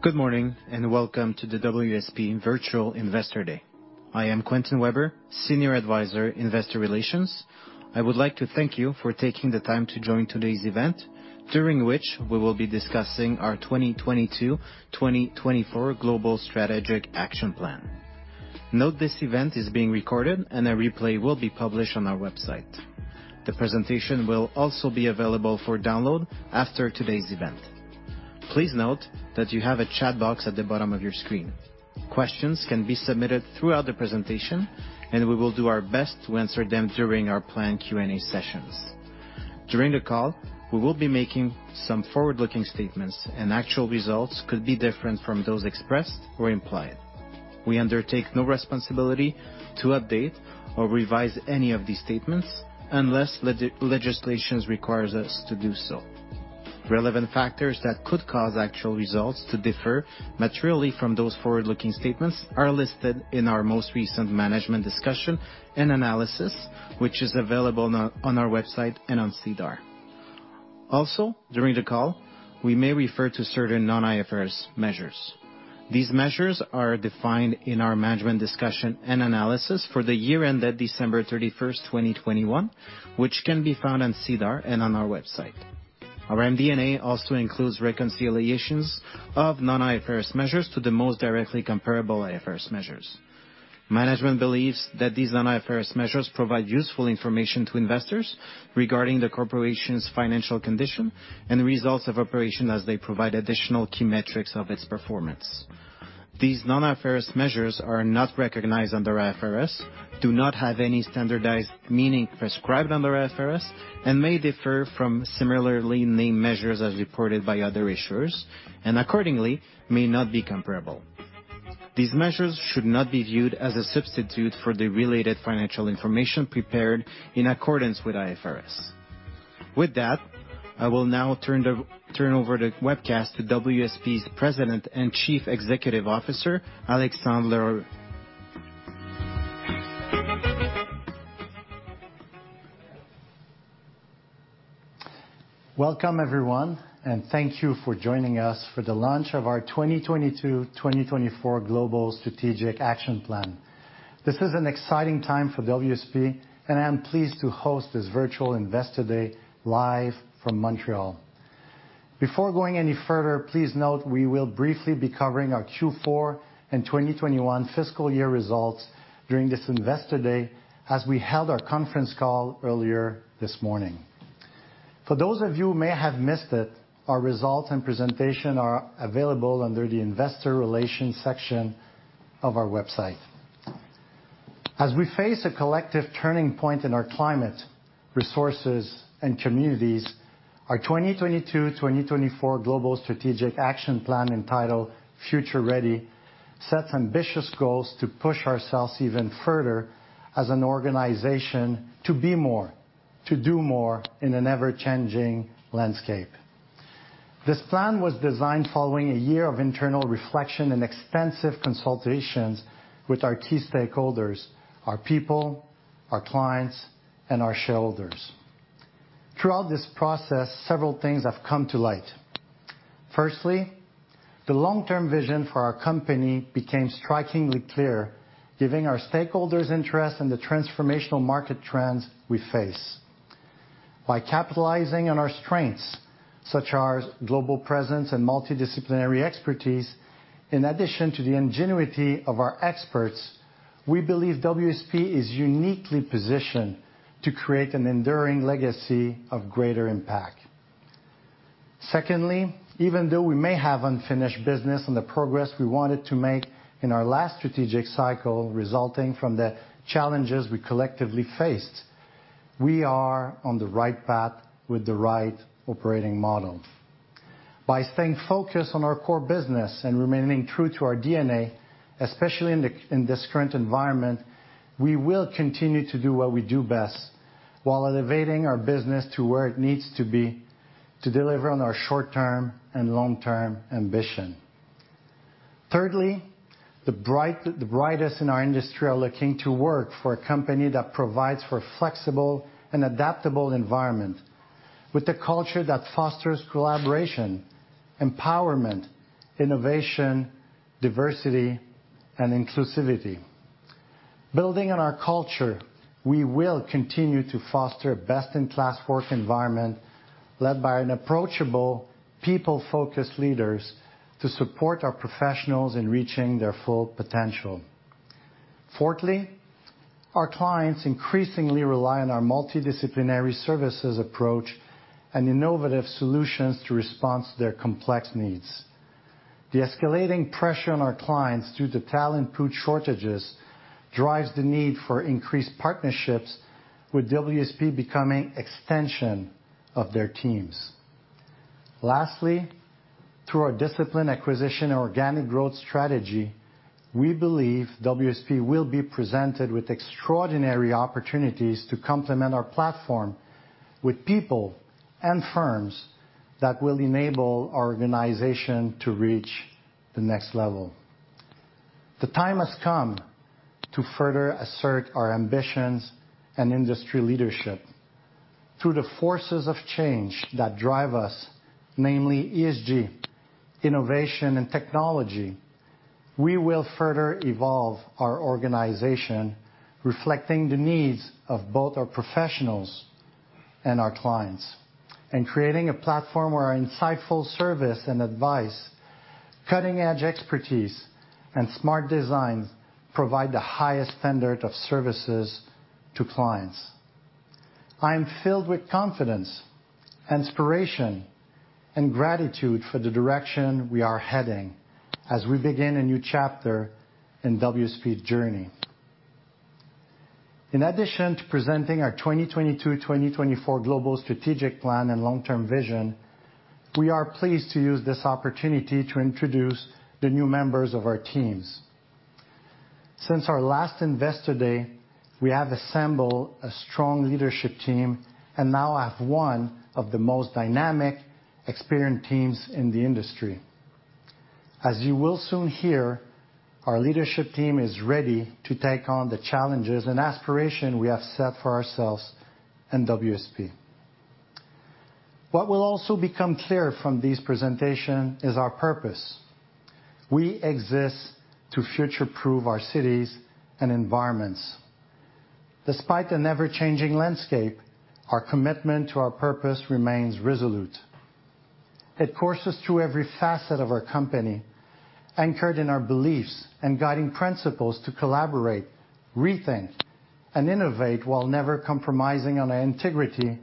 Good morning, and welcome to the WSP Virtual Investor Day. I am Quentin Weber, Senior Advisor, Investor Relations. I would like to thank you for taking the time to join today's event, during which we will be discussing our 2022-2024 Global Strategic Action Plan. Note this event is being recorded and a replay will be published on our website. The presentation will also be available for download after today's event. Please note that you have a chat box at the bottom of your screen. Questions can be submitted throughout the presentation, and we will do our best to answer them during our planned Q&A sessions. During the call, we will be making some forward-looking statements, and actual results could be different from those expressed or implied. We undertake no responsibility to update or revise any of these statements unless legislation requires us to do so. Relevant factors that could cause actual results to differ materially from those forward-looking statements are listed in our most recent Management Discussion and Analysis, which is available on our website and on SEDAR. Also, during the call, we may refer to certain non-IFRS measures. These measures are defined in our Management Discussion and Analysis for the year ended December 31, 2021, which can be found on SEDAR and on our website. Our MD&A also includes reconciliations of non-IFRS measures to the most directly comparable IFRS measures. Management believes that these non-IFRS measures provide useful information to investors regarding the corporation's financial condition and the results of operation as they provide additional key metrics of its performance. These non-IFRS measures are not recognized under IFRS, do not have any standardized meaning prescribed under IFRS, and may differ from similarly named measures as reported by other issuers, and accordingly may not be comparable. These measures should not be viewed as a substitute for the related financial information prepared in accordance with IFRS. With that, I will now turn over the webcast to WSP's President and Chief Executive Officer, Alexandre L'Heureux. Welcome, everyone, and thank you for joining us for the launch of our 2022-2024 Global Strategic Action Plan. This is an exciting time for WSP, and I am pleased to host this Virtual Investor Day live from Montreal. Before going any further, please note we will briefly be covering our Q4 and 2021 fiscal year results during this Investor Day, as we held our conference call earlier this morning. For those of you who may have missed it, our results and presentation are available under the Investor Relations section of our website. As we face a collective turning point in our climate, resources, and communities, our 2022-2024 Global Strategic Action Plan, entitled Future Ready, sets ambitious goals to push ourselves even further as an organization to be more, to do more in an ever-changing landscape. This plan was designed following a year of internal reflection and extensive consultations with our key stakeholders, our people, our clients, and our shareholders. Throughout this process, several things have come to light. Firstly, the long-term vision for our company became strikingly clear, giving our stakeholders insight into the transformational market trends we face. By capitalizing on our strengths, such as our global presence and multidisciplinary expertise, in addition to the ingenuity of our experts, we believe WSP is uniquely positioned to create an enduring legacy of greater impact. Secondly, even though we may have unfinished business on the progress we wanted to make in our last strategic cycle, resulting from the challenges we collectively faced, we are on the right path with the right operating model. By staying focused on our core business and remaining true to our DNA, especially in this current environment, we will continue to do what we do best while elevating our business to where it needs to be to deliver on our short-term and long-term ambition. Thirdly, the brightest in our industry are looking to work for a company that provides for a flexible and adaptable environment with a culture that fosters collaboration, empowerment, innovation, diversity, and inclusivity. Building on our culture, we will continue to foster a best-in-class work environment led by an approachable people-focused leaders to support our professionals in reaching their full potential. Fourthly, our clients increasingly rely on our multidisciplinary services approach and innovative solutions to respond to their complex needs. The escalating pressure on our clients due to talent pool shortages drives the need for increased partnerships, with WSP becoming an extension of their teams. Lastly, through our discipline acquisition and organic growth strategy, we believe WSP will be presented with extraordinary opportunities to complement our platform with people and firms that will enable our organization to reach the next level. The time has come to further assert our ambitions and industry leadership through the forces of change that drive us, namely ESG, innovation, and technology. We will further evolve our organization, reflecting the needs of both our professionals and our clients and creating a platform where our insightful service and advice, cutting-edge expertise, and smart design provide the highest standard of services to clients. I am filled with confidence, inspiration, and gratitude for the direction we are heading as we begin a new chapter in WSP's journey. In addition to presenting our 2022-2024 global strategic plan and long-term vision, we are pleased to use this opportunity to introduce the new members of our teams. Since our last Investor Day, we have assembled a strong leadership team and now have one of the most dynamic, experienced teams in the industry. As you will soon hear, our leadership team is ready to take on the challenges and aspiration we have set for ourselves in WSP. What will also become clear from this presentation is our purpose. We exist to future-proof our cities and environments. Despite the ever-changing landscape, our commitment to our purpose remains resolute. It courses through every facet of our company, anchored in our beliefs and guiding principles to collaborate, rethink, and innovate while never compromising on our integrity,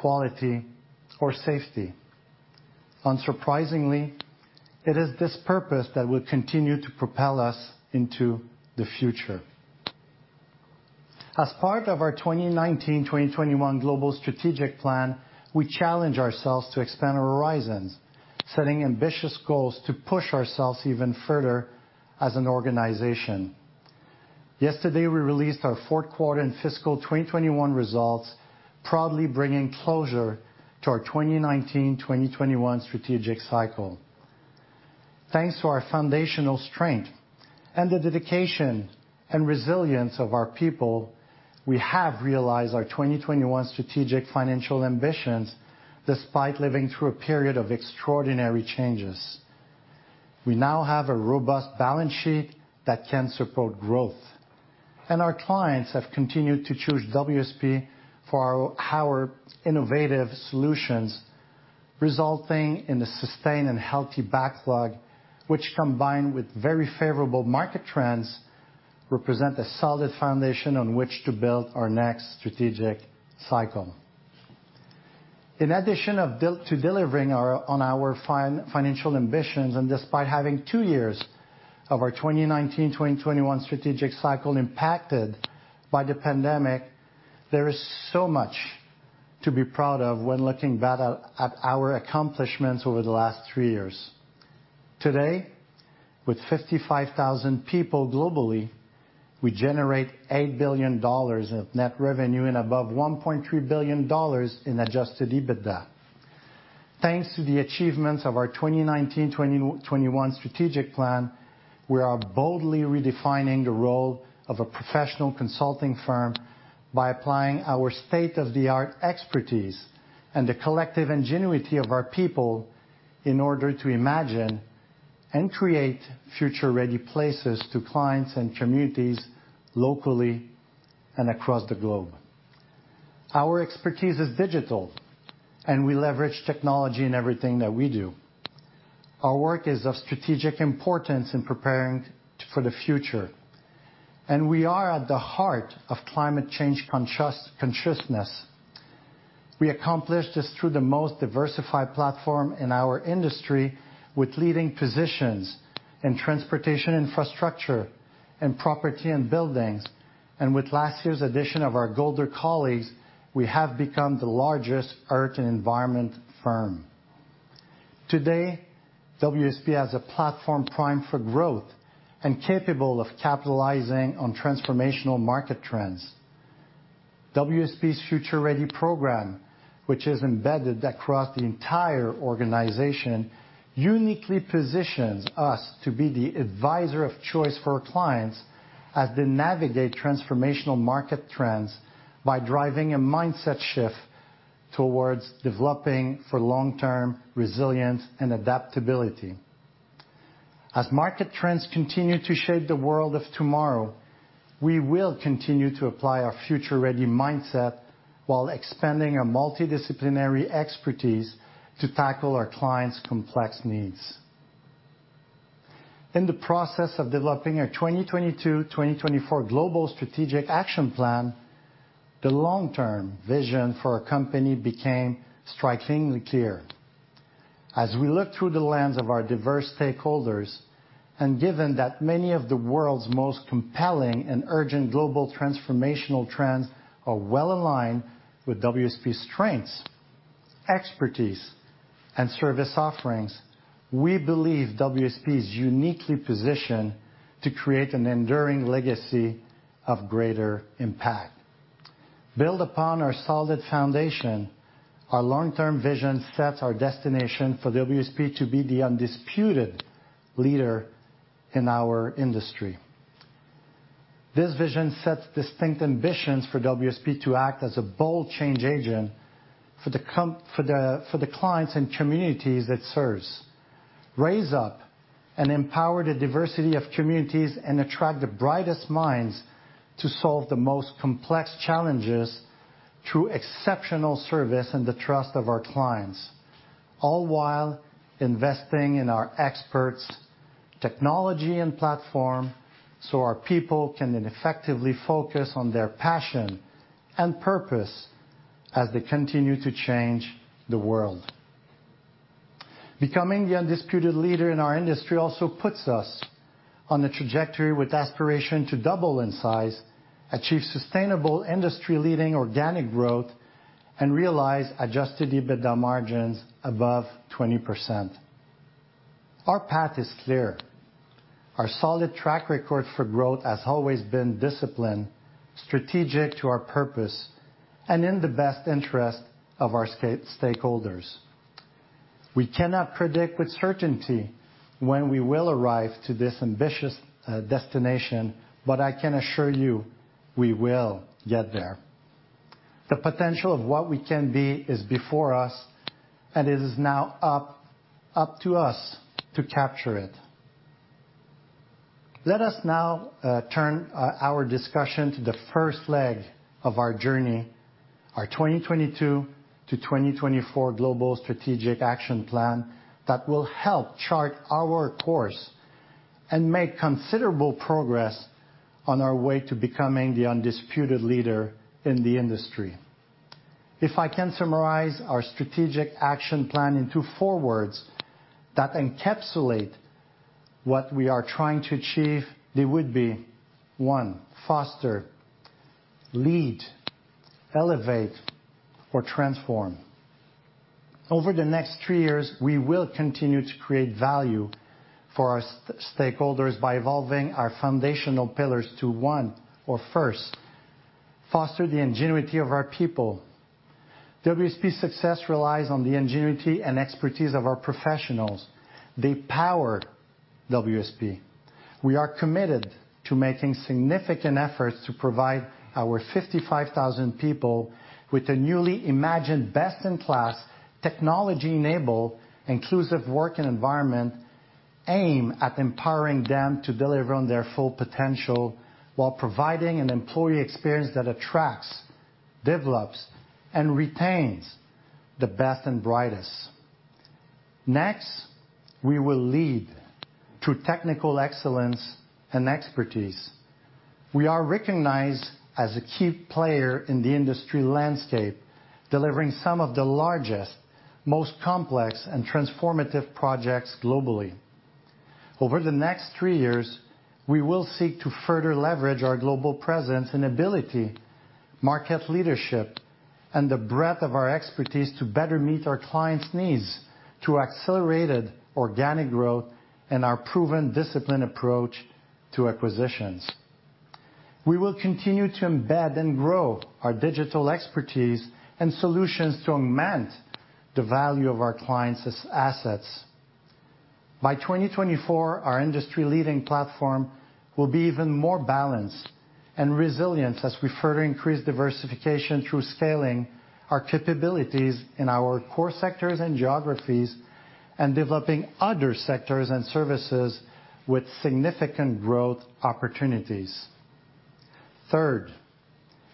quality, or safety. Unsurprisingly, it is this purpose that will continue to propel us into the future. As part of our 2019–2021 Global Strategic Plan, we challenge ourselves to expand our horizons, setting ambitious goals to push ourselves even further as an organization. Yesterday, we released our fourth quarter and fiscal 2021 results, proudly bringing closure to our 2019/2021 Strategic Cycle. Thanks to our foundational strength and the dedication and resilience of our people, we have realized our 2021 Strategic Financial ambitions, despite living through a period of extraordinary changes. We now have a robust balance sheet that can support growth, and our clients have continued to choose WSP for our innovative solutions, resulting in a sustained and healthy backlog, which, combined with very favorable market trends, represent a solid foundation on which to build our next strategic cycle. In addition to delivering our financial ambitions, and despite having two years of our 2019/2021 Strategic Cycle impacted by the pandemic, there is so much to be proud of when looking back at our accomplishments over the last three years. Today, with 55,000 people globally, we generate 8 billion dollars of net revenue and above 1.3 billion dollars in adjusted EBITDA. Thanks to the achievements of our 2019/2021 Strategic Plan, we are boldly redefining the role of a professional consulting firm by applying our state-of-the-art expertise and the collective ingenuity of our people in order to imagine and create future-ready places to clients and communities locally and across the globe. Our expertise is digital, and we leverage technology in everything that we do. Our work is of strategic importance in preparing for the future, and we are at the heart of climate change consciousness. We accomplish this through the most diversified platform in our industry with leading positions in transportation infrastructure, in property and buildings, and with last year's addition of our Golder colleagues, we have become the largest earth and environment firm. Today, WSP has a platform primed for growth and capable of capitalizing on transformational market trends. WSP's Future Ready program, which is embedded across the entire organization, uniquely positions us to be the advisor of choice for our clients as they navigate transformational market trends by driving a mindset shift towards developing for long-term resilience and adaptability. As market trends continue to shape the world of tomorrow, we will continue to apply our Future Ready mindset while expanding our multidisciplinary expertise to tackle our clients' complex needs. In the process of developing our 2022-2024 Global Strategic Action Plan, the long-term vision for our company became strikingly clear. As we look through the lens of our diverse stakeholders, and given that many of the world's most compelling and urgent global transformational trends are well aligned with WSP's strengths, expertise, and service offerings, we believe WSP is uniquely positioned to create an enduring legacy of greater impact. Build upon our solid foundation, our long-term vision sets our destination for WSP to be the undisputed leader in our industry. This vision sets distinct ambitions for WSP to act as a bold change agent for the clients and communities it serves. Raise up and empower the diversity of communities and attract the brightest minds to solve the most complex challenges through exceptional service and the trust of our clients, all while investing in our experts, technology, and platform, so our people can then effectively focus on their passion and purpose as they continue to change the world. Becoming the undisputed leader in our industry also puts us on the trajectory with aspiration to double in size, achieve sustainable industry-leading organic growth, and realize adjusted EBITDA margins above 20%. Our path is clear. Our solid track record for growth has always been disciplined, strategic to our purpose, and in the best interest of our stakeholders. We cannot predict with certainty when we will arrive to this ambitious destination, but I can assure you we will get there. The potential of what we can be is before us and it is now up to us to capture it. Let us now turn our discussion to the first leg of our journey, our 2022-2024 Global Strategic Action Plan that will help chart our course and make considerable progress on our way to becoming the undisputed leader in the industry. If I can summarize our Strategic Action Plan into four words that encapsulate what we are trying to achieve, they would be, one, foster, lead, elevate, or transform. Over the next three years, we will continue to create value for our stakeholders by evolving our foundational pillars to one, or first, foster the ingenuity of our people. WSP's success relies on the ingenuity and expertise of our professionals. They power WSP. We are committed to making significant efforts to provide our 55,000 people with a newly imagined best-in-class technology-enabled, inclusive working environment aimed at empowering them to deliver on their full potential while providing an employee experience that attracts, develops, and retains the best and brightest. Next, we will lead through technical excellence and expertise. We are recognized as a key player in the industry landscape, delivering some of the largest, most complex and transformative projects globally. Over the next three years, we will seek to further leverage our global presence and ability, market leadership, and the breadth of our expertise to better meet our clients' needs through accelerated organic growth and our proven disciplined approach to acquisitions. We will continue to embed and grow our digital expertise and solutions to augment the value of our clients' assets. By 2024, our industry-leading platform will be even more balanced and resilient as we further increase diversification through scaling our capabilities in our core sectors and geographies, and developing other sectors and services with significant growth opportunities. Third,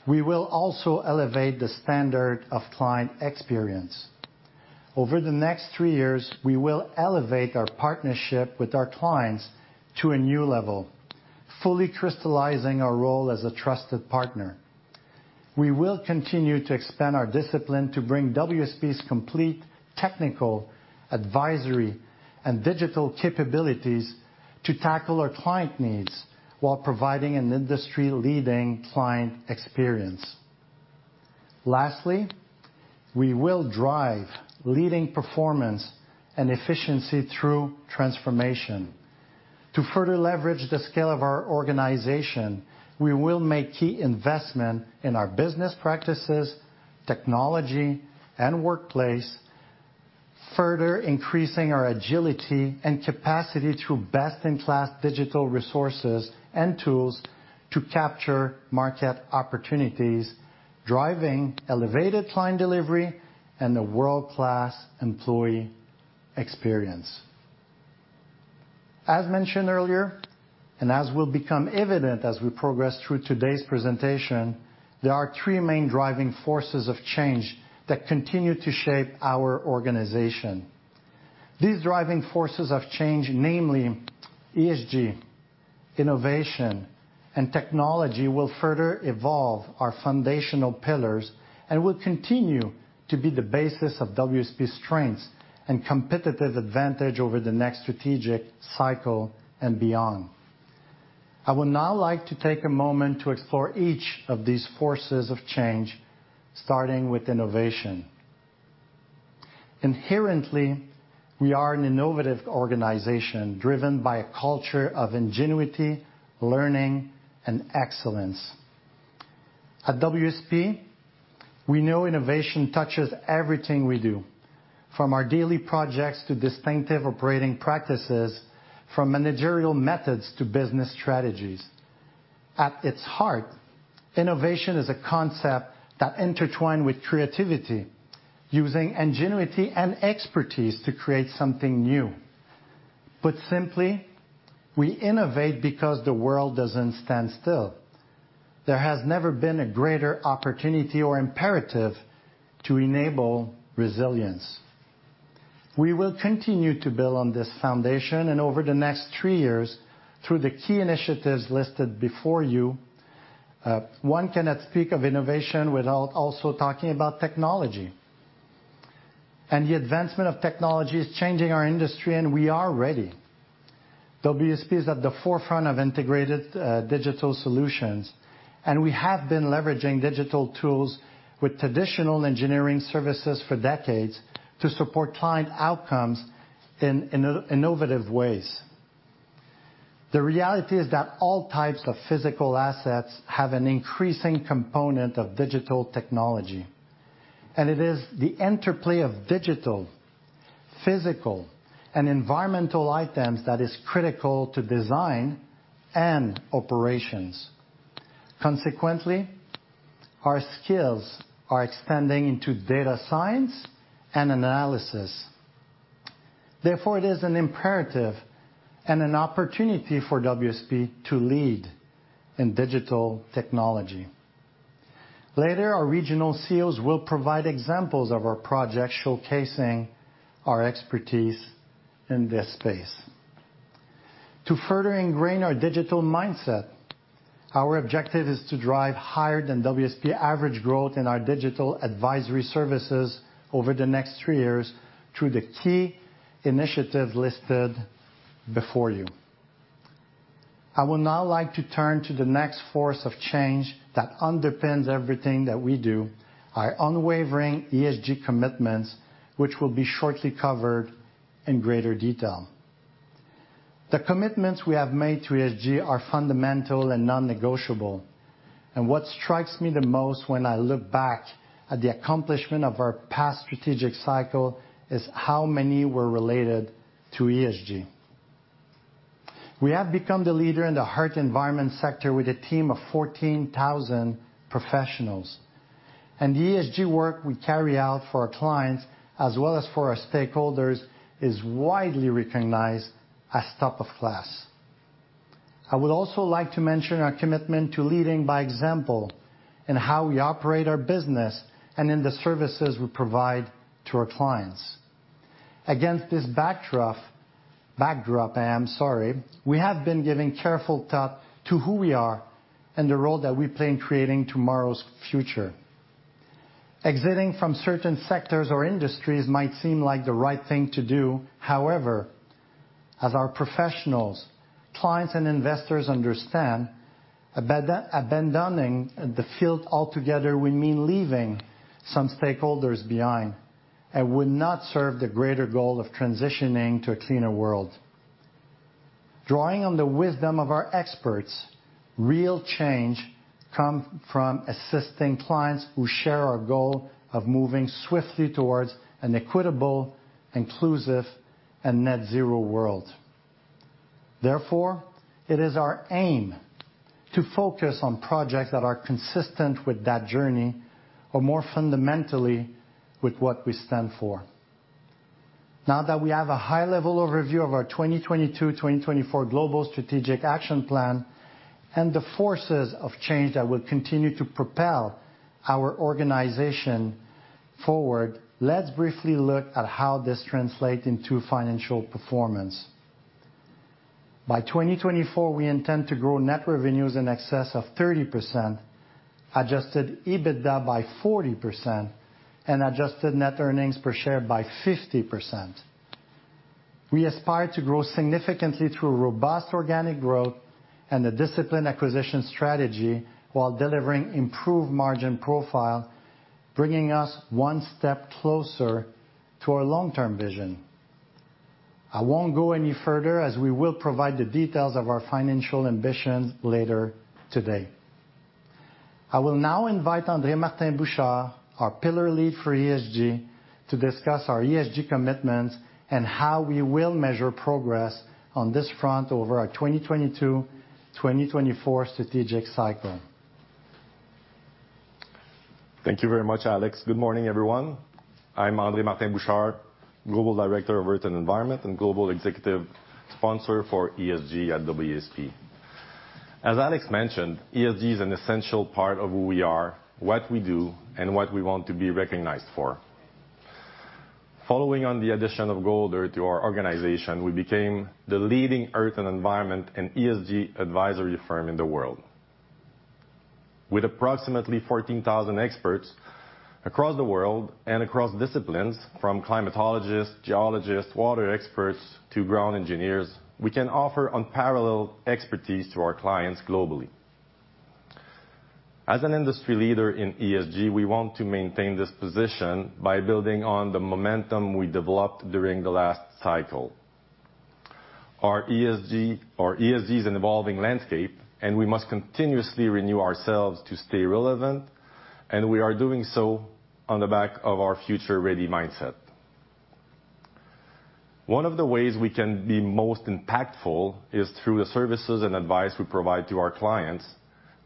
we will also elevate the standard of client experience. Over the next three years, we will elevate our partnership with our clients to a new level, fully crystallizing our role as a trusted partner. We will continue to expand our discipline to bring WSP's complete technical, advisory, and digital capabilities to tackle our client needs while providing an industry-leading client experience. Lastly, we will drive leading performance and efficiency through transformation. To further leverage the scale of our organization, we will make key investment in our business practices, technology, and workplace, further increasing our agility and capacity through best-in-class digital resources and tools to capture market opportunities, driving elevated client delivery and a world-class employee experience. As mentioned earlier, and as will become evident as we progress through today's presentation, there are three main driving forces of change that continue to shape our organization. These driving forces of change, namely ESG, innovation, and technology, will further evolve our foundational pillars and will continue to be the basis of WSP's strengths and competitive advantage over the next strategic cycle and beyond. I would now like to take a moment to explore each of these forces of change, starting with innovation. Inherently, we are an innovative organization driven by a culture of ingenuity, learning, and excellence. At WSP, we know innovation touches everything we do, from our daily projects to distinctive operating practices, from managerial methods to business strategies. At its heart, innovation is a concept that intertwine with creativity, using ingenuity and expertise to create something new. Put simply, we innovate because the world doesn't stand still. There has never been a greater opportunity or imperative to enable resilience. We will continue to build on this foundation, and over the next three years, through the key initiatives listed before you, one cannot speak of innovation without also talking about technology. The advancement of technology is changing our industry, and we are ready. WSP is at the forefront of integrated, digital solutions, and we have been leveraging digital tools with traditional engineering services for decades to support client outcomes in innovative ways. The reality is that all types of physical assets have an increasing component of digital technology, and it is the interplay of digital, physical, and environmental items that is critical to design and operations. Consequently, our skills are extending into data science and analysis. Therefore, it is an imperative and an opportunity for WSP to lead in digital technology. Later, our regional CEOs will provide examples of our projects showcasing our expertise in this space. To further ingrain our digital mindset, our objective is to drive higher than WSP average growth in our digital advisory services over the next three years through the key initiatives listed before you. I would now like to turn to the next force of change that underpins everything that we do, our unwavering ESG commitments, which will be shortly covered in greater detail. The commitments we have made to ESG are fundamental and non-negotiable, and what strikes me the most when I look back at the accomplishment of our past strategic cycle is how many were related to ESG. We have become the leader in the earth environment sector with a team of 14,000 professionals, and the ESG work we carry out for our clients as well as for our stakeholders is widely recognized as top of class. I would also like to mention our commitment to leading by example in how we operate our business and in the services we provide to our clients. Against this backdrop, we have been giving careful thought to who we are and the role that we play in creating tomorrow's future. Exiting from certain sectors or industries might seem like the right thing to do. However, as our professionals, clients, and investors understand, abandoning the field altogether would mean leaving some stakeholders behind and would not serve the greater goal of transitioning to a cleaner world. Drawing on the wisdom of our experts, real change comes from assisting clients who share our goal of moving swiftly towards an equitable, inclusive, and net zero world. Therefore, it is our aim to focus on projects that are consistent with that journey or more fundamentally, with what we stand for. Now that we have a high-level overview of our 2022-2024 Global Strategic Action Plan and the forces of change that will continue to propel our organization forward, let's briefly look at how this translates into financial performance. By 2024, we intend to grow net revenues in excess of 30%, adjusted EBITDA by 40%, and adjusted net earnings per share by 50%. We aspire to grow significantly through robust organic growth and a disciplined acquisition strategy while delivering improved margin profile, bringing us one step closer to our long-term vision. I won't go any further, as we will provide the details of our financial ambitions later today. I will now invite André-Martin Bouchard, our pillar lead for ESG, to discuss our ESG commitments and how we will measure progress on this front over our 2022-2024 strategic cycle. Thank you very much, Alex. Good morning, everyone. I'm André-Martin Bouchard, Global Director, Earth & Environment, and Global Executive Director, ESG, at WSP. As Alex mentioned, ESG is an essential part of who we are, what we do, and what we want to be recognized for. Following on the addition of Golder to our organization, we became the leading earth and environment and ESG advisory firm in the world. With approximately 14,000 experts across the world and across disciplines, from climatologists, geologists, water experts to ground engineers, we can offer unparalleled expertise to our clients globally. As an industry leader in ESG, we want to maintain this position by building on the momentum we developed during the last cycle. ESG is an evolving landscape, and we must continuously renew ourselves to stay relevant, and we are doing so on the back of our Future Ready mindset. One of the ways we can be most impactful is through the services and advice we provide to our clients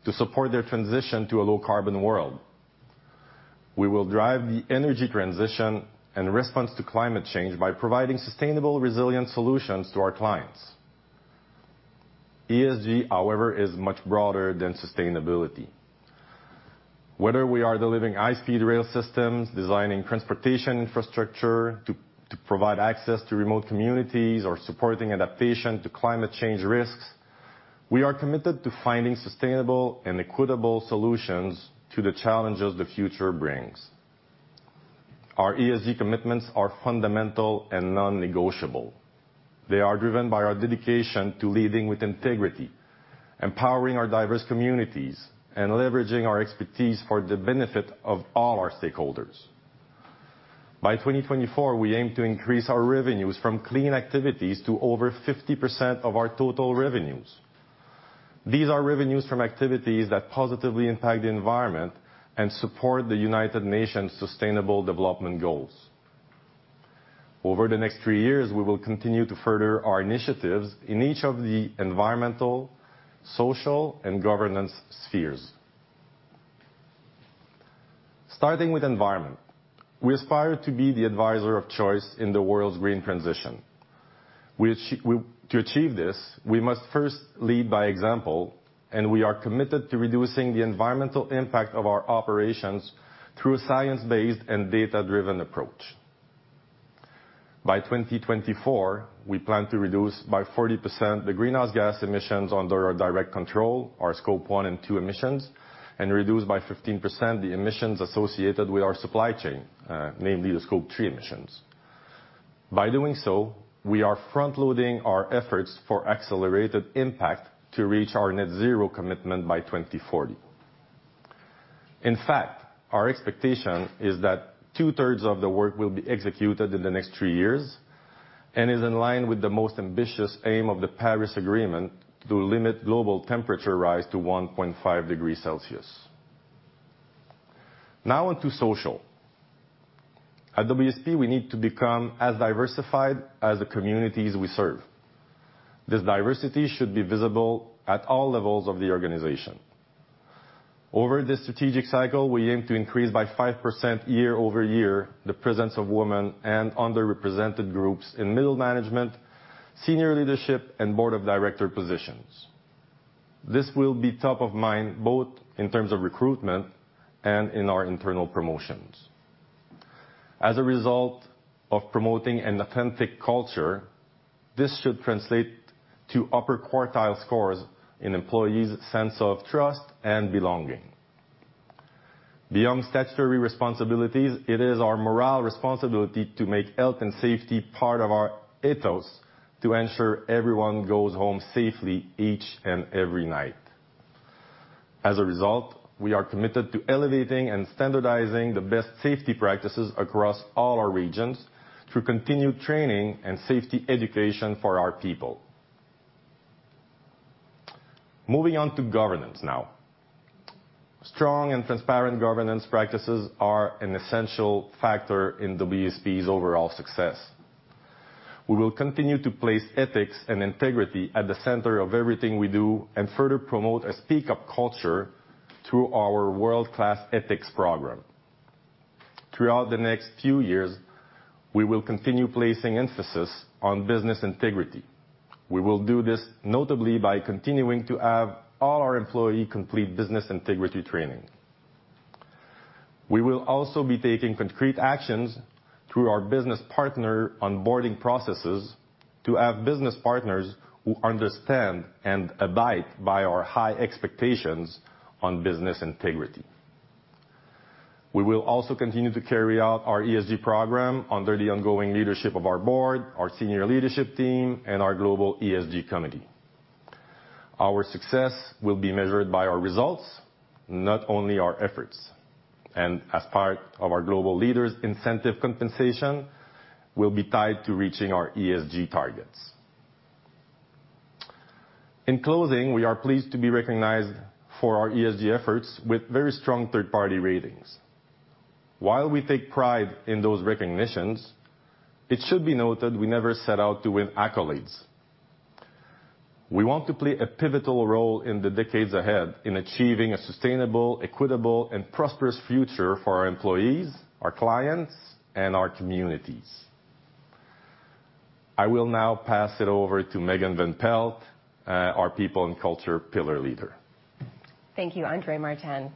to support their transition to a low-carbon world. We will drive the energy transition and response to climate change by providing sustainable, resilient solutions to our clients. ESG, however, is much broader than sustainability. Whether we are delivering high-speed rail systems, designing transportation infrastructure to provide access to remote communities, or supporting adaptation to climate change risks, we are committed to finding sustainable and equitable solutions to the challenges the future brings. Our ESG commitments are fundamental and non-negotiable. They are driven by our dedication to leading with integrity, empowering our diverse communities, and leveraging our expertise for the benefit of all our stakeholders. By 2024, we aim to increase our revenues from clean activities to over 50% of our total revenues. These are revenues from activities that positively impact the environment and support the United Nations' Sustainable Development Goals. Over the next three years, we will continue to further our initiatives in each of the environmental, social, and governance spheres. Starting with environment, we aspire to be the advisor of choice in the world's green transition. To achieve this, we must first lead by example, and we are committed to reducing the environmental impact of our operations through a science-based and data-driven approach. By 2024, we plan to reduce by 40% the greenhouse gas emissions under our direct control, our Scope 1 and 2 emissions, and reduce by 15% the emissions associated with our supply chain, namely the Scope 3 emissions. By doing so, we are front-loading our efforts for accelerated impact to reach our net zero commitment by 2040. In fact, our expectation is that two-thirds of the work will be executed in the next three years and is in line with the most ambitious aim of the Paris Agreement to limit global temperature rise to 1.5 degrees Celsius. Now on to social. At WSP, we need to become as diversified as the communities we serve. This diversity should be visible at all levels of the organization. Over this strategic cycle, we aim to increase by 5% year-over-year the presence of women and underrepresented groups in middle management, senior leadership, and board of director positions. This will be top of mind both in terms of recruitment and in our internal promotions. As a result of promoting an authentic culture, this should translate to upper quartile scores in employees' sense of trust and belonging. Beyond statutory responsibilities, it is our moral responsibility to make health and safety part of our ethos to ensure everyone goes home safely each and every night. As a result, we are committed to elevating and standardizing the best safety practices across all our regions through continued training and safety education for our people. Moving on to governance now. Strong and transparent governance practices are an essential factor in WSP's overall success. We will continue to place ethics and integrity at the center of everything we do and further promote a speak-up culture through our world-class ethics program. Throughout the next few years, we will continue placing emphasis on business integrity. We will do this notably by continuing to have all our employees complete business integrity training. We will also be taking concrete actions through our business partner onboarding processes to have business partners who understand and abide by our high expectations on business integrity. We will also continue to carry out our ESG program under the ongoing leadership of our board, our senior leadership team, and our global ESG committee. Our success will be measured by our results, not only our efforts. As part of our global leaders' incentive compensation will be tied to reaching our ESG targets. In closing, we are pleased to be recognized for our ESG efforts with very strong third-party ratings. While we take pride in those recognitions, it should be noted we never set out to win accolades. We want to play a pivotal role in the decades ahead in achieving a sustainable, equitable, and prosperous future for our employees, our clients, and our communities. I will now pass it over to Megan Van Pelt, our people and culture pillar leader. Thank you, André-Martin.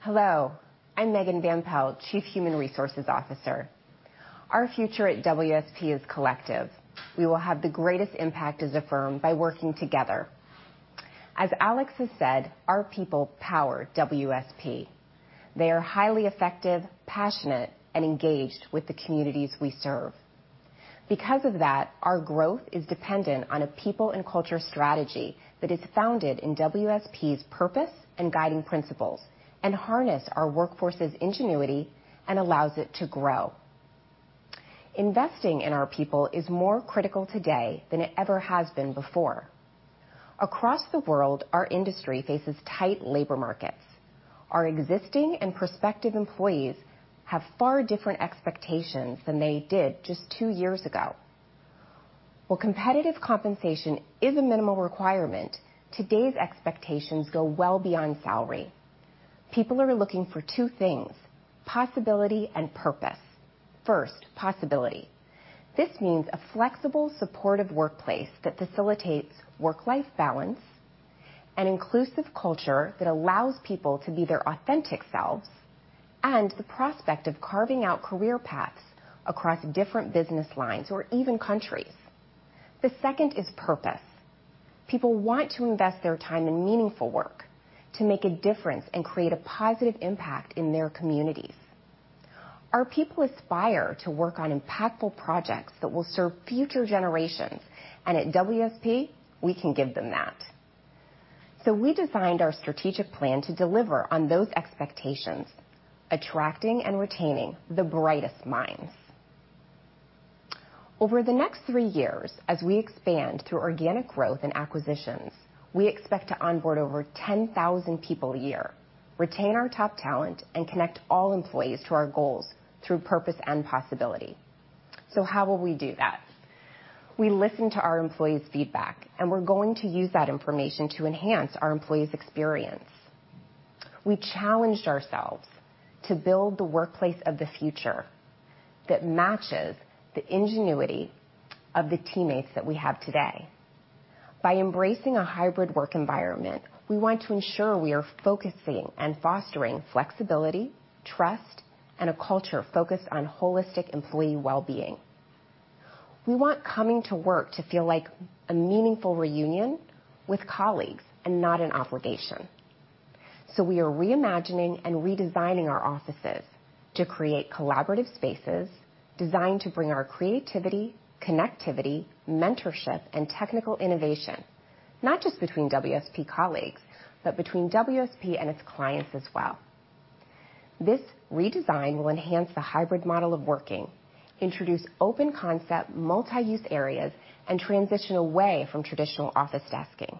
Hello, I'm Megan Van Pelt, Chief Human Resources Officer. Our future at WSP is collective. We will have the greatest impact as a firm by working together. As Alex has said, our people power WSP. They are highly effective, passionate, and engaged with the communities we serve. Because of that, our growth is dependent on a people and culture strategy that is founded in WSP's purpose and guiding principles and harness our workforce's ingenuity and allows it to grow. Investing in our people is more critical today than it ever has been before. Across the world, our industry faces tight labor markets. Our existing and prospective employees have far different expectations than they did just two years ago. While competitive compensation is a minimal requirement, today's expectations go well beyond salary. People are looking for two things, possibility and purpose. First, possibility. This means a flexible, supportive workplace that facilitates work-life balance, an inclusive culture that allows people to be their authentic selves, and the prospect of carving out career paths across different business lines or even countries. The second is purpose. People want to invest their time in meaningful work, to make a difference, and create a positive impact in their communities. Our people aspire to work on impactful projects that will serve future generations, and at WSP, we can give them that. We designed our strategic plan to deliver on those expectations, attracting and retaining the brightest minds. Over the next three years, as we expand through organic growth and acquisitions, we expect to onboard over 10,000 people a year, retain our top talent, and connect all employees to our goals through purpose and possibility. How will we do that? We listened to our employees' feedback, and we're going to use that information to enhance our employees' experience. We challenged ourselves to build the workplace of the future that matches the ingenuity of the teammates that we have today. By embracing a hybrid work environment, we want to ensure we are focusing and fostering flexibility, trust, and a culture focused on holistic employee well-being. We want coming to work to feel like a meaningful reunion with colleagues and not an obligation. We are reimagining and redesigning our offices to create collaborative spaces designed to bring our creativity, connectivity, mentorship, and technical innovation, not just between WSP colleagues, but between WSP and its clients as well. This redesign will enhance the hybrid model of working, introduce open concept multi-use areas, and transition away from traditional office desking,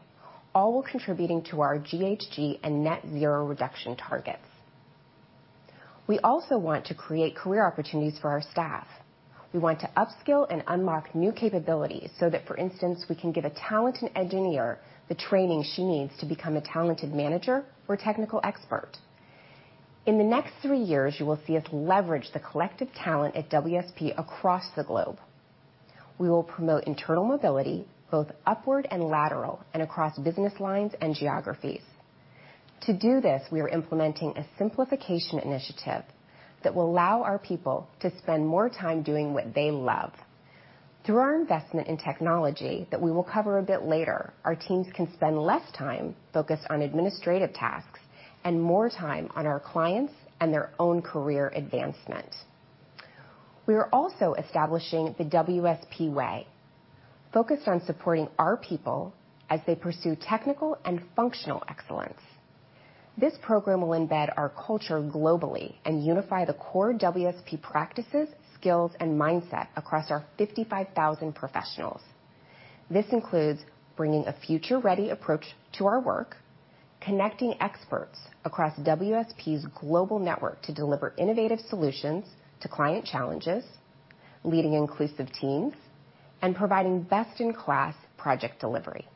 all while contributing to our GHG and net zero reduction targets. We also want to create career opportunities for our staff. We want to upskill and unlock new capabilities so that, for instance, we can give a talented engineer the training she needs to become a talented manager or technical expert. In the next three years, you will see us leverage the collective talent at WSP across the globe. We will promote internal mobility, both upward and lateral, and across business lines and geographies. To do this, we are implementing a simplification initiative that will allow our people to spend more time doing what they love. Through our investment in technology that we will cover a bit later, our teams can spend less time focused on administrative tasks and more time on our clients and their own career advancement. We are also establishing the WSP Way, focused on supporting our people as they pursue technical and functional excellence. This program will embed our culture globally and unify the core WSP practices, skills, and mindset across our 55,000 professionals. This includes bringing a Future Ready approach to our work, connecting experts across WSP's global network to deliver innovative solutions to client challenges, leading inclusive teams, and providing best-in-class project delivery.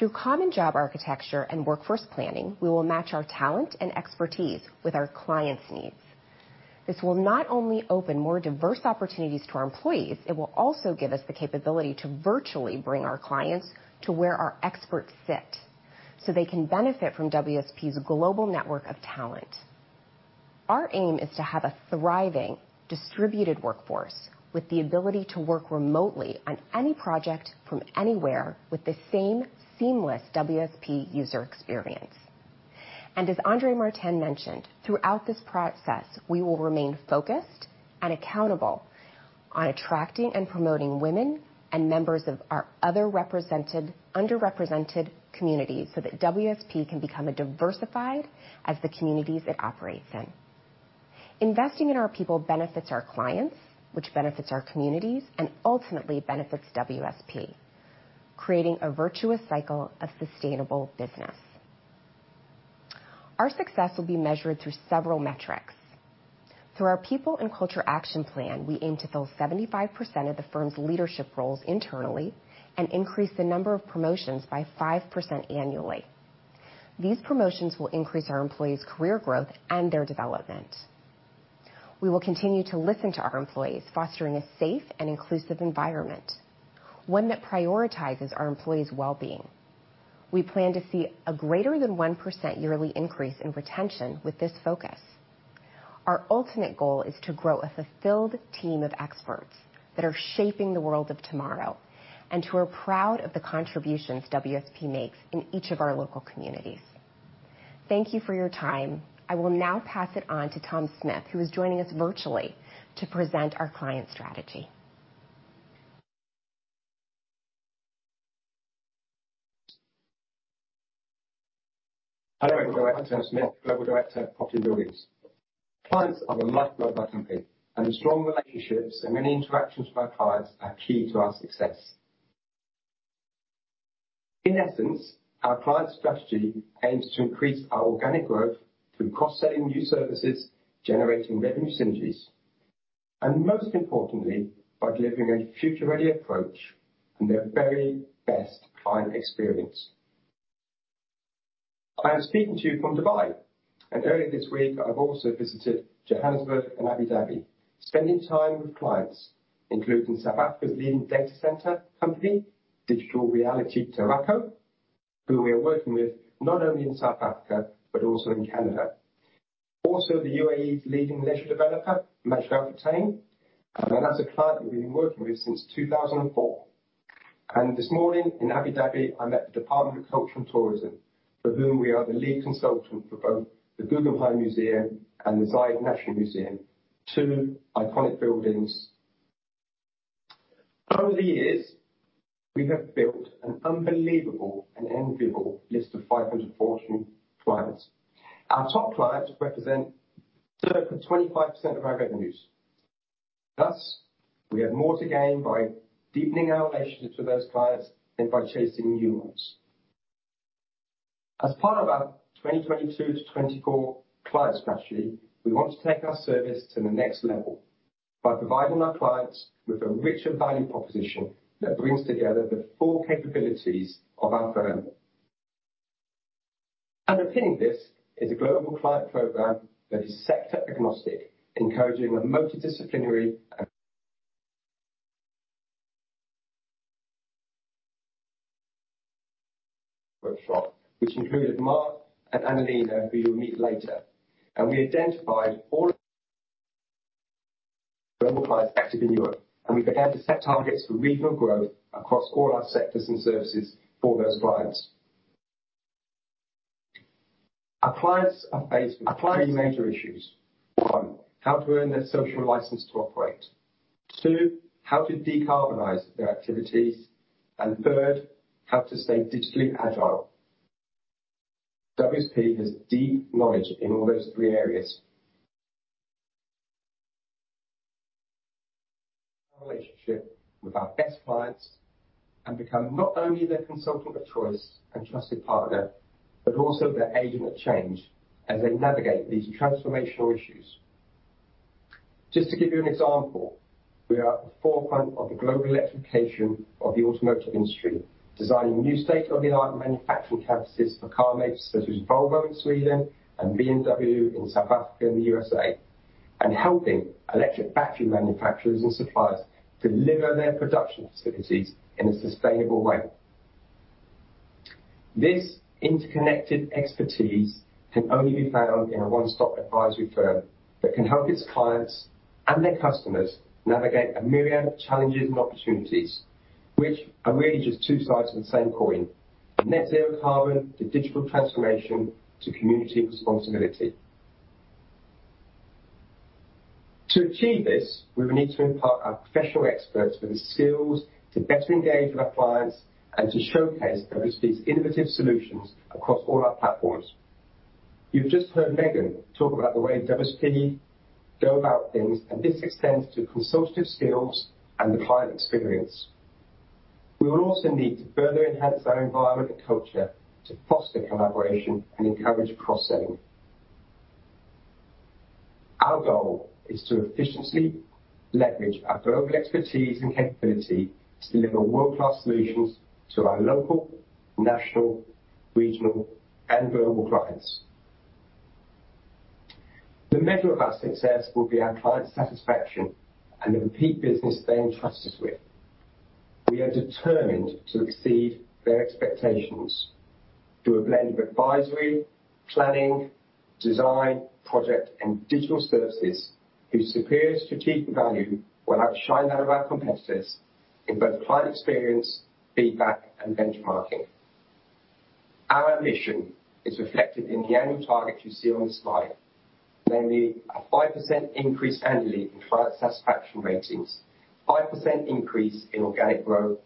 Through common job architecture and workforce planning, we will match our talent and expertise with our clients' needs. This will not only open more diverse opportunities to our employees, it will also give us the capability to virtually bring our clients to where our experts sit, so they can benefit from WSP's global network of talent. Our aim is to have a thriving, distributed workforce with the ability to work remotely on any project from anywhere with the same seamless WSP user experience. As André-Martin mentioned, throughout this process, we will remain focused and accountable on attracting and promoting women and members of our other underrepresented communities so that WSP can become as diversified as the communities it operates in. Investing in our people benefits our clients, which benefits our communities, and ultimately benefits WSP, creating a virtuous cycle of sustainable business. Our success will be measured through several metrics. Through our people and culture action plan, we aim to fill 75% of the firm's leadership roles internally and increase the number of promotions by 5% annually. These promotions will increase our employees' career growth and their development. We will continue to listen to our employees, fostering a safe and inclusive environment, one that prioritizes our employees' well-being. We plan to see a greater than 1% yearly increase in retention with this focus. Our ultimate goal is to grow a fulfilled team of experts that are shaping the world of tomorrow and who are proud of the contributions WSP makes in each of our local communities. Thank you for your time. I will now pass it on to Tom Smith, who is joining us virtually to present our client strategy. Hello, I'm Tom Smith, Global Director of Property and Buildings. Clients are the lifeblood of our company, and the strong relationships and many interactions with our clients are key to our success. In essence, our client strategy aims to increase our organic growth through cross-selling new services, generating revenue synergies. Most importantly, by delivering a Future Ready approach and their very best client experience. I am speaking to you from Dubai, and earlier this week I've also visited Johannesburg and Abu Dhabi, spending time with clients, including South Africa's leading data center company, Digital Realty Teraco, who we are working with not only in South Africa but also in Canada. Also, the UAE's leading leisure developer, Majid Al Futtaim, and that's a client that we've been working with since 2004. This morning in Abu Dhabi, I met the Department of Culture and Tourism – Abu Dhabi, for whom we are the lead consultant for both the Guggenheim Abu Dhabi and the Zayed National Museum, two iconic buildings. Over the years, we have built an unbelievable and enviable list of Fortune 500 clients. Our top clients represent circa 25% of our revenues. Thus, we have more to gain by deepening our relationships with those clients than by chasing new ones. As part of our 2022-2024 client strategy, we want to take our service to the next level by providing our clients with a richer value proposition that brings together the full capabilities of our firm. Underpinning this is a global client program that is sector-agnostic, encouraging a multidisciplinary workshop, which included Mark and Analina, who you'll meet later. We identified all global clients active in Europe, and we began to set targets for regional growth across all our sectors and services for those clients. Our clients are faced with three major issues. One, how to earn their social license to operate. Two, how to decarbonize their activities. Third, how to stay digitally agile. WSP has deep knowledge in all those three areas. Relationship with our best clients and become not only their consultant of choice and trusted partner, but also their agent of change as they navigate these transformational issues. Just to give you an example, we are at the forefront of the global electrification of the automotive industry, designing new state-of-the-art manufacturing campuses for car makers such as Volvo in Sweden and BMW in South Africa and the USA. Helping electric battery manufacturers and suppliers deliver their production facilities in a sustainable way. This interconnected expertise can only be found in a one-stop advisory firm that can help its clients and their customers navigate a myriad of challenges and opportunities, which are really just two sides of the same coin. Net zero carbon to digital transformation to community responsibility. To achieve this, we will need to impart our professional experts with the skills to better engage with our clients and to showcase WSP's innovative solutions across all our platforms. You've just heard Megan talk about the way WSP go about things, and this extends to consultative skills and the client experience. We will also need to further enhance our environment and culture to foster collaboration and encourage cross-selling. Our goal is to efficiently leverage our global expertise and capability to deliver world-class solutions to our local, national, regional, and global clients. The measure of our success will be our client satisfaction and the repeat business they entrust us with. We are determined to exceed their expectations through a blend of advisory, planning, design, project, and digital services whose superior strategic value will outshine that of our competitors in both client experience, feedback, and benchmarking. Our ambition is reflected in the annual targets you see on this slide. Namely, a 5% increase annually in client satisfaction ratings, 5% increase in organic growth,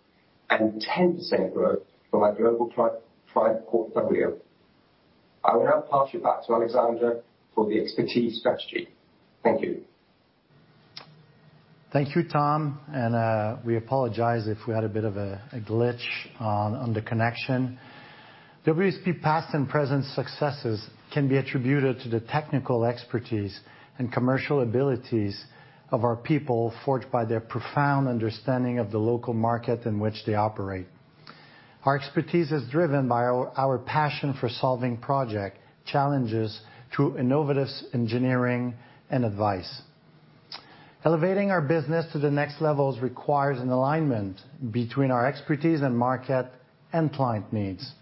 and 10% growth for our global client portfolio. I will now pass you back to Alexandre for the expertise strategy. Thank you. Thank you, Tom, and we apologize if we had a bit of a glitch on the connection. WSP's past and present successes can be attributed to the technical expertise and commercial abilities of our people, forged by their profound understanding of the local market in which they operate. Our expertise is driven by our passion for solving project challenges through innovative engineering and advice. Elevating our business to the next levels requires an alignment between our expertise and market and client needs.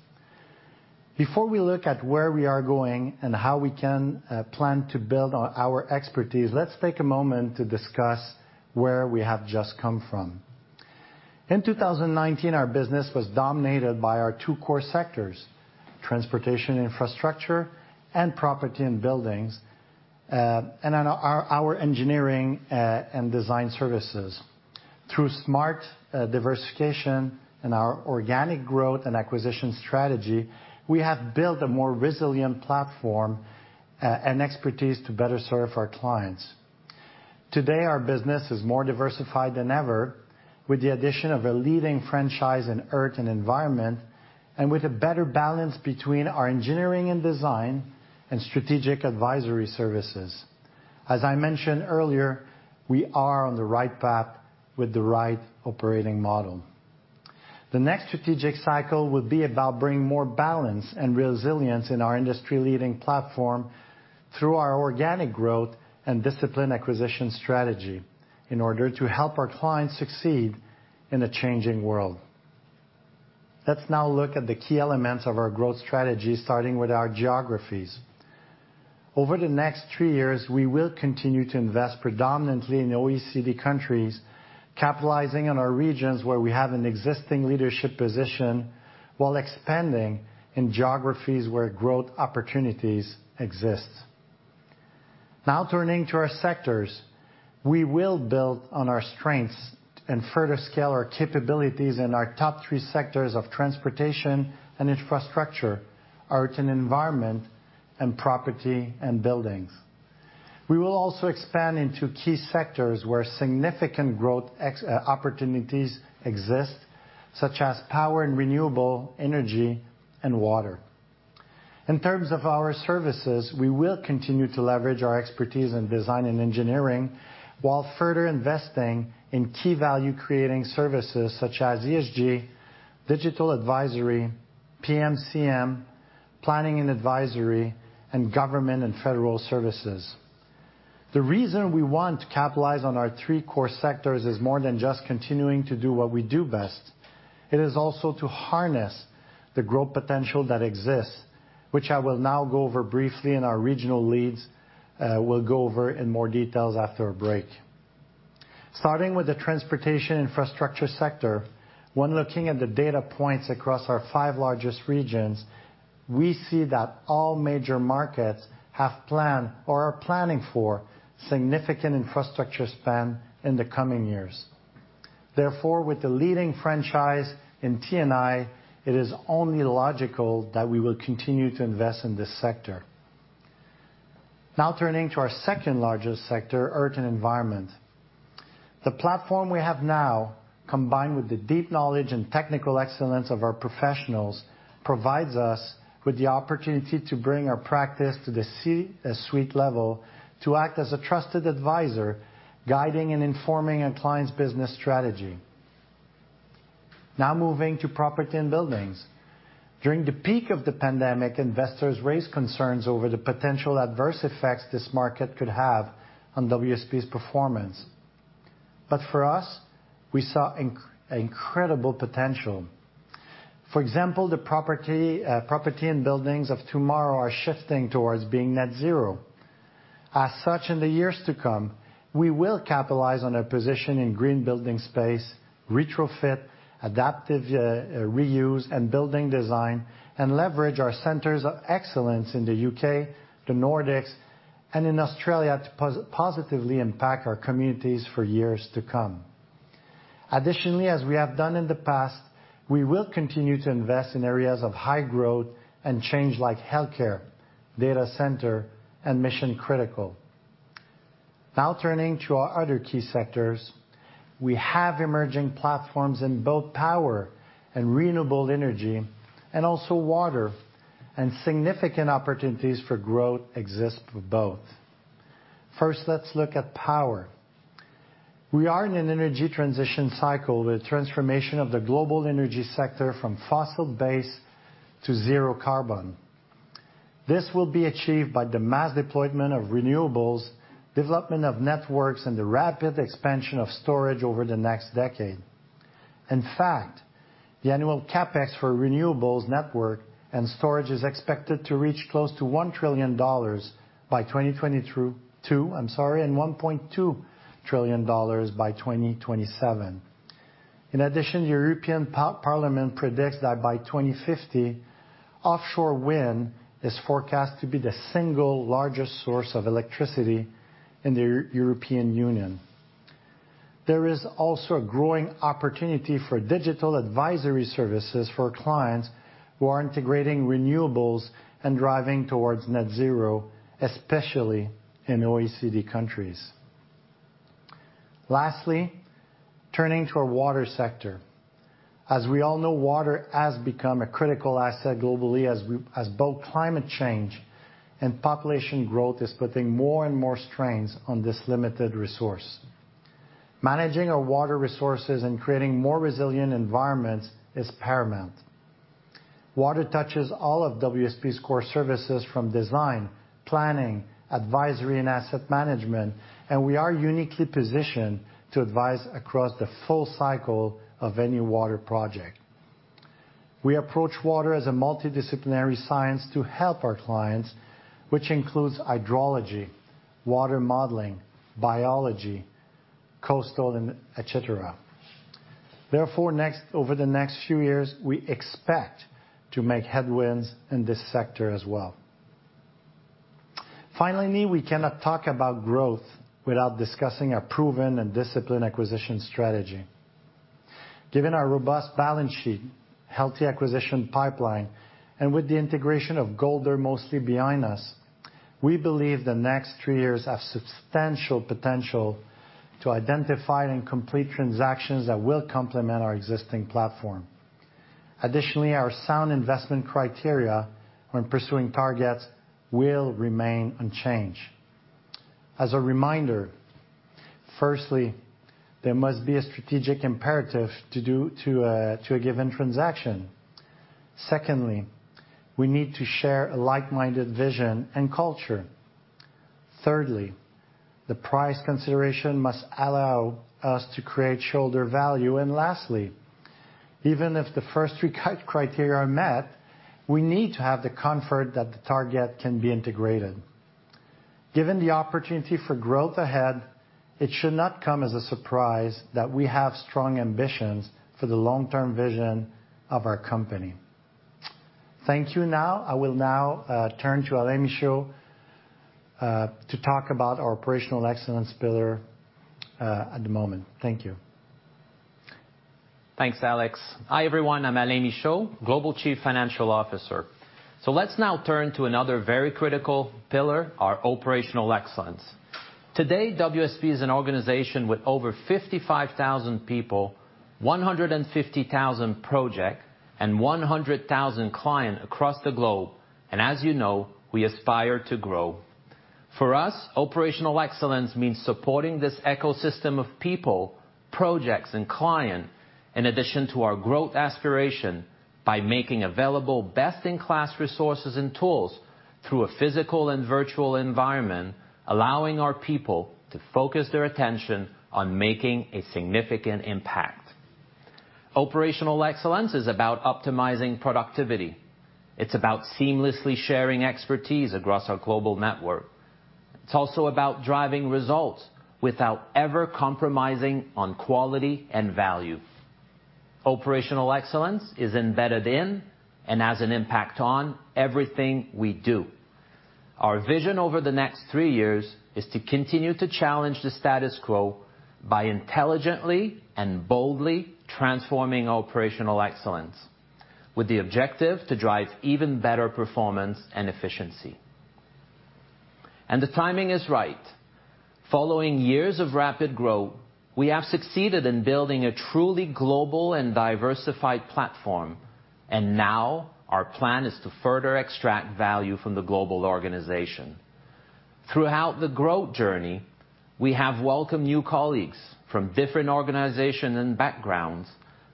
Before we look at where we are going and how we can plan to build our expertise, let's take a moment to discuss where we have just come from. In 2019, our business was dominated by our two core sectors, Transportation & Infrastructure and Property & Buildings, and then our engineering and design services. Through smart diversification and our organic growth and acquisition strategy, we have built a more resilient platform and expertise to better serve our clients. Today, our business is more diversified than ever, with the addition of a leading franchise in earth and environment, and with a better balance between our engineering and design and strategic advisory services. As I mentioned earlier, we are on the right path with the right operating model. The next strategic cycle will be about bringing more balance and resilience in our industry-leading platform through our organic growth and disciplined acquisition strategy in order to help our clients succeed in a changing world. Let's now look at the key elements of our growth strategy, starting with our geographies. Over the next three years, we will continue to invest predominantly in OECD countries, capitalizing on our regions where we have an existing leadership position while expanding in geographies where growth opportunities exist. Now turning to our sectors. We will build on our strengths and further scale our capabilities in our top three sectors of Transportation and Infrastructure, Earth and Environment, and Property and Buildings. We will also expand into key sectors where significant growth opportunities exist, such as power and renewable energy and water. In terms of our services, we will continue to leverage our expertise in design and engineering while further investing in key value-creating services such as ESG, digital advisory, PMCM, planning and advisory, and government and federal services. The reason we want to capitalize on our three core sectors is more than just continuing to do what we do best. It is also to harness the growth potential that exists, which I will now go over briefly and our regional leads will go over in more details after a break. Starting with the transportation infrastructure sector, when looking at the data points across our five largest regions, we see that all major markets have planned or are planning for significant infrastructure spend in the coming years. Therefore, with the leading franchise in T&I, it is only logical that we will continue to invest in this sector. Now turning to our second-largest sector, Earth and Environment. The platform we have now, combined with the deep knowledge and technical excellence of our professionals, provides us with the opportunity to bring our practice to the C-suite level to act as a trusted advisor, guiding and informing a client's business strategy. Now moving to Property and Buildings. During the peak of the pandemic, investors raised concerns over the potential adverse effects this market could have on WSP's performance. For us, we saw incredible potential. For example, the property and buildings of tomorrow are shifting towards being net zero. As such, in the years to come, we will capitalize on a position in green building space, retrofit, adaptive, reuse and building design, and leverage our centers of excellence in the U.K., the Nordics, and in Australia to positively impact our communities for years to come. Additionally, as we have done in the past, we will continue to invest in areas of high growth and change like healthcare, data center, and mission critical. Now turning to our other key sectors. We have emerging platforms in both power and renewable energy, and also water, and significant opportunities for growth exist with both. First, let's look at power. We are in an energy transition cycle with transformation of the global energy sector from fossil-based to zero carbon. This will be achieved by the mass deployment of renewables, development of networks, and the rapid expansion of storage over the next decade. In fact, the annual CapEx for renewables network and storage is expected to reach close to $1 trillion by 2022, and $1.2 trillion by 2027. In addition, European Parliament predicts that by 2050, offshore wind is forecast to be the single largest source of electricity in the European Union. There is also a growing opportunity for digital advisory services for clients who are integrating renewables and driving towards net zero, especially in OECD countries. Lastly, turning to our water sector. As we all know, water has become a critical asset globally as both climate change and population growth is putting more and more strains on this limited resource. Managing our water resources and creating more resilient environments is paramount. Water touches all of WSP's core services from design, planning, advisory, and asset management, and we are uniquely positioned to advise across the full cycle of any water project. We approach water as a multidisciplinary science to help our clients, which includes hydrology, water modeling, biology, coastal, and etc. Therefore, over the next few years, we expect to make headwinds in this sector as well. Finally, we cannot talk about growth without discussing our proven and disciplined acquisition strategy. Given our robust balance sheet, healthy acquisition pipeline, and with the integration of Golder mostly behind us, we believe the next three years have substantial potential to identify and complete transactions that will complement our existing platform. Additionally, our sound investment criteria when pursuing targets will remain unchanged. As a reminder, firstly, there must be a strategic imperative to a given transaction. Secondly, we need to share a like-minded vision and culture. Thirdly, the price consideration must allow us to create shareholder value. Lastly, even if the first three criteria are met, we need to have the comfort that the target can be integrated. Given the opportunity for growth ahead, it should not come as a surprise that we have strong ambitions for the long-term vision of our company. Thank you now. I will now turn to Alain Michaud to talk about our operational excellence pillar at the moment. Thank you. Thanks, Alex. Hi, everyone. I'm Alain Michaud, Global Chief Financial Officer. Let's now turn to another very critical pillar, our operational excellence. Today, WSP is an organization with over 55,000 people, 150,000 projects, and 100,000 clients across the globe. As you know, we aspire to grow. For us, operational excellence means supporting this ecosystem of people, projects, and clients, in addition to our growth aspiration by making available best-in-class resources and tools through a physical and virtual environment, allowing our people to focus their attention on making a significant impact. Operational excellence is about optimizing productivity. It's about seamlessly sharing expertise across our global network. It's also about driving results without ever compromising on quality and value. Operational excellence is embedded in and has an impact on everything we do. Our vision over the next three years is to continue to challenge the status quo by intelligently and boldly transforming operational excellence with the objective to drive even better performance and efficiency. The timing is right. Following years of rapid growth, we have succeeded in building a truly global and diversified platform, and now our plan is to further extract value from the global organization. Throughout the growth journey, we have welcomed new colleagues from different organizations and backgrounds,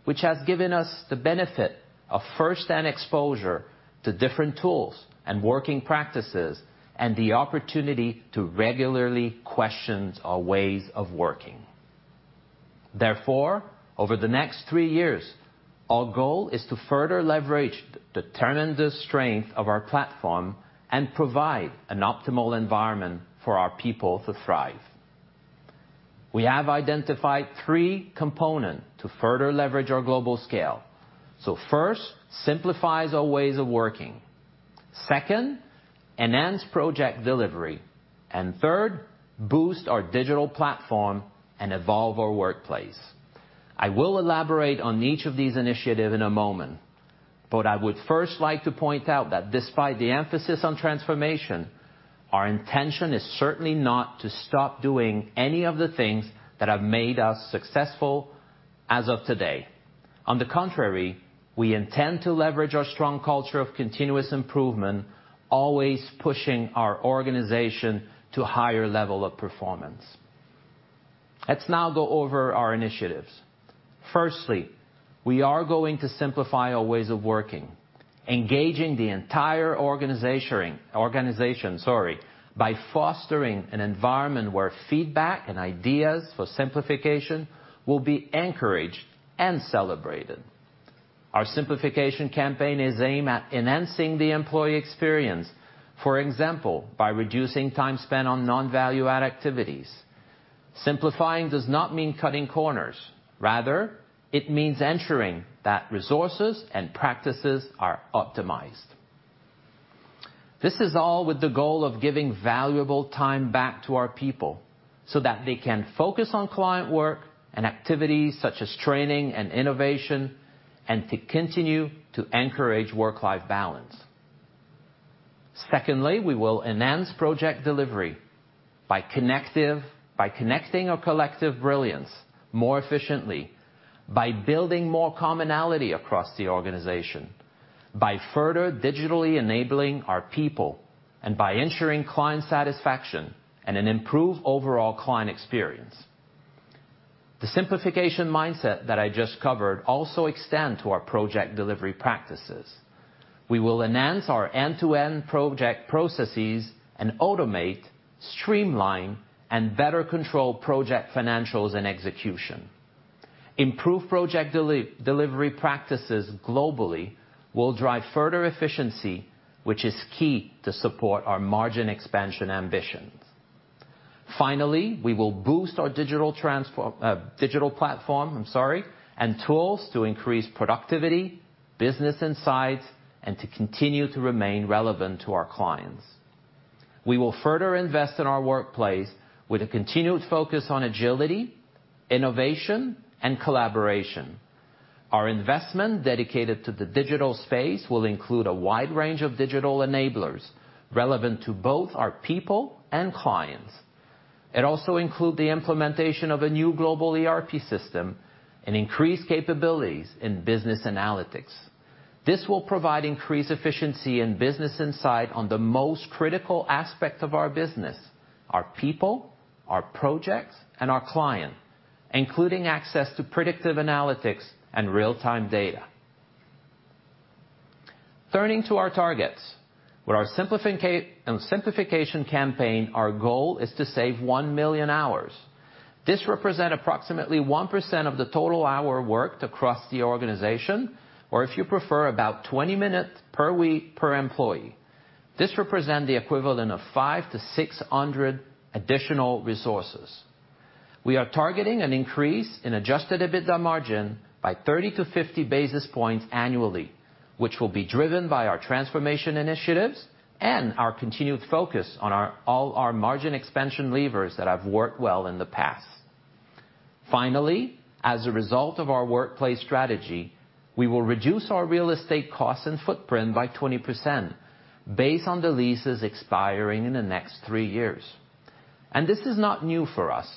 which has given us the benefit of first-hand exposure to different tools and working practices, and the opportunity to regularly question our ways of working. Therefore, over the next three years, our goal is to further leverage the tremendous strength of our platform and provide an optimal environment for our people to thrive. We have identified three component to further leverage our global scale. First, simplifies our ways of working. Second, enhance project delivery. Third, boost our digital platform and evolve our workplace. I will elaborate on each of these initiative in a moment, but I would first like to point out that despite the emphasis on transformation, our intention is certainly not to stop doing any of the things that have made us successful as of today. On the contrary, we intend to leverage our strong culture of continuous improvement, always pushing our organization to a higher level of performance. Let's now go over our initiatives. Firstly, we are going to simplify our ways of working, engaging the entire organization by fostering an environment where feedback and ideas for simplification will be encouraged and celebrated. Our simplification campaign is aimed at enhancing the employee experience, for example, by reducing time spent on non-value-add activities. Simplifying does not mean cutting corners. Rather, it means ensuring that resources and practices are optimized. This is all with the goal of giving valuable time back to our people so that they can focus on client work and activities such as training and innovation, and to continue to encourage work-life balance. Secondly, we will enhance project delivery by connecting our collective brilliance more efficiently, by building more commonality across the organization, by further digitally enabling our people, and by ensuring client satisfaction and an improved overall client experience. The simplification mindset that I just covered also extend to our project delivery practices. We will enhance our end-to-end project processes and automate, streamline, and better control project financials and execution. Improved project delivery practices globally will drive further efficiency, which is key to support our margin expansion ambitions. Finally, we will boost our digital platform, I'm sorry, and tools to increase productivity, business insights, and to continue to remain relevant to our clients. We will further invest in our workplace with a continued focus on agility, innovation, and collaboration. Our investment dedicated to the digital space will include a wide range of digital enablers relevant to both our people and clients. It also include the implementation of a new global ERP system and increased capabilities in business analytics. This will provide increased efficiency and business insight on the most critical aspect of our business, our people, our projects, and our client, including access to predictive analytics and real-time data. Turning to our targets. With our simplification campaign, our goal is to save 1 million hours. This represents approximately 1% of the total hours worked across the organization, or if you prefer, about 20 minutes per week per employee. This represents the equivalent of 500-600 additional resources. We are targeting an increase in adjusted EBITDA margin by 30-50 basis points annually, which will be driven by our transformation initiatives and our continued focus on all our margin expansion levers that have worked well in the past. Finally, as a result of our workplace strategy, we will reduce our real estate costs and footprint by 20% based on the leases expiring in the next three years. This is not new for us.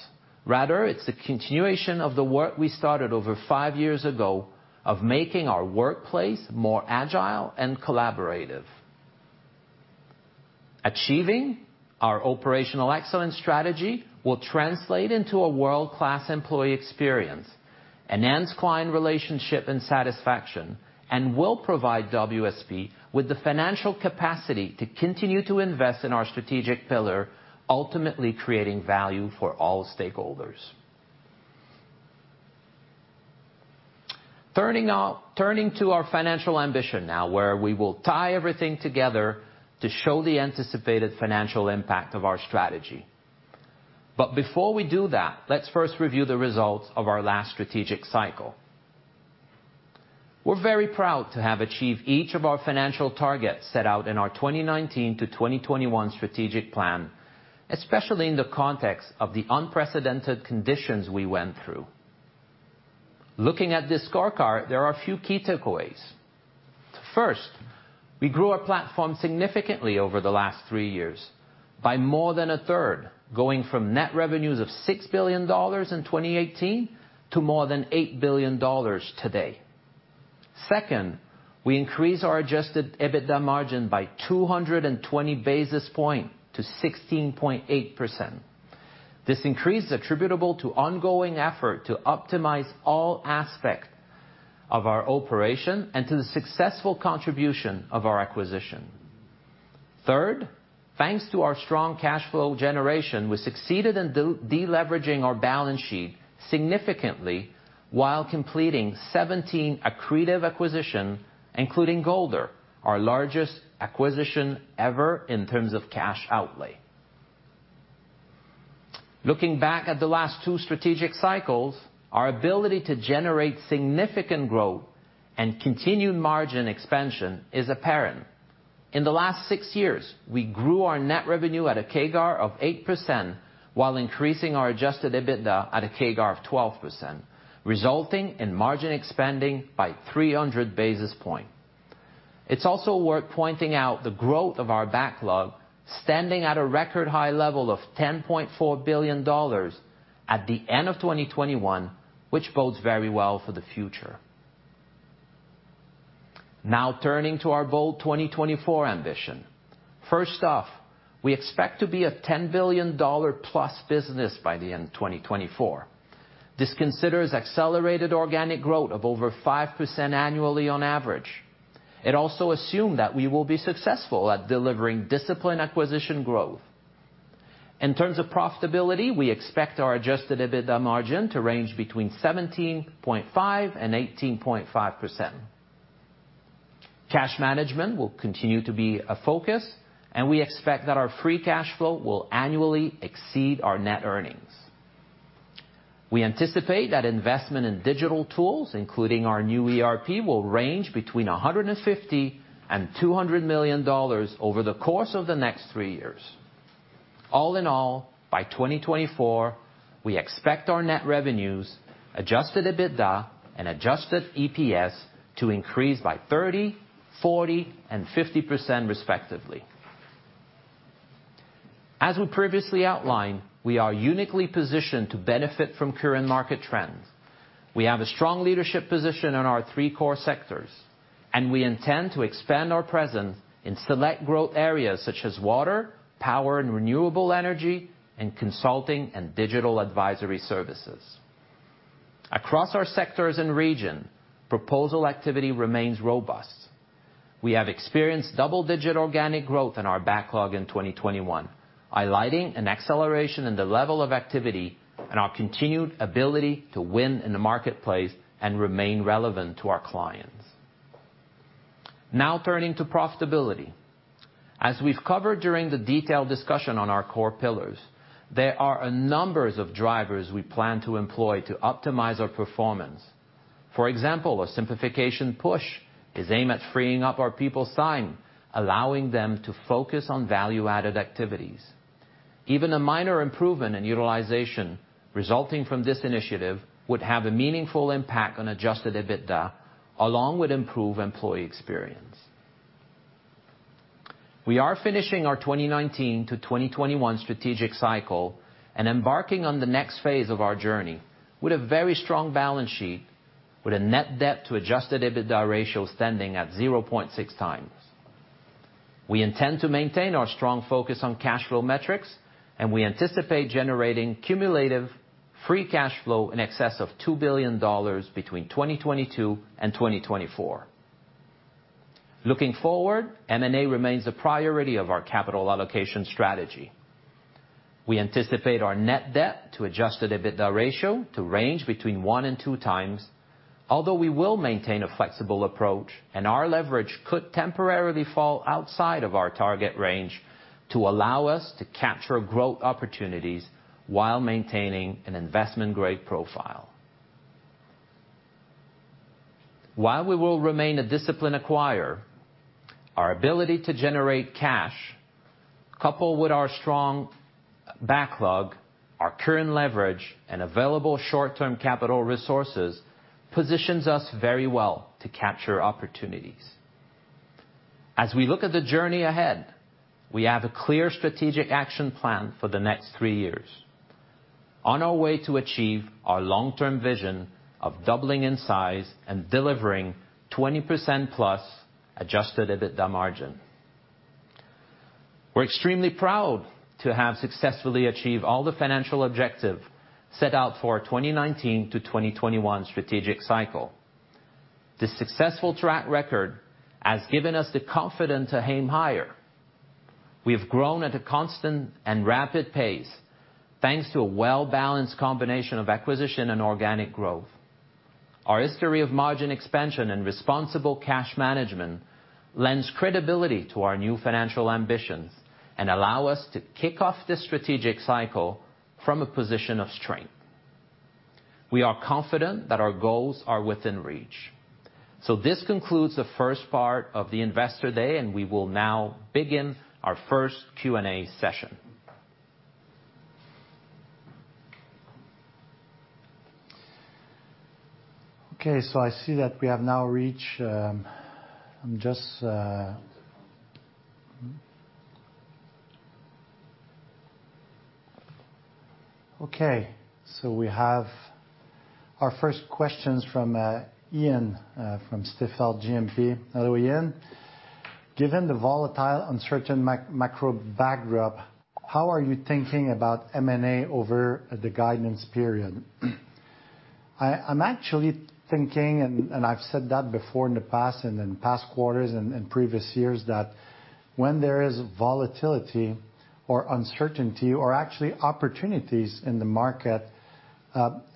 Rather, it's a continuation of the work we started over five years ago of making our workplace more agile and collaborative. Achieving our operational excellence strategy will translate into a world-class employee experience, enhance client relationship and satisfaction, and will provide WSP with the financial capacity to continue to invest in our strategic pillar, ultimately creating value for all stakeholders. Turning to our financial ambition now, where we will tie everything together to show the anticipated financial impact of our strategy. Before we do that, let's first review the results of our last strategic cycle. We're very proud to have achieved each of our financial targets set out in our 2019 to 2021 strategic plan, especially in the context of the unprecedented conditions we went through. Looking at this scorecard, there are a few key takeaways. First, we grew our platform significantly over the last three years by more than a third, going from net revenues of 6 billion dollars in 2018 to more than 8 billion dollars today. Second, we increased our adjusted EBITDA margin by 220 basis points to 16.8%. This increase is attributable to ongoing effort to optimize all aspects of our operations and to the successful contribution of our acquisitions. Third, thanks to our strong cash flow generation, we succeeded in deleveraging our balance sheet significantly while completing 17 accretive acquisitions, including Golder, our largest acquisition ever in terms of cash outlay. Looking back at the last two strategic cycles, our ability to generate significant growth and continued margin expansion is apparent. In the last six years, we grew our net revenue at a CAGR of 8% while increasing our adjusted EBITDA at a CAGR of 12%, resulting in margin expansion by 300 basis points. It's also worth pointing out the growth of our backlog, standing at a record high level of 10.4 billion dollars at the end of 2021, which bodes very well for the future. Now turning to our bold 2024 ambition. First off, we expect to be a 10 billion dollar+ business by the end of 2024. This considers accelerated organic growth of over 5% annually on average. It also assumes that we will be successful at delivering disciplined acquisition growth. In terms of profitability, we expect our adjusted EBITDA margin to range between 17.5% and 18.5%. Cash management will continue to be a focus, and we expect that our free cash flow will annually exceed our net earnings. We anticipate that investment in digital tools, including our new ERP, will range between 150 million and 200 million dollars over the course of the next three years. All in all, by 2024, we expect our net revenues, adjusted EBITDA, and adjusted EPS to increase by 30%, 40%, and 50% respectively. As we previously outlined, we are uniquely positioned to benefit from current market trends. We have a strong leadership position in our three core sectors, and we intend to expand our presence in select growth areas such as water, power and renewable energy, and consulting and digital advisory services. Across our sectors and region, proposal activity remains robust. We have experienced double-digit organic growth in our backlog in 2021, highlighting an acceleration in the level of activity and our continued ability to win in the marketplace and remain relevant to our clients. Now turning to profitability. As we've covered during the detailed discussion on our core pillars, there are a number of drivers we plan to employ to optimize our performance. For example, a simplification push is aimed at freeing up our people's time, allowing them to focus on value-added activities. Even a minor improvement in utilization resulting from this initiative would have a meaningful impact on adjusted EBITDA along with improved employee experience. We are finishing our 2019 to 2021 strategic cycle and embarking on the next phase of our journey with a very strong balance sheet, with a net debt to adjusted EBITDA ratio standing at 0.6x. We intend to maintain our strong focus on cash flow metrics, and we anticipate generating cumulative free cash flow in excess of 2 billion dollars between 2022 and 2024. Looking forward, M&A remains the priority of our capital allocation strategy. We anticipate our net debt to adjusted EBITDA ratio to range between 1x and 2x, although we will maintain a flexible approach, and our leverage could temporarily fall outside of our target range to allow us to capture growth opportunities while maintaining an investment-grade profile. While we will remain a disciplined acquirer, our ability to generate cash, coupled with our strong backlog, our current leverage, and available short-term capital resources, positions us very well to capture opportunities. As we look at the journey ahead, we have a clear strategic action plan for the next three years on our way to achieve our long-term vision of doubling in size and delivering 20%+ adjusted EBITDA margin. We're extremely proud to have successfully achieved all the financial objective set out for our 2019 to 2021 strategic cycle. This successful track record has given us the confidence to aim higher. We have grown at a constant and rapid pace, thanks to a well-balanced combination of acquisition and organic growth. Our history of margin expansion and responsible cash management lends credibility to our new financial ambitions and allow us to kick off this strategic cycle from a position of strength. We are confident that our goals are within reach. This concludes the first part of the Investor Day, and we will now begin our first Q&A session. I see that we have now reached. I'm just. Hmm? We have our first question from Ian from Stifel GMP. Hello, Ian. Given the volatile, uncertain macro backdrop, how are you thinking about M&A over the guidance period? I'm actually thinking, and I've said that before in the past and in past quarters and previous years, that when there is volatility or uncertainty or actually opportunities in the market,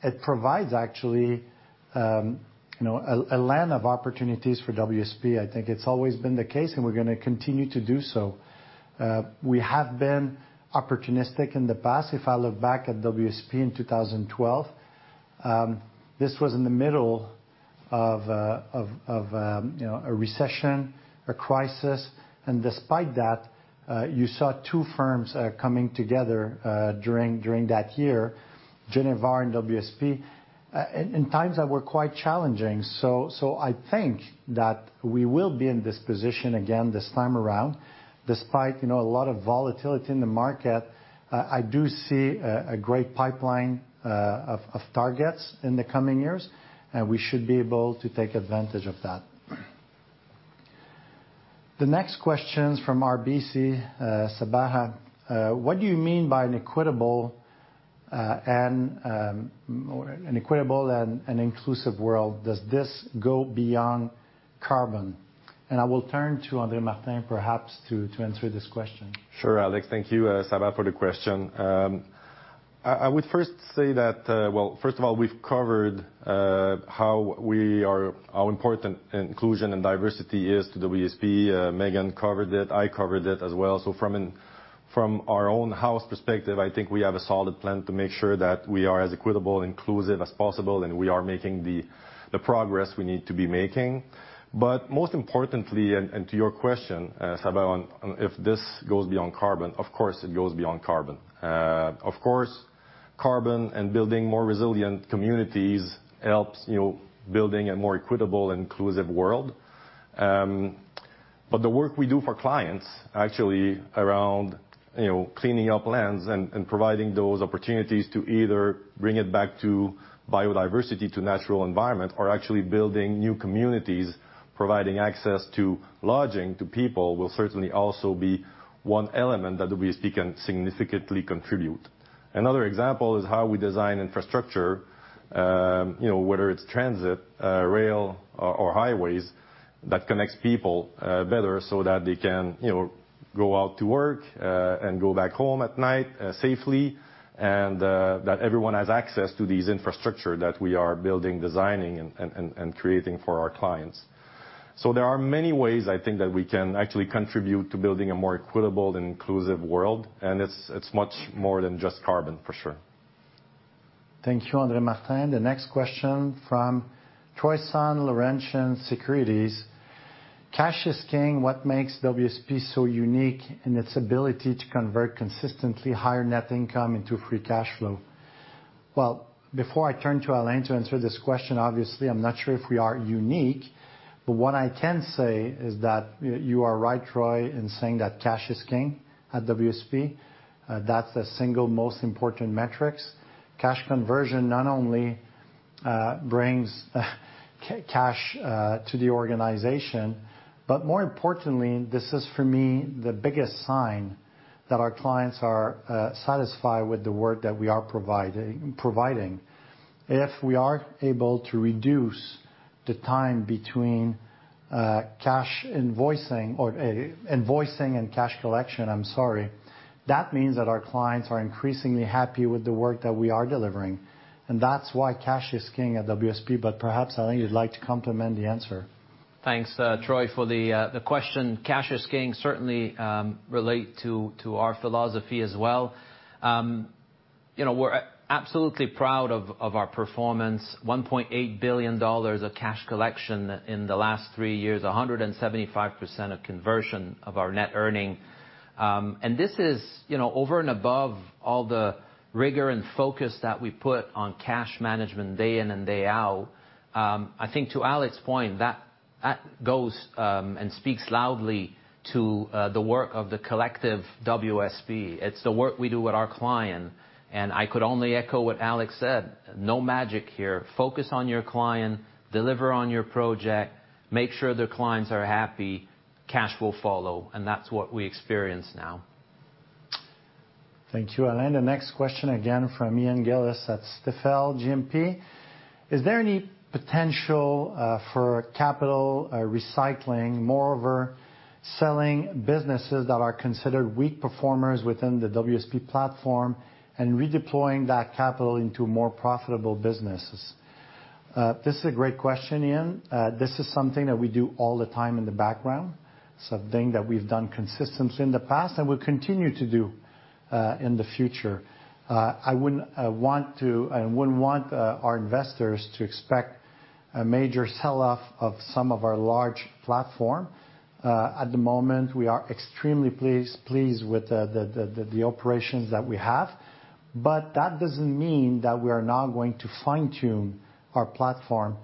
it provides actually, you know, a land of opportunities for WSP. I think it's always been the case, and we're gonna continue to do so. We have been opportunistic in the past. If I look back at WSP in 2012, this was in the middle of you know, a recession, a crisis, and despite that, you saw two firms coming together during that year, GENIVAR and WSP, in times that were quite challenging. I think that we will be in this position again this time around. Despite you know, a lot of volatility in the market, I do see a great pipeline of targets in the coming years, and we should be able to take advantage of that. The next question is from RBC, Sabahat Khan. What do you mean by an equitable and inclusive world? Does this go beyond carbon? I will turn to André-Martin Bouchard perhaps to answer this question. Sure, Alex. Thank you, Sabah, for the question. I would first say that, well, first of all, we've covered how important inclusion and diversity is to WSP. Megan covered it. I covered it as well. From our own house perspective, I think we have a solid plan to make sure that we are as equitable and inclusive as possible, and we are making the progress we need to be making. Most importantly, to your question, Sabah, on if this goes beyond carbon, of course, it goes beyond carbon. Of course, carbon and building more resilient communities helps, you know, building a more equitable and inclusive world. The work we do for clients actually around, you know, cleaning up lands and providing those opportunities to either bring it back to biodiversity, to natural environment, or actually building new communities, providing access to lodging to people will certainly also be one element that WSP can significantly contribute. Another example is how we design infrastructure, you know, whether it's transit, rail or highways that connects people better so that they can, you know, go out to work and go back home at night safely, that everyone has access to these infrastructure that we are building, designing and creating for our clients. There are many ways I think that we can actually contribute to building a more equitable and inclusive world, and it's much more than just carbon, for sure. Thank you, André-Martin Bouchard. The next question from Troy, Laurentian Bank Securities. Cash is king. What makes WSP so unique in its ability to convert consistently higher net income into free cash flow? Well, before I turn to Alain to answer this question, obviously, I'm not sure if we are unique. What I can say is that you are right, Troy, in saying that cash is king at WSP. That's the single most important metrics. Cash conversion not only brings cash to the organization, but more importantly, this is, for me, the biggest sign that our clients are satisfied with the work that we are providing. If we are able to reduce the time between cash invoicing or invoicing and cash collection, I'm sorry, that means that our clients are increasingly happy with the work that we are delivering, and that's why cash is king at WSP. Perhaps, Alain, you'd like to complement the answer. Thanks, Troy, for the question. Cash is king certainly, relates to our philosophy as well. You know, we're absolutely proud of our performance. 1.8 billion dollars of cash collection in the last three years, 175% conversion of our net earnings. This is, you know, over and above all the rigor and focus that we put on cash management day in and day out. I think to Alexandre's point, that goes and speaks loudly to the work of the collective WSP. It's the work we do with our client, and I could only echo what Alexandre said. No magic here. Focus on your client, deliver on your project, make sure the clients are happy, cash will follow, and that's what we experience now. Thank you, Alain. The next question again from Ian Gillies at Stifel GMP. Is there any potential for capital recycling, moreover, selling businesses that are considered weak performers within the WSP platform and redeploying that capital into more profitable businesses? This is a great question, Ian. This is something that we do all the time in the background. Something that we've done consistently in the past and will continue to do in the future. I wouldn't want our investors to expect a major sell-off of some of our large platform. At the moment, we are extremely pleased with the operations that we have. That doesn't mean that we are not going to fine-tune our platform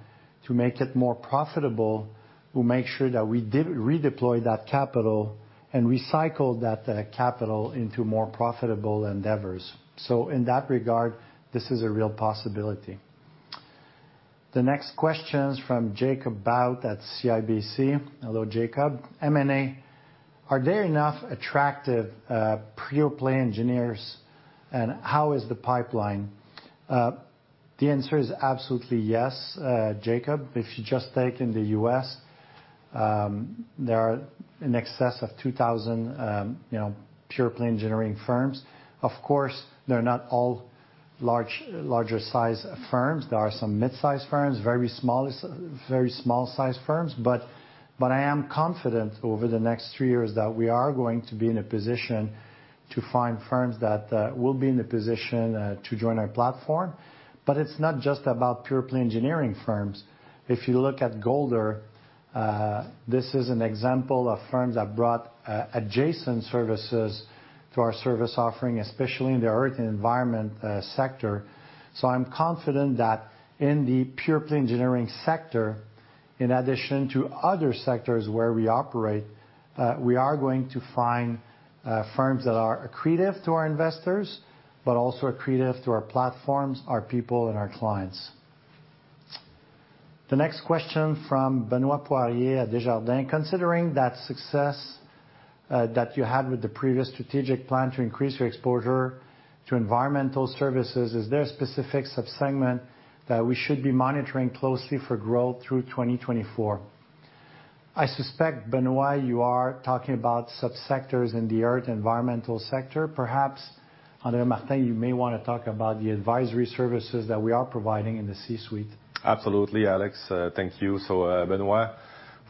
to make it more profitable. We'll make sure that we redeploy that capital and recycle that capital into more profitable endeavors. In that regard, this is a real possibility. The next question is from Jacob Bout at CIBC. Hello, Jacob. M&A, are there enough attractive pure-play engineers, and how is the pipeline? The answer is absolutely yes, Jacob. If you just take in the U.S., there are in excess of 2,000 you know, pure-play engineering firms. Of course, they're not all larger size firms. There are some mid-size firms, very small size firms. But I am confident over the next three years that we are going to be in a position to find firms that will be in the position to join our platform. It's not just about pure-play engineering firms. If you look at Golder, this is an example of firms that brought adjacent services to our service offering, especially in the Earth and Environment sector. I'm confident that in the pure-play engineering sector, in addition to other sectors where we operate, we are going to find firms that are accretive to our investors, but also accretive to our platforms, our people, and our clients. The next question from Benoit Poirier at Desjardins. Considering that success that you had with the previous strategic plan to increase your exposure to environmental services, is there a specific sub-segment that we should be monitoring closely for growth through 2024? I suspect, Benoit, you are talking about subsectors in the Earth and Environment sector. Perhaps, André-Martin, you may wanna talk about the advisory services that we are providing in the C-suite. Absolutely, Alex. Thank you. Benoit,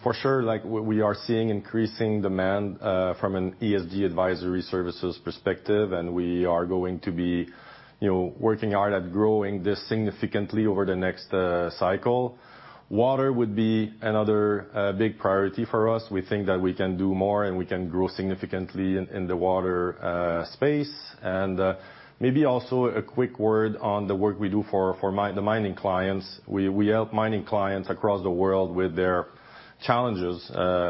for sure, we are seeing increasing demand from an ESG advisory services perspective, and we are going to be working hard at growing this significantly over the next cycle. Water would be another big priority for us. We think that we can do more, and we can grow significantly in the water space. Maybe also a quick word on the work we do for the mining clients. We help mining clients across the world with their challenges,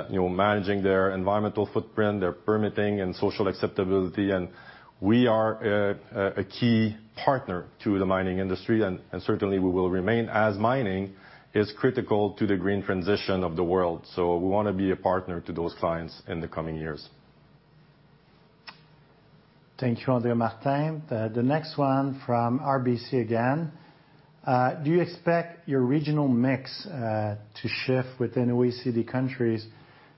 you know, managing their environmental footprint, their permitting and social acceptability. We are a key partner to the mining industry, and certainly we will remain as mining is critical to the green transition of the world. We wanna be a partner to those clients in the coming years. Thank you, André-Martin. The next one from RBC again. Do you expect your regional mix to shift within OECD countries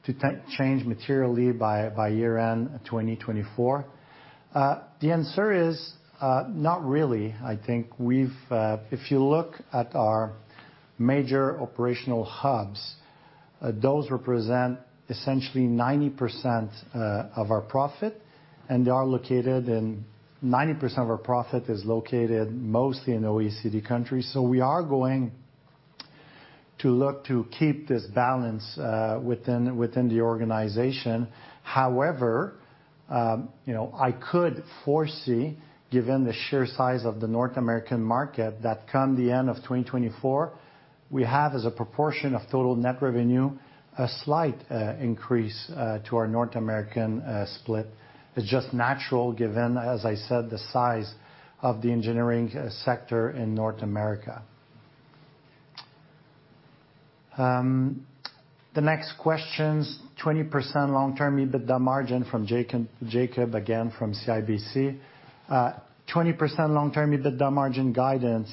to change materially by year-end 2024? The answer is not really. I think we've if you look at our major operational hubs, those represent essentially 90% of our profit, and they are located in OECD countries. Ninety percent of our profit is located mostly in OECD countries. We are going to look to keep this balance within the organization. However, you know, I could foresee, given the sheer size of the North American market, that come the end of 2024, we have as a proportion of total net revenue, a slight increase to our North American split. It's just natural given, as I said, the size of the engineering sector in North America. The next question's 20% long-term EBITDA margin from Jacob, again from CIBC. 20% long-term EBITDA margin guidance,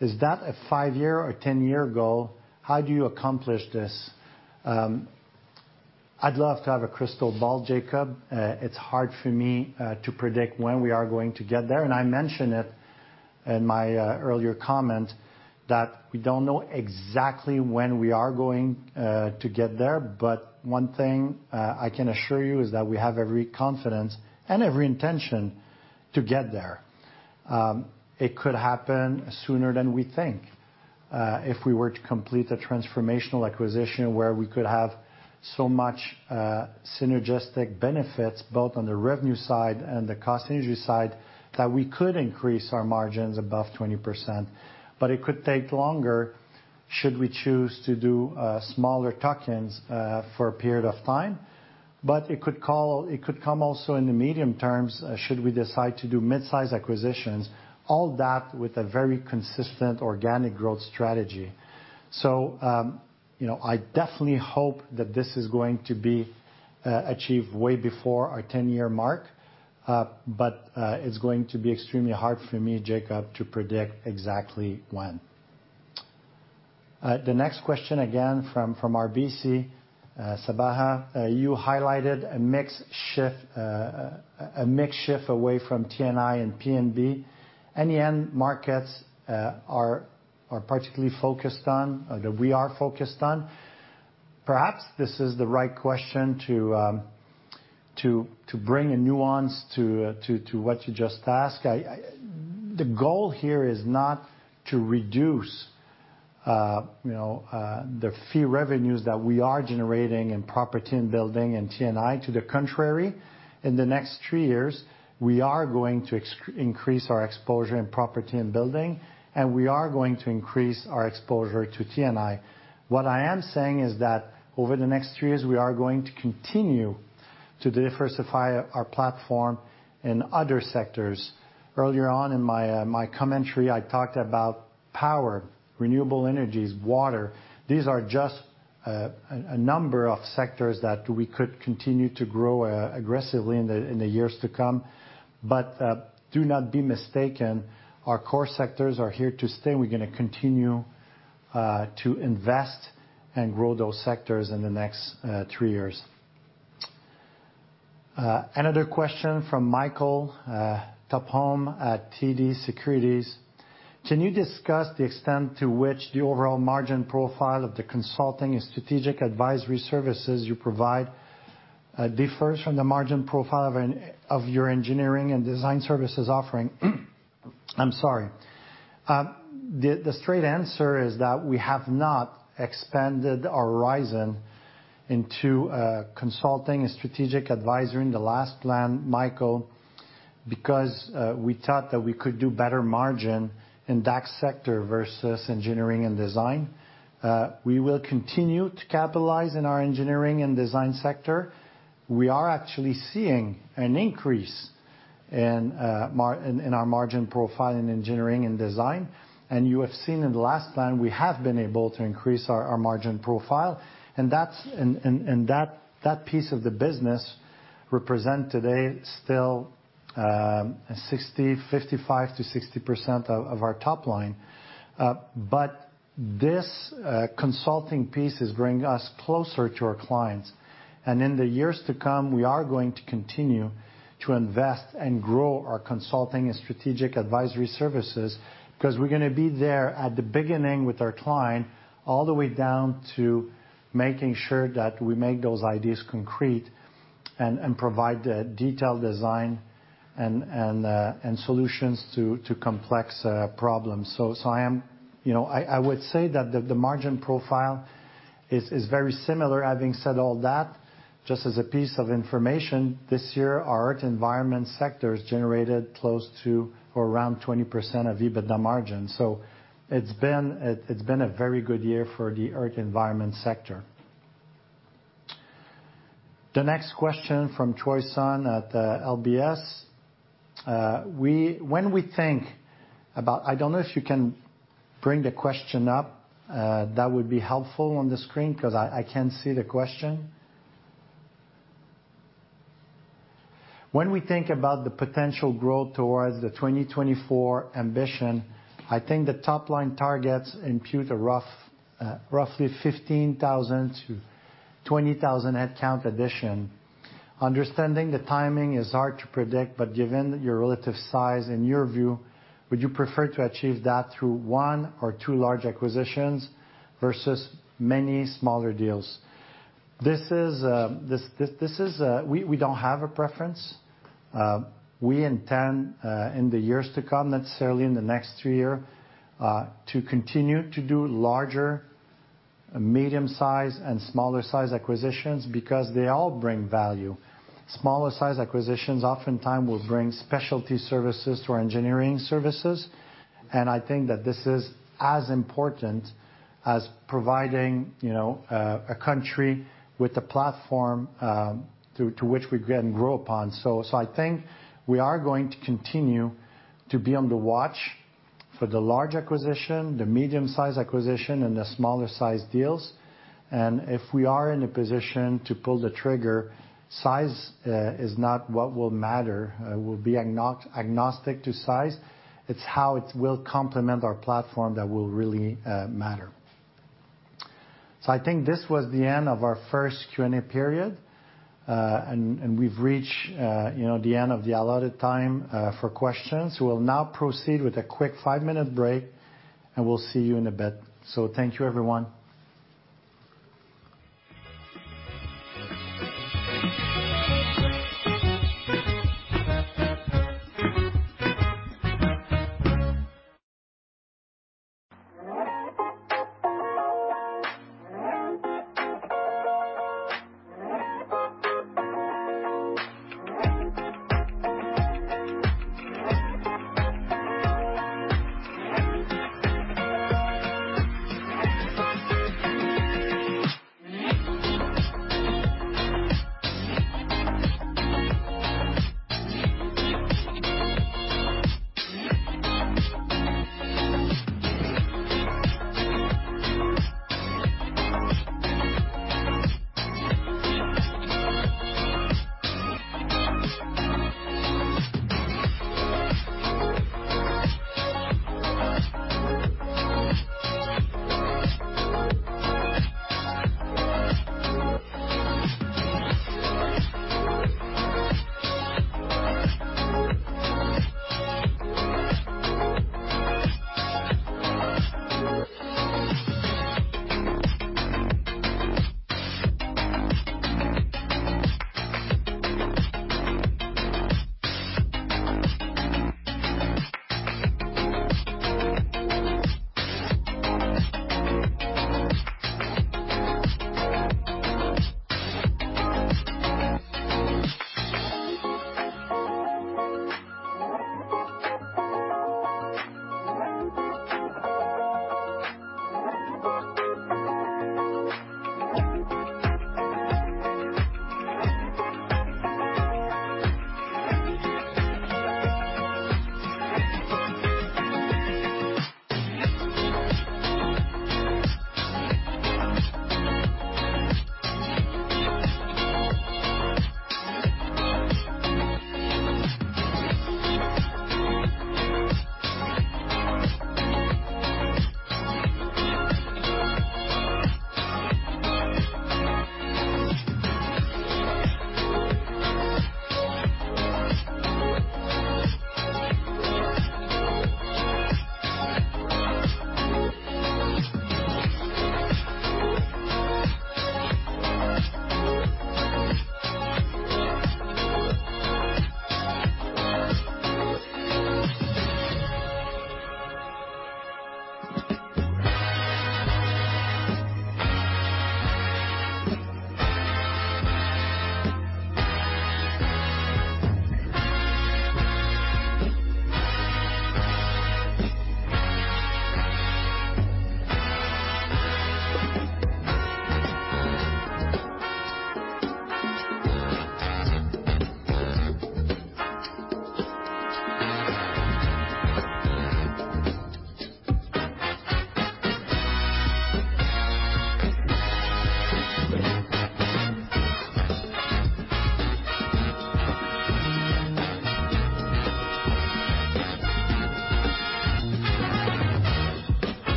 is that a five-year or ten-year goal? How do you accomplish this? I'd love to have a crystal ball, Jacob. It's hard for me to predict when we are going to get there. I mentioned it in my earlier comment that we don't know exactly when we are going to get there. One thing I can assure you is that we have every confidence and every intention to get there. It could happen sooner than we think if we were to complete a transformational acquisition where we could have so much synergistic benefits both on the revenue side and the cost synergy side that we could increase our margins above 20%. It could take longer should we choose to do smaller tuck-ins for a period of time. It could come also in the medium term should we decide to do mid-size acquisitions, all that with a very consistent organic growth strategy. You know, I definitely hope that this is going to be achieved way before our 10-year mark, but it's going to be extremely hard for me, Jacob, to predict exactly when. The next question, again from RBC, Sabahat. You highlighted a mix shift away from T&I and P&B. Any end markets are particularly focused on that we are focused on? Perhaps this is the right question to bring a nuance to what you just asked. The goal here is not to reduce, you know, the fee revenues that we are generating in Property and Buildings and T&I. To the contrary, in the next three years, we are going to increase our exposure in Property and Buildings, and we are going to increase our exposure to T&I. What I am saying is that over the next three years, we are going to continue to diversify our platform in other sectors. Earlier on in my commentary, I talked about power, renewable energies, water. These are just a number of sectors that we could continue to grow aggressively in the years to come. Do not be mistaken, our core sectors are here to stay. We're gonna continue to invest and grow those sectors in the next three years. Another question from Michael Tupholme at TD Securities. Can you discuss the extent to which the overall margin profile of the consulting and strategic advisory services you provide differs from the margin profile of your engineering and design services offering? I'm sorry. The straight answer is that we have not expanded our horizon into consulting and strategic advisory in the last plan, Michael, because we thought that we could do better margin in that sector versus engineering and design. We will continue to capitalize in our engineering and design sector. We are actually seeing an increase in our margin profile in engineering and design. You have seen in the last plan, we have been able to increase our margin profile. That's that piece of the business represent today still 55%-60% of our top line. This consulting piece is bringing us closer to our clients. In the years to come, we are going to continue to invest and grow our consulting and strategic advisory services because we're gonna be there at the beginning with our client all the way down to making sure that we make those ideas concrete and provide the detailed design and solutions to complex problems. I would say that the margin profile is very similar. Having said all that, just as a piece of information, this year, our Earth & Environment sector has generated close to or around 20% EBITDA margin. It's been a very good year for the Earth & Environment sector. The next question from Choi Sun at LBS. I don't know if you can bring the question up, that would be helpful on the screen 'cause I can't see the question. When we think about the potential growth towards the 2024 ambition, I think the top line targets impute a roughly 15,000-20,000 head count addition. Understanding the timing is hard to predict, but given your relative size in your view, would you prefer to achieve that through one or two large acquisitions versus many smaller deals? We don't have a preference. We intend in the years to come, necessarily in the next two years, to continue to do larger, medium-sized and smaller sized acquisitions because they all bring value. Smaller sized acquisitions oftentimes will bring specialty services to our engineering services, and I think that this is as important as providing, you know, a country with the platform through to which we can grow upon. I think we are going to continue to be on the watch for the large acquisition, the medium-sized acquisition, and the smaller sized deals. If we are in a position to pull the trigger, size is not what will matter. We'll be agnostic to size. It's how it will complement our platform that will really matter. I think this was the end of our first Q&A period. We've reached, you know, the end of the allotted time for questions. We'll now proceed with a quick five-minute break, and we'll see you in a bit. Thank you everyone.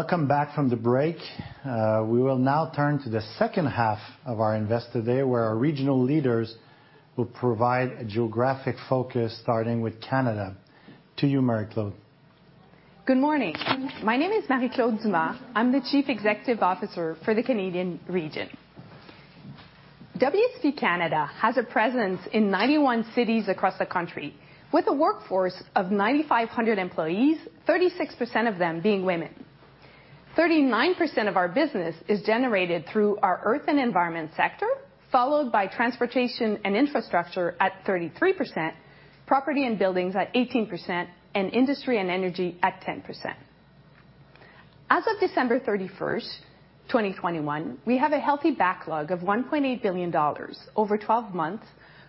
Welcome back from the break. We will now turn to the second half of our Investor Day, where our regional leaders will provide a geographic focus, starting with Canada. To you, Marie-Claude. Good morning. My name is Marie-Claude Dumas. I'm the Chief Executive Officer for the Canadian region. WSP Canada has a presence in 91 cities across the country with a workforce of 9,500 employees, 36% of them being women. 39% of our business is generated through our earth and environment sector, followed by transportation and infrastructure at 33%, property and buildings at 18%, and industry and energy at 10%. As of December 31, 2021, we have a healthy backlog of 1.8 billion dollars over 12 months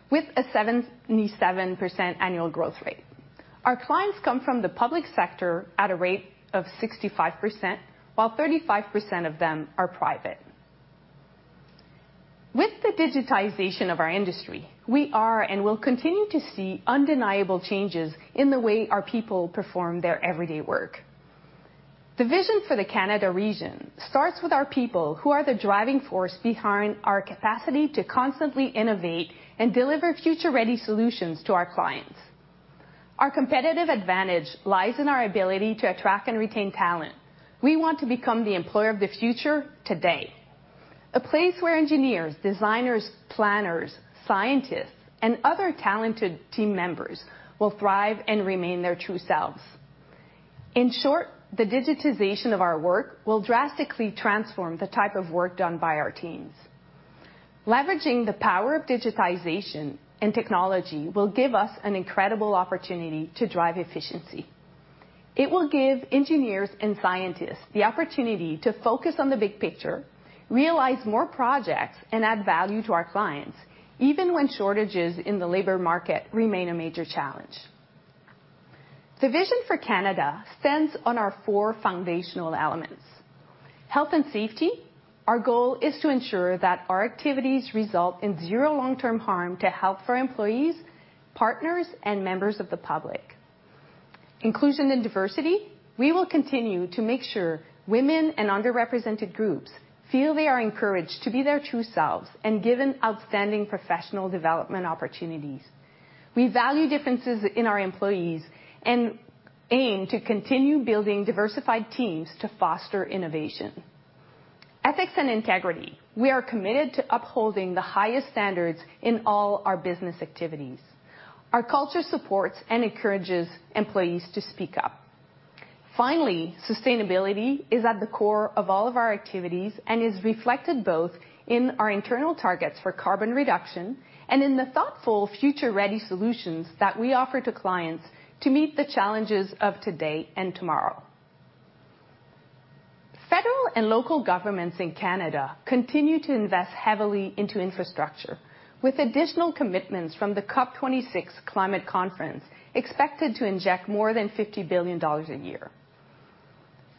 with a 77% annual growth rate. Our clients come from the public sector at a rate of 65%, while 35% of them are private. With the digitization of our industry, we are and will continue to see undeniable changes in the way our people perform their everyday work. The vision for the Canada region starts with our people, who are the driving force behind our capacity to constantly innovate and deliver Future Ready solutions to our clients. Our competitive advantage lies in our ability to attract and retain talent. We want to become the employer of the future today. A place where engineers, designers, planners, scientists, and other talented team members will thrive and remain their true selves. In short, the digitization of our work will drastically transform the type of work done by our teams. Leveraging the power of digitization and technology will give us an incredible opportunity to drive efficiency. It will give engineers and scientists the opportunity to focus on the big picture, realize more projects, and add value to our clients, even when shortages in the labor market remain a major challenge. The vision for Canada stands on our four foundational elements. Health and safety. Our goal is to ensure that our activities result in zero long-term harm to health for employees, partners, and members of the public. Inclusion and diversity. We will continue to make sure women and underrepresented groups feel they are encouraged to be their true selves and given outstanding professional development opportunities. We value differences in our employees and aim to continue building diversified teams to foster innovation. Ethics and integrity. We are committed to upholding the highest standards in all our business activities. Our culture supports and encourages employees to speak up. Finally, sustainability is at the core of all of our activities and is reflected both in our internal targets for carbon reduction and in the thoughtful Future Ready solutions that we offer to clients to meet the challenges of today and tomorrow. Federal and local governments in Canada continue to invest heavily into infrastructure with additional commitments from the COP26 Climate Conference expected to inject more than 50 billion dollars a year.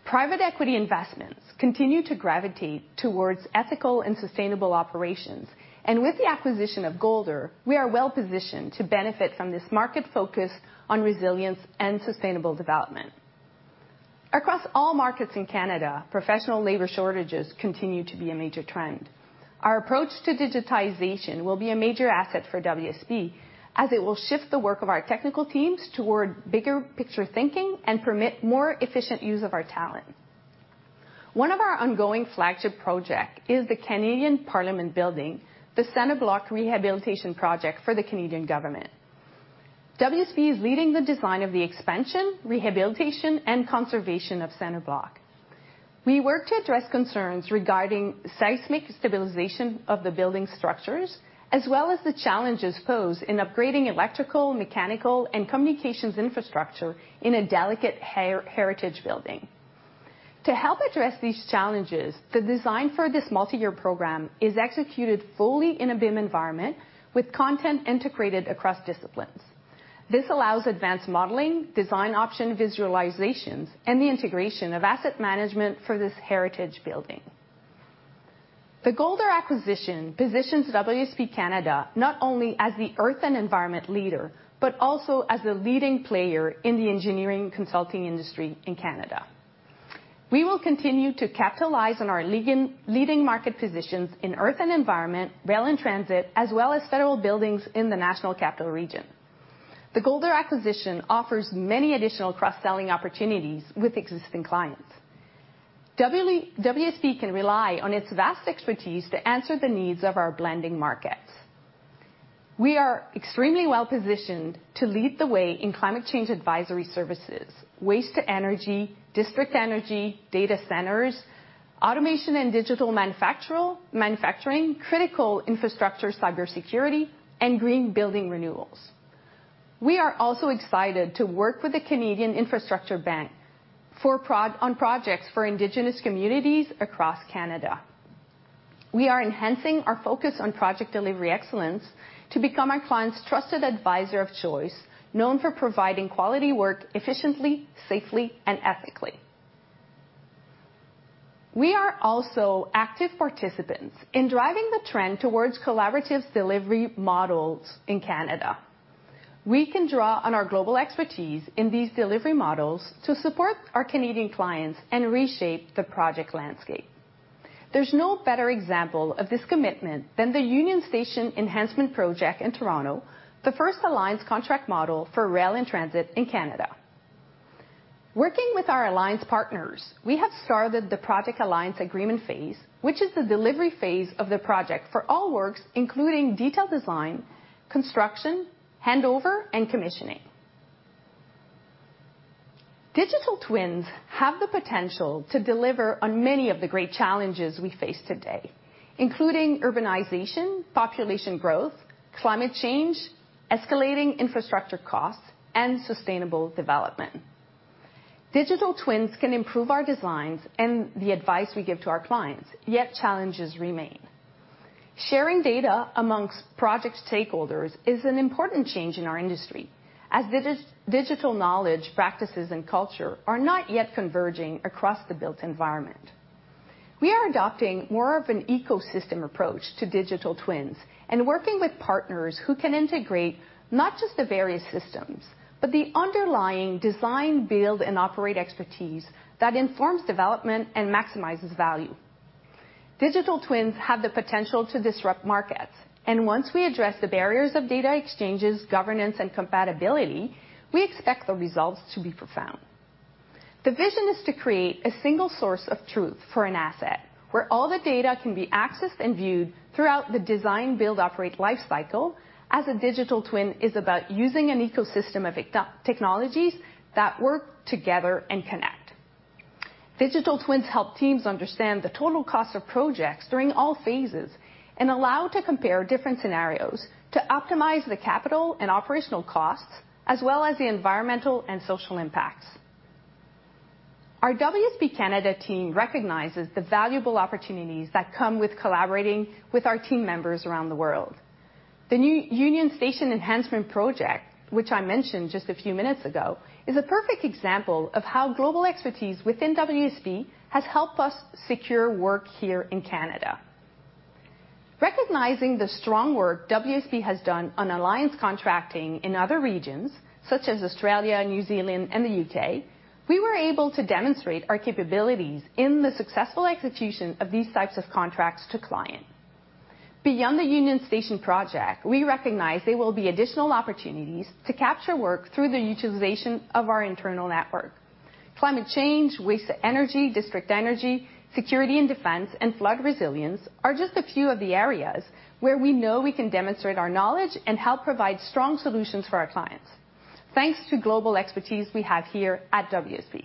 Private equity investments continue to gravitate towards ethical and sustainable operations. With the acquisition of Golder, we are well-positioned to benefit from this market focus on resilience and sustainable development. Across all markets in Canada, professional labor shortages continue to be a major trend. Our approach to digitization will be a major asset for WSP, as it will shift the work of our technical teams toward bigger picture thinking and permit more efficient use of our talent. One of our ongoing flagship project is the Canadian Parliament building, the Centre Block Rehabilitation Project for the Canadian government. WSP is leading the design of the expansion, rehabilitation, and conservation of Centre Block. We work to address concerns regarding seismic stabilization of the building structures, as well as the challenges posed in upgrading electrical, mechanical, and communications infrastructure in a delicate heritage building. To help address these challenges, the design for this multi-year program is executed fully in a BIM environment with content integrated across disciplines. This allows advanced modeling, design option visualizations, and the integration of asset management for this heritage building. The Golder acquisition positions WSP Canada not only as the earth and environment leader, but also as a leading player in the engineering consulting industry in Canada. We will continue to capitalize on our leading market positions in earth and environment, rail and transit, as well as federal buildings in the national capital region. The Golder acquisition offers many additional cross-selling opportunities with existing clients. WSP can rely on its vast expertise to answer the needs of our blending markets. We are extremely well-positioned to lead the way in climate change advisory services, waste-to-energy, district energy, data centers, automation and digital manufacturing, critical infrastructure cyber security, and green building renewals. We are also excited to work with the Canada Infrastructure Bank for projects for indigenous communities across Canada. We are enhancing our focus on project delivery excellence to become our clients' trusted advisor of choice, known for providing quality work efficiently, safely, and ethically. We are also active participants in driving the trend towards collaborative delivery models in Canada. We can draw on our global expertise in these delivery models to support our Canadian clients and reshape the project landscape. There's no better example of this commitment than the Union Station Enhancement Project in Toronto, the first alliance contract model for rail and transit in Canada. Working with our alliance partners, we have started the project alliance agreement phase, which is the delivery phase of the project for all works, including detailed design, construction, handover, and commissioning. Digital twins have the potential to deliver on many of the great challenges we face today, including urbanization, population growth, climate change, escalating infrastructure costs, and sustainable development. Digital twins can improve our designs and the advice we give to our clients, yet challenges remain. Sharing data among project stakeholders is an important change in our industry, as digital knowledge, practices, and culture are not yet converging across the built environment. We are adopting more of an ecosystem approach to digital twins and working with partners who can integrate not just the various systems, but the underlying design, build, and operate expertise that informs development and maximizes value. Digital twins have the potential to disrupt markets, and once we address the barriers of data exchanges, governance, and compatibility, we expect the results to be profound. The vision is to create a single source of truth for an asset where all the data can be accessed and viewed throughout the design-build-operate life cycle, as a digital twin is about using an ecosystem of technologies that work together and connect. Digital twins help teams understand the total cost of projects during all phases and allow to compare different scenarios to optimize the capital and operational costs as well as the environmental and social impacts. Our WSP Canada team recognizes the valuable opportunities that come with collaborating with our team members around the world. The new Union Station Enhancement Project, which I mentioned just a few minutes ago, is a perfect example of how global expertise within WSP has helped us secure work here in Canada. Recognizing the strong work WSP has done on alliance contracting in other regions such as Australia, New Zealand, and the U.K., we were able to demonstrate our capabilities in the successful execution of these types of contracts to clients. Beyond the Union Station project, we recognize there will be additional opportunities to capture work through the utilization of our internal network. Climate change, waste-to-energy, district energy, security and defense, and flood resilience are just a few of the areas where we know we can demonstrate our knowledge and help provide strong solutions for our clients, thanks to global expertise we have here at WSP.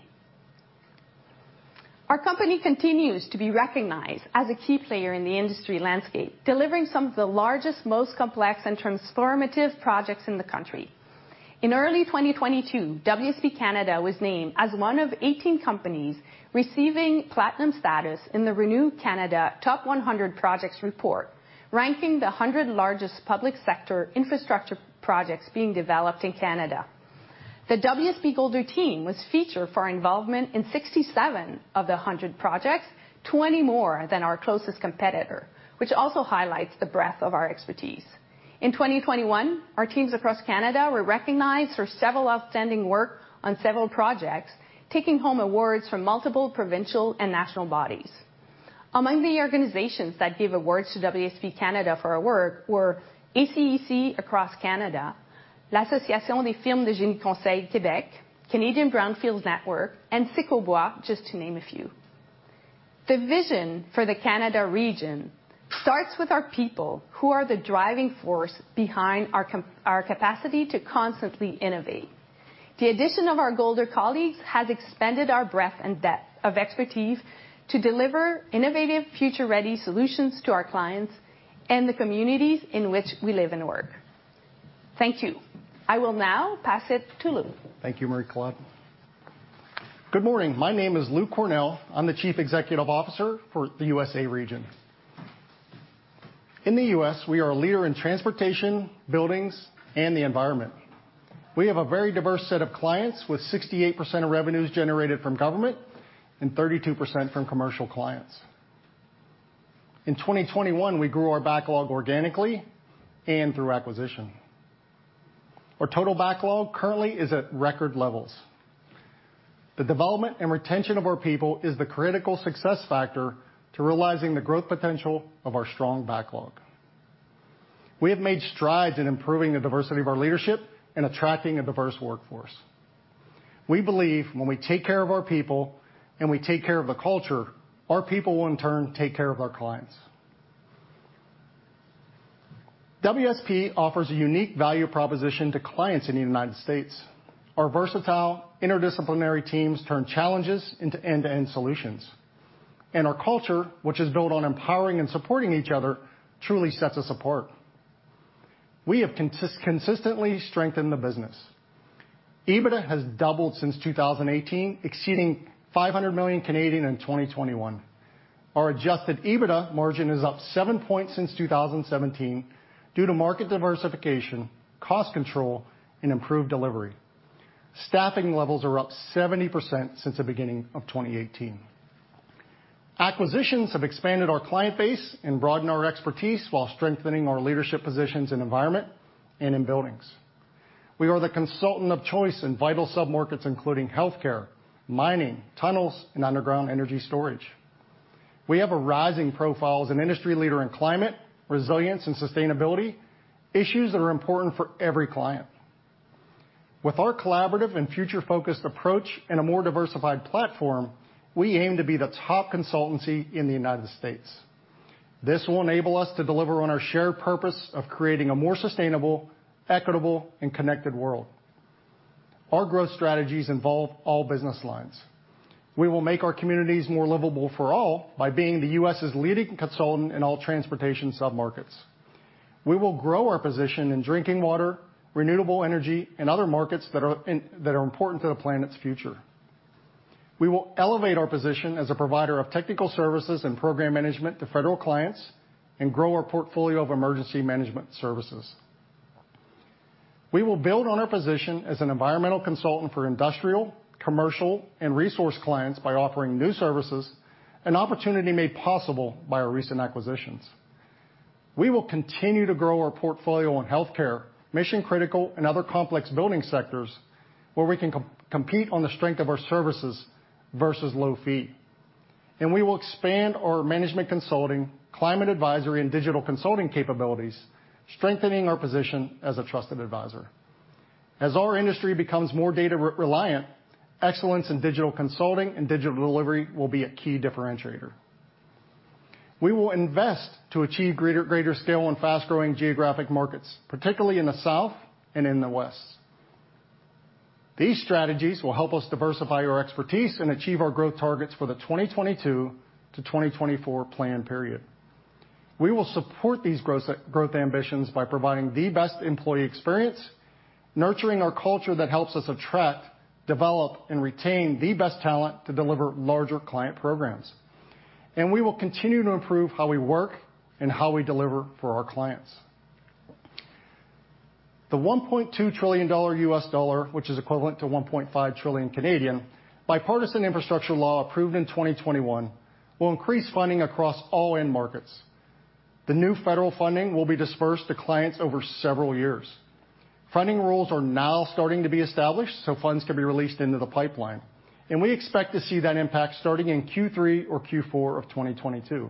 Our company continues to be recognized as a key player in the industry landscape, delivering some of the largest, most complex and transformative projects in the country. In early 2022, WSP Canada was named as one of 18 companies receiving platinum status in the ReNew Canada Top 100 Projects report, ranking the 100 largest public sector infrastructure projects being developed in Canada. The WSP Golder team was featured for our involvement in 67 of the 100 projects, 20 more than our closest competitor, which also highlights the breadth of our expertise. In 2021, our teams across Canada were recognized for several outstanding work on several projects, taking home awards from multiple provincial and national bodies. Among the organizations that gave awards to WSP Canada for our work were ACEC across Canada, Association des firmes de génie-conseil - Québec, Canadian Brownfields Network, and Cecobois, just to name a few. The vision for the Canada region starts with our people, who are the driving force behind our capacity to constantly innovate. The addition of our Golder colleagues has expanded our breadth and depth of expertise to deliver innovative, future-ready solutions to our clients and the communities in which we live and work. Thank you. I will now pass it to Lou. Thank you, Marie-Claude. Good morning. My name is Lou Cornell. I'm the Chief Executive Officer for the U.S. region. In the U.S., we are a leader in transportation, buildings, and the environment. We have a very diverse set of clients with 68% of revenues generated from government and 32% from commercial clients. In 2021, we grew our backlog organically and through acquisition. Our total backlog currently is at record levels. The development and retention of our people is the critical success factor to realizing the growth potential of our strong backlog. We have made strides in improving the diversity of our leadership and attracting a diverse workforce. We believe when we take care of our people and we take care of the culture, our people will in turn take care of our clients. WSP offers a unique value proposition to clients in the United States. Our versatile interdisciplinary teams turn challenges into end-to-end solutions. Our culture, which is built on empowering and supporting each other, truly sets us apart. We have consistently strengthened the business. EBITDA has doubled since 2018, exceeding 500 million in 2021. Our adjusted EBITDA margin is up seven points since 2017 due to market diversification, cost control, and improved delivery. Staffing levels are up 70% since the beginning of 2018. Acquisitions have expanded our client base and broadened our expertise while strengthening our leadership positions in environment and in buildings. We are the consultant of choice in vital submarkets, including healthcare, mining, tunnels, and underground energy storage. We have a rising profile as an industry leader in climate, resilience, and sustainability, issues that are important for every client. With our collaborative and future-focused approach and a more diversified platform, we aim to be the top consultancy in the United States. This will enable us to deliver on our shared purpose of creating a more sustainable, equitable, and connected world. Our growth strategies involve all business lines. We will make our communities more livable for all by being the U.S.'s leading consultant in all transportation submarkets. We will grow our position in drinking water, renewable energy, and other markets that are important to the planet's future. We will elevate our position as a provider of technical services and program management to federal clients and grow our portfolio of emergency management services. We will build on our position as an environmental consultant for industrial, commercial, and resource clients by offering new services, an opportunity made possible by our recent acquisitions. We will continue to grow our portfolio in healthcare, mission-critical, and other complex building sectors where we can compete on the strength of our services versus low fee. We will expand our management consulting, climate advisory, and digital consulting capabilities, strengthening our position as a trusted advisor. As our industry becomes more data reliant, excellence in digital consulting and digital delivery will be a key differentiator. We will invest to achieve greater scale in fast-growing geographic markets, particularly in the South and in the West. These strategies will help us diversify our expertise and achieve our growth targets for the 2022-2024 plan period. We will support these growth ambitions by providing the best employee experience, nurturing our culture that helps us attract, develop, and retain the best talent to deliver larger client programs. We will continue to improve how we work and how we deliver for our clients. The $1.2 trillion US dollar, which is equivalent to 1.5 trillion, Bipartisan Infrastructure Law approved in 2021 will increase funding across all end markets. The new federal funding will be dispersed to clients over several years. Funding rules are now starting to be established so funds can be released into the pipeline, and we expect to see that impact starting in Q3 or Q4 of 2022.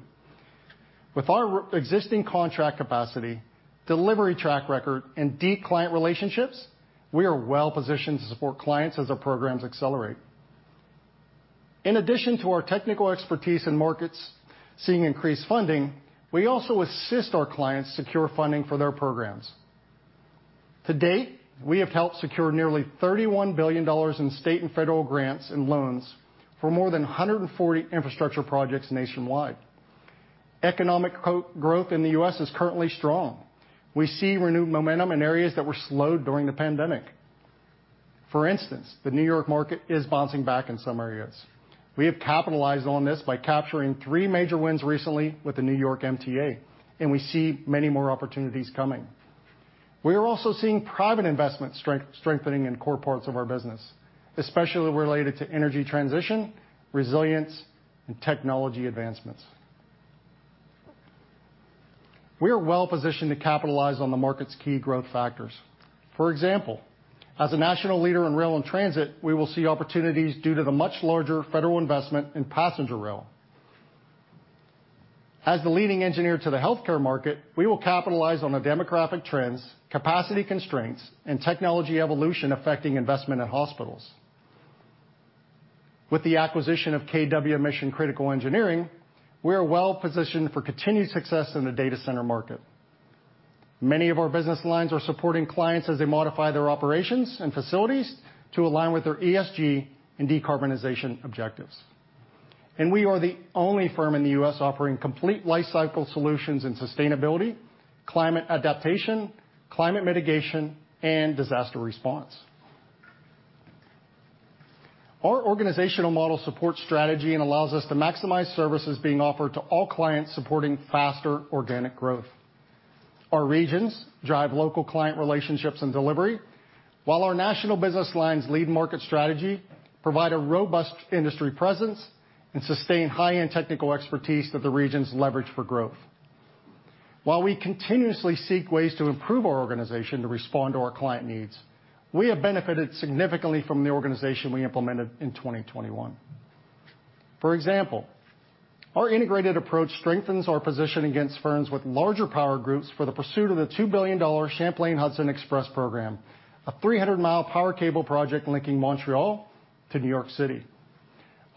With our pre-existing contract capacity, delivery track record, and deep client relationships, we are well-positioned to support clients as our programs accelerate. In addition to our technical expertise in markets seeing increased funding, we also assist our clients secure funding for their programs. To date, we have helped secure nearly $31 billion in state and federal grants and loans for more than 140 infrastructure projects nationwide. Economic co-growth in the U.S. is currently strong. We see renewed momentum in areas that were slowed during the pandemic. For instance, the New York market is bouncing back in some areas. We have capitalized on this by capturing three major wins recently with the New York MTA, and we see many more opportunities coming. We are also seeing private investment strengthening in core parts of our business, especially related to energy transition, resilience, and technology advancements. We are well-positioned to capitalize on the market's key growth factors. For example, as a national leader in rail and transit, we will see opportunities due to the much larger federal investment in passenger rail. As the leading engineer to the healthcare market, we will capitalize on the demographic trends, capacity constraints, and technology evolution affecting investment at hospitals. With the acquisition of kW Mission Critical Engineering, we are well-positioned for continued success in the data center market. Many of our business lines are supporting clients as they modify their operations and facilities to align with their ESG and decarbonization objectives. We are the only firm in the U.S. offering complete lifecycle solutions in sustainability, climate adaptation, climate mitigation, and disaster response. Our organizational model supports strategy and allows us to maximize services being offered to all clients supporting faster organic growth. Our regions drive local client relationships and delivery, while our national business lines lead market strategy, provide a robust industry presence, and sustain high-end technical expertise that the regions leverage for growth .While we continuously seek ways to improve our organization to respond to our client needs, we have benefited significantly from the organization we implemented in 2021. For example, our integrated approach strengthens our position against firms with larger power groups for the pursuit of the $2 billion Champlain Hudson Power Express program, a 300-mile power cable project linking Montreal to New York City.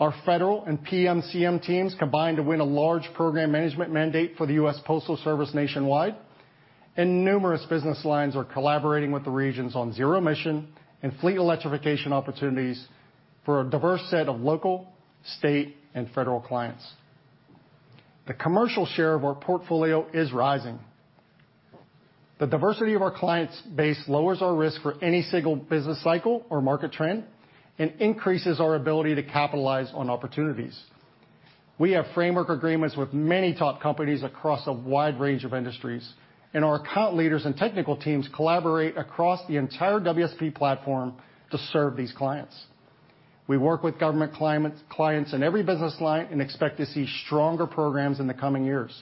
Our federal and PMCM teams combined to win a large program management mandate for the United States Postal Service nationwide, and numerous business lines are collaborating with the regions on zero-emission and fleet electrification opportunities for a diverse set of local, state and federal clients. The commercial share of our portfolio is rising. The diversity of our client base lowers our risk for any single business cycle or market trend and increases our ability to capitalize on opportunities. We have framework agreements with many top companies across a wide range of industries, and our account leaders and technical teams collaborate across the entire WSP platform to serve these clients. We work with government clients in every business line and expect to see stronger programs in the coming years.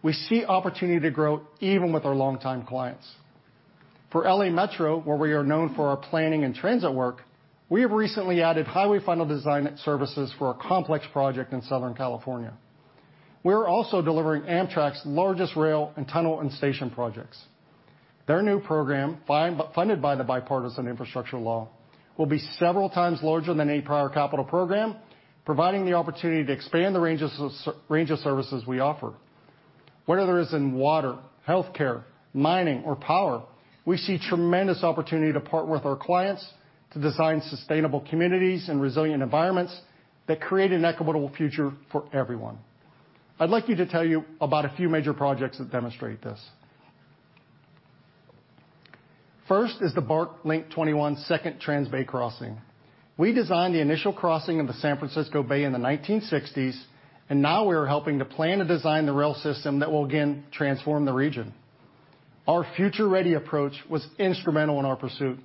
We see opportunity to grow even with our longtime clients. For L.A. Metro, where we are known for our planning and transit work, we have recently added highway final design services for a complex project in Southern California. We are also delivering Amtrak's largest rail and tunnel and station projects. Their new program, funded by the Bipartisan Infrastructure Law, will be several times larger than any prior capital program, providing the opportunity to expand the range of services we offer. Whether it is in water, healthcare, mining or power, we see tremendous opportunity to partner with our clients to design sustainable communities and resilient environments that create an equitable future for everyone. I'd like to tell you about a few major projects that demonstrate this. First is the BART Link21 Second Transbay Crossing. We designed the initial crossing of the San Francisco Bay in the 1960s, and now we are helping to plan and design the rail system that will again transform the region. Our Future Ready approach was instrumental in our pursuit.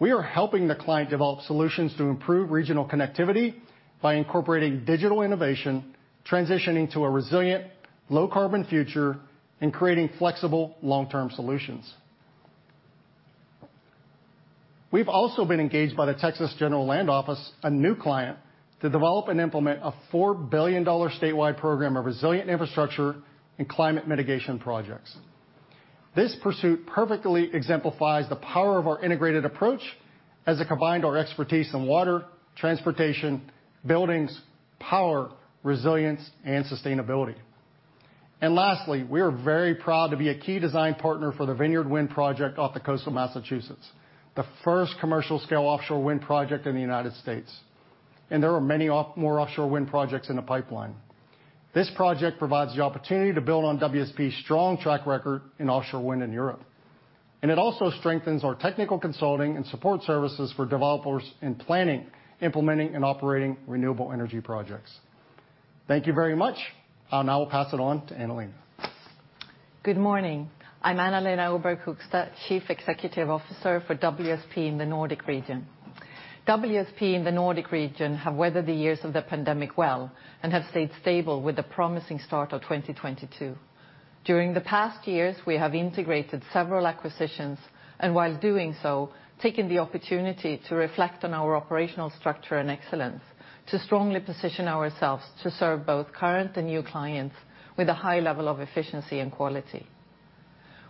We are helping the client develop solutions to improve regional connectivity by incorporating digital innovation, transitioning to a resilient low carbon future, and creating flexible long-term solutions. We've also been engaged by the Texas General Land Office, a new client, to develop and implement a $4 billion statewide program of resilient infrastructure and climate mitigation projects. This pursuit perfectly exemplifies the power of our integrated approach as it combined our expertise in water, transportation, buildings, power, resilience and sustainability. Lastly, we are very proud to be a key design partner for the Vineyard Wind project off the coast of Massachusetts, the first commercial scale offshore wind project in the United States. There are many offshore wind projects in the pipeline. This project provides the opportunity to build on WSP's strong track record in offshore wind in Europe, and it also strengthens our technical consulting and support services for developers in planning, implementing and operating renewable energy projects. Thank you very much. I'll now pass it on to Anna Lena. Good morning. I'm Anna-Lena Öberg-Högsta, Chief Executive Officer for WSP in the Nordic region. WSP in the Nordic region have weathered the years of the pandemic well and have stayed stable with the promising start of 2022. During the past years, we have integrated several acquisitions, and while doing so, taking the opportunity to reflect on our operational structure and excellence to strongly position ourselves to serve both current and new clients with a high level of efficiency and quality.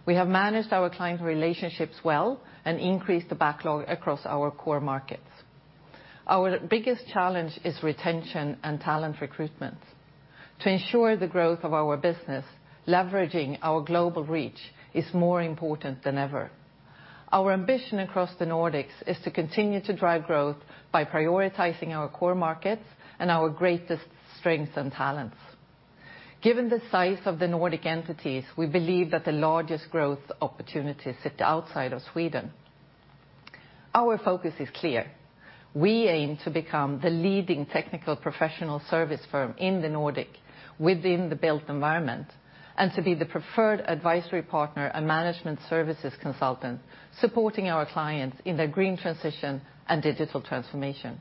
We have managed our client relationships well and increased the backlog across our core markets. Our biggest challenge is retention and talent recruitment. To ensure the growth of our business, leveraging our global reach is more important than ever. Our ambition across the Nordics is to continue to drive growth by prioritizing our core markets and our greatest strengths and talents. Given the size of the Nordic entities, we believe that the largest growth opportunities sit outside of Sweden. Our focus is clear. We aim to become the leading technical professional service firm in the Nordic within the built environment, and to be the preferred advisory partner and management services consultant supporting our clients in their green transition and digital transformation.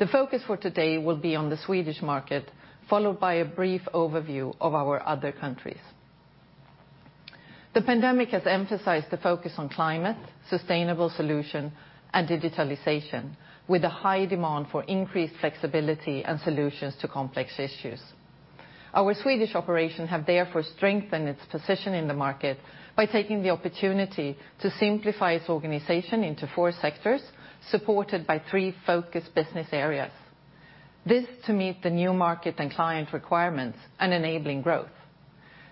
The focus for today will be on the Swedish market, followed by a brief overview of our other countries. The pandemic has emphasized the focus on climate, sustainable solution and digitalization with a high demand for increased flexibility and solutions to complex issues. Our Swedish operation have therefore strengthened its position in the market by taking the opportunity to simplify its organization into four sectors, supported by three focused business areas. This to meet the new market and client requirements and enabling growth.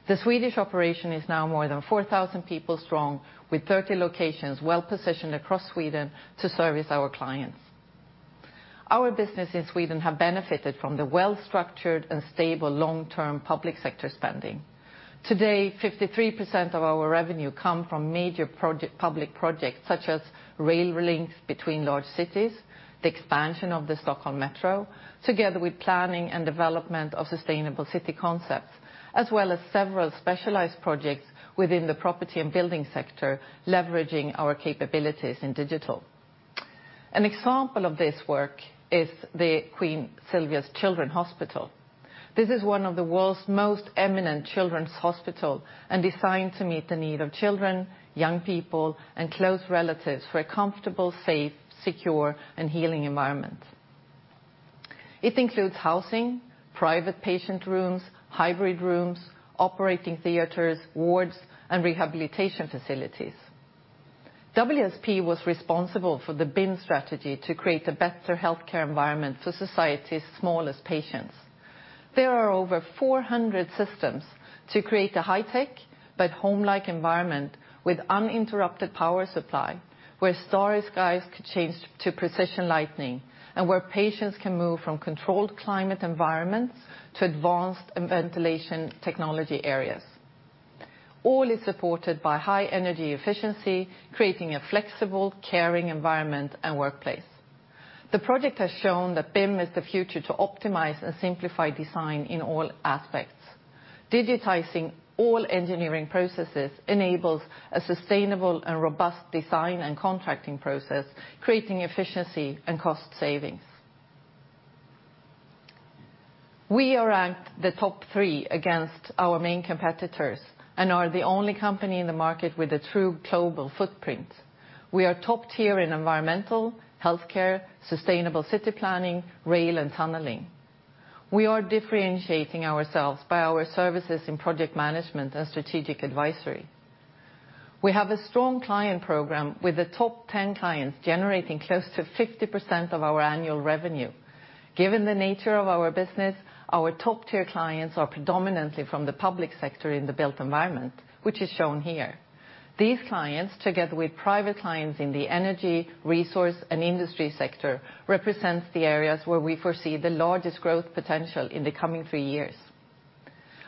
The Swedish operation is now more than 4,000 people strong, with 30 locations well positioned across Sweden to service our clients. Our business in Sweden have benefited from the well-structured and stable long-term public sector spending. Today, 53% of our revenue come from major project, public projects such as rail links between large cities, the expansion of the Stockholm Metro, together with planning and development of sustainable city concepts, as well as several specialized projects within the property and building sector, leveraging our capabilities in digital. An example of this work is the Queen Silvia Children's Hospital. This is one of the world's most eminent children's hospital and designed to meet the need of children, young people, and close relatives for a comfortable, safe, secure, and healing environment. It includes housing, private patient rooms, hybrid rooms, operating theaters, wards, and rehabilitation facilities. WSP was responsible for the BIM strategy to create a better healthcare environment for society's smallest patients. There are over 400 systems to create a high-tech but home-like environment with uninterrupted power supply, where starry skies could change to precision lighting, and where patients can move from controlled climate environments to advanced ventilation technology areas. All is supported by high energy efficiency, creating a flexible, caring environment and workplace. The project has shown that BIM is the future to optimize and simplify design in all aspects. Digitizing all engineering processes enables a sustainable and robust design and contracting process, creating efficiency and cost savings. We are ranked the top three against our main competitors and are the only company in the market with a true global footprint. We are top tier in environmental, healthcare, sustainable city planning, rail, and tunneling. We are differentiating ourselves by our services in project management and strategic advisory. We have a strong client program with the top 10 clients generating close to 50% of our annual revenue. Given the nature of our business, our top-tier clients are predominantly from the public sector in the built environment, which is shown here. These clients, together with private clients in the energy, resource, and industry sector, represents the areas where we foresee the largest growth potential in the coming three years.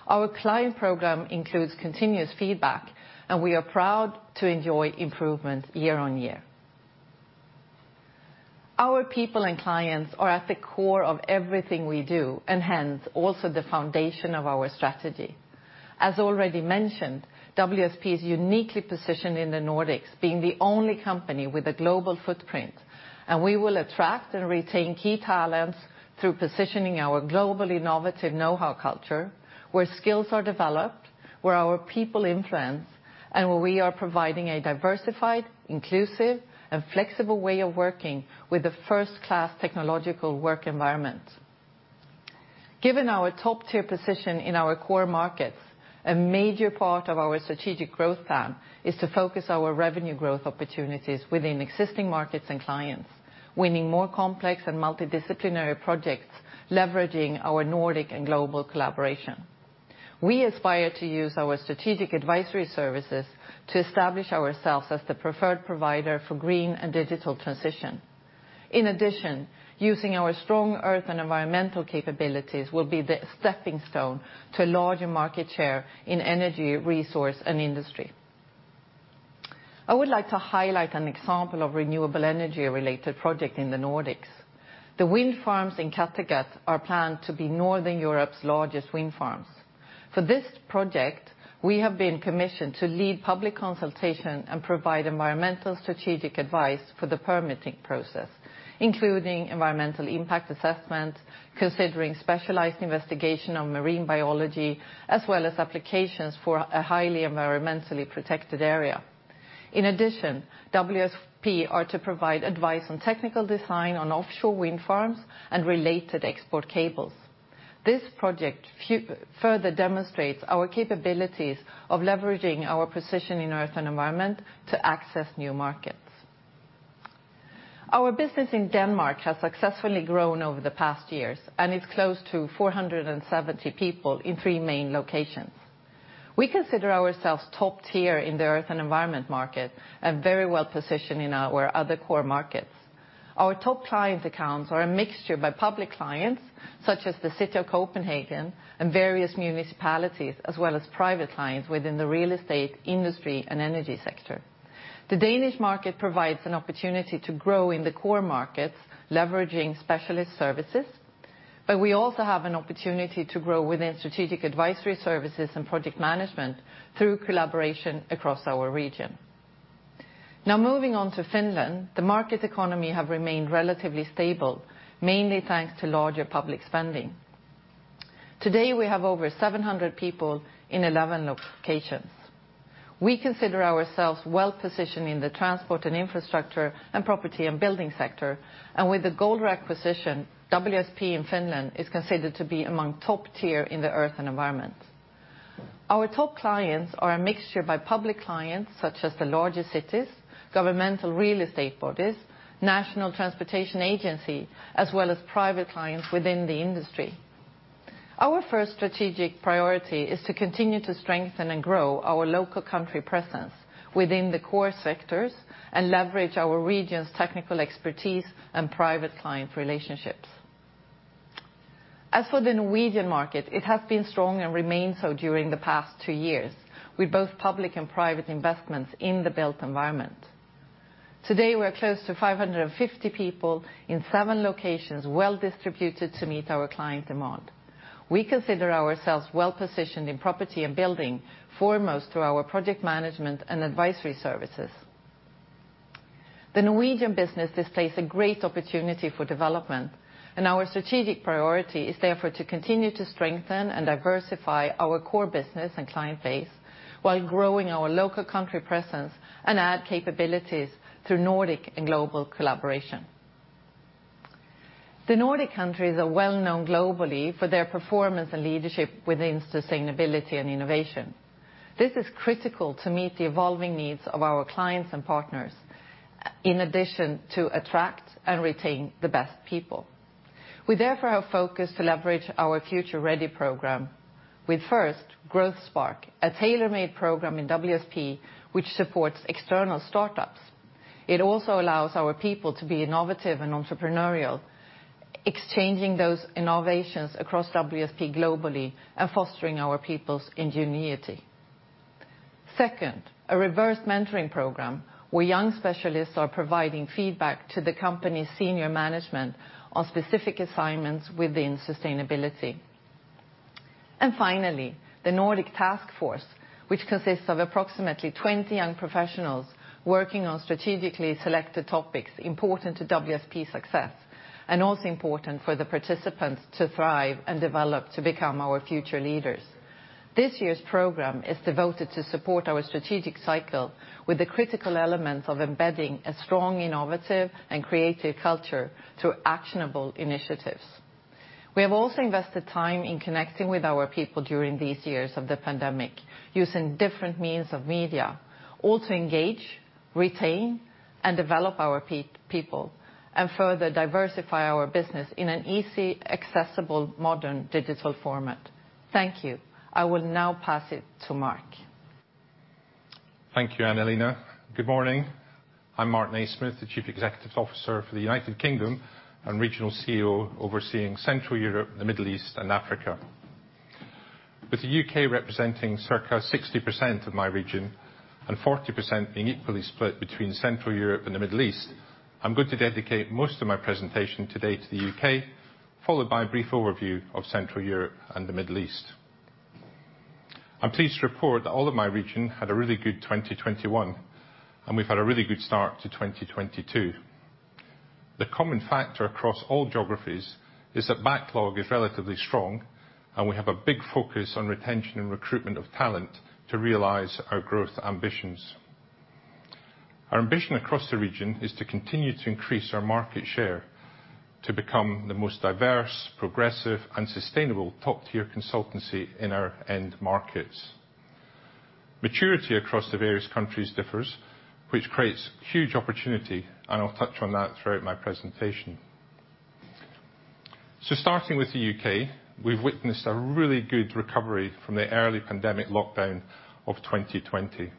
Our client program includes continuous feedback, and we are proud to enjoy improvement year on year. Our people and clients are at the core of everything we do, and hence, also the foundation of our strategy. As already mentioned, WSP is uniquely positioned in the Nordics, being the only company with a global footprint. We will attract and retain key talents through positioning our global innovative knowhow culture, where skills are developed, where our people influence, and where we are providing a diversified, inclusive, and flexible way of working with a first-class technological work environment. Given our top-tier position in our core markets, a major part of our strategic growth plan is to focus our revenue growth opportunities within existing markets and clients, winning more complex and multidisciplinary projects, leveraging our Nordic and global collaboration. We aspire to use our strategic advisory services to establish ourselves as the preferred provider for green and digital transition. In addition, using our strong earth and environmental capabilities will be the stepping stone to larger market share in energy, resource, and industry. I would like to highlight an example of renewable energy-related project in the Nordics. The wind farms in Kattegat are planned to be Northern Europe's largest wind farms. For this project, we have been commissioned to lead public consultation and provide environmental strategic advice for the permitting process, including environmental impact assessment, considering specialized investigation on marine biology, as well as applications for a highly environmentally protected area. In addition, WSP are to provide advice on technical design on offshore wind farms and related export cables. This project further demonstrates our capabilities of leveraging our position in earth and environment to access new markets. Our business in Denmark has successfully grown over the past years and is close to 470 people in three main locations. We consider ourselves top tier in the earth and environment market and very well positioned in our other core markets. Our top client accounts are a mixture of public clients, such as the City of Copenhagen and various municipalities, as well as private clients within the real estate, industry, and energy sector. The Danish market provides an opportunity to grow in the core markets, leveraging specialist services, but we also have an opportunity to grow within strategic advisory services and project management through collaboration across our region. Now moving on to Finland, the market economy has remained relatively stable, mainly thanks to larger public spending. Today, we have over 700 people in 11 locations. We consider ourselves well-positioned in the transport and infrastructure and property and buildings sector. With the Golder acquisition, WSP in Finland is considered to be among top tier in the Earth and Environment. Our top clients are a mixture of public clients, such as the largest cities, governmental real estate bodies, national transportation agency, as well as private clients within the industry. Our first strategic priority is to continue to strengthen and grow our local country presence within the core sectors and leverage our region's technical expertise and private client relationships. As for the Norwegian market, it has been strong and remains so during the past two years, with both public and private investments in the built environment. Today, we are close to 550 people in seven locations, well-distributed to meet our client demand. We consider ourselves well-positioned in property and building, foremost through our project management and advisory services. The Norwegian business displays a great opportunity for development, and our strategic priority is therefore to continue to strengthen and diversify our core business and client base while growing our local country presence and add capabilities through Nordic and global collaboration. The Nordic countries are well-known globally for their performance and leadership within sustainability and innovation. This is critical to meet the evolving needs of our clients and partners, in addition to attract and retain the best people. We therefore have focused to leverage our Future Ready program with, first, Growth Spark, a tailor-made program in WSP which supports external startups. It also allows our people to be innovative and entrepreneurial, exchanging those innovations across WSP globally and fostering our people's ingenuity. Second, a reverse mentoring program where young specialists are providing feedback to the company's senior management on specific assignments within sustainability. Finally, the Nordic Task Force, which consists of approximately 20 young professionals working on strategically selected topics important to WSP's success, and also important for the participants to thrive and develop to become our future leaders. This year's program is devoted to support our strategic cycle with the critical elements of embedding a strong, innovative, and creative culture through actionable initiatives. We have also invested time in connecting with our people during these years of the pandemic, using different means of media, all to engage, retain, and develop our people, and further diversify our business in an easy, accessible, modern digital format. Thank you. I will now pass it to Mark. Thank you, Anna-Lena Öberg-Högsta. Good morning. I'm Mark Naysmith, the Chief Executive Officer for the United Kingdom and Regional CEO overseeing Central Europe, the Middle East, and Africa. With the U.K. representing circa 60% of my region and 40% being equally split between Central Europe and the Middle East, I'm going to dedicate most of my presentation today to the U.K., followed by a brief overview of Central Europe and the Middle East. I'm pleased to report that all of my region had a really good 2021, and we've had a really good start to 2022. The common factor across all geographies is that backlog is relatively strong, and we have a big focus on retention and recruitment of talent to realize our growth ambitions. Our ambition across the region is to continue to increase our market share to become the most diverse, progressive, and sustainable top-tier consultancy in our end markets. Maturity across the various countries differs, which creates huge opportunity, and I'll touch on that throughout my presentation. Starting with the U.K., we've witnessed a really good recovery from the early pandemic lockdown of 2020.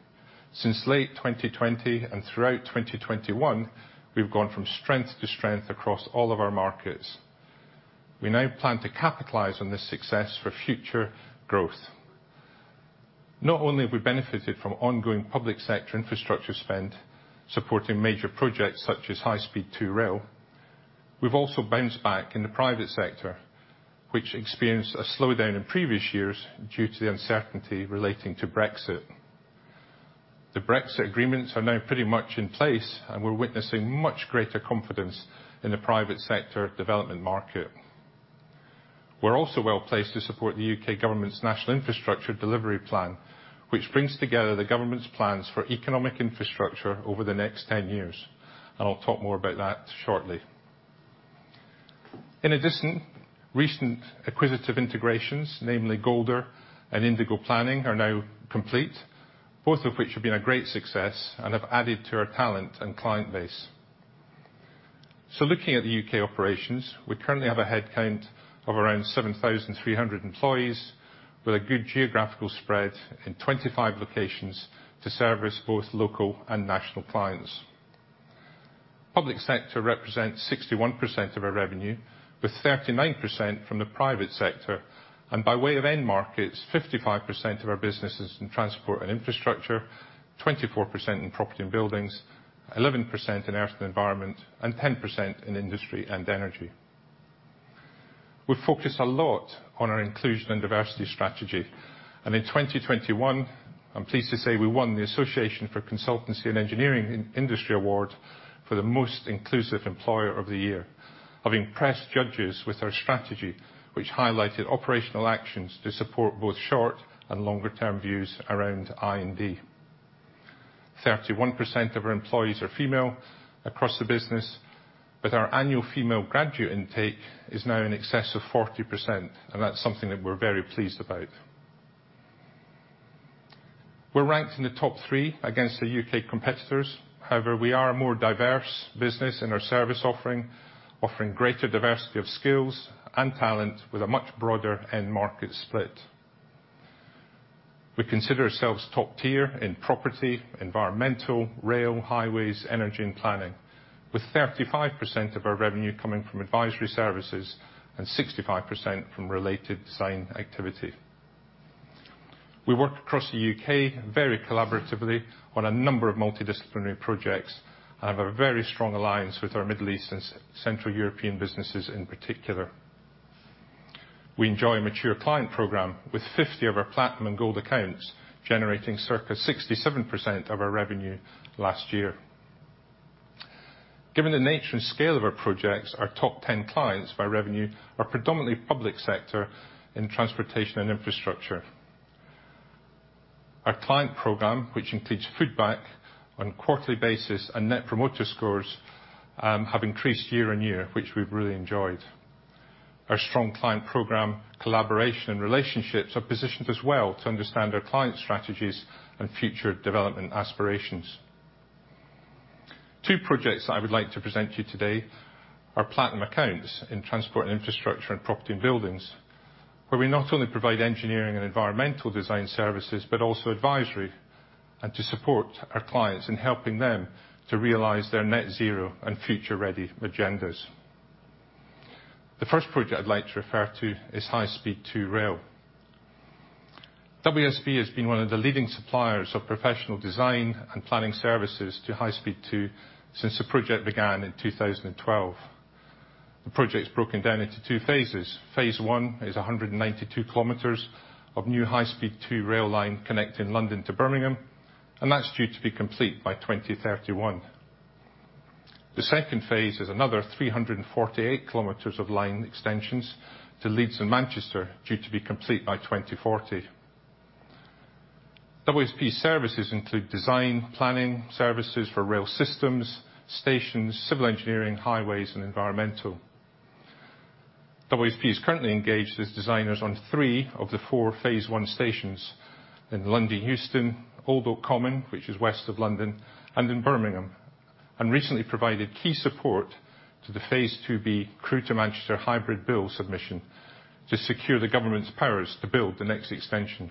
Since late 2020 and throughout 2021, we've gone from strength to strength across all of our markets. We now plan to capitalize on this success for future growth. Not only have we benefited from ongoing public sector infrastructure spend, supporting major projects such as High Speed 2 rail, we've also bounced back in the private sector, which experienced a slowdown in previous years due to the uncertainty relating to Brexit. The Brexit agreements are now pretty much in place, and we're witnessing much greater confidence in the private sector development market. We're also well-placed to support the U.K. government's National Infrastructure Plan, which brings together the government's plans for economic infrastructure over the next 10 years, and I'll talk more about that shortly. In addition, recent acquisitive integrations, namely Golder and Indigo Planning, are now complete, both of which have been a great success and have added to our talent and client base. Looking at the U.K. operations, we currently have a head count of around 7,300 employees with a good geographical spread in 25 locations to service both local and national clients. Public sector represents 61% of our revenue, with 39% from the private sector. By way of end markets, 55% of our business is in transport and infrastructure, 24% in property and buildings, 11% in earth and environment, and 10% in industry and energy. We focus a lot on our inclusion and diversity strategy. In 2021, I'm pleased to say we won the Association for Consultancy and Engineering in-Industry Award for the most inclusive employer of the year. Having impressed judges with our strategy, which highlighted operational actions to support both short and longer term views around I&D. 31% of our employees are female across the business, with our annual female graduate intake is now in excess of 40%, and that's something that we're very pleased about. We're ranked in the top three against the U.K. competitors. However, we are a more diverse business in our service offering greater diversity of skills and talent with a much broader end market split. We consider ourselves top tier in property, environmental, rail, highways, energy, and planning, with 35% of our revenue coming from advisory services and 65% from related design activity. We work across the U.K. very collaboratively on a number of multidisciplinary projects and have a very strong alliance with our Middle East and South-Central European businesses in particular. We enjoy a mature client program with 50 of our platinum and gold accounts generating circa 67% of our revenue last year. Given the nature and scale of our projects, our top 10 clients by revenue are predominantly public sector in transportation and infrastructure. Our client program, which includes feedback on a quarterly basis and Net Promoter Scores, have increased year on year, which we've really enjoyed. Our strong client program collaboration and relationships are positioned as well to understand our clients' strategies and future development aspirations. Two projects that I would like to present to you today are platinum accounts in transport and infrastructure and property and buildings, where we not only provide engineering and environmental design services, but also advisory and to support our clients in helping them to realize their net zero and Future Ready agendas. The first project I'd like to refer to is High Speed 2 Rail. WSP has been one of the leading suppliers of professional design and planning services to High Speed 2 since the project began in 2012. The project is broken down into two phases. Phase I is 192 km of new High Speed 2 rail line connecting London to Birmingham, and that's due to be complete by 2031. The second phase is another 348 km of line extensions to Leeds and Manchester, due to be complete by 2040. WSP services include design, planning services for rail systems, stations, civil engineering, highways, and environmental. WSP is currently engaged as designers on 3 of the 4 phase I stations in London Euston, Old Oak Common, which is west of London, and in Birmingham, and recently provided key support to the phase II-B Crewe to Manchester hybrid bill submission to secure the government's powers to build the next extension.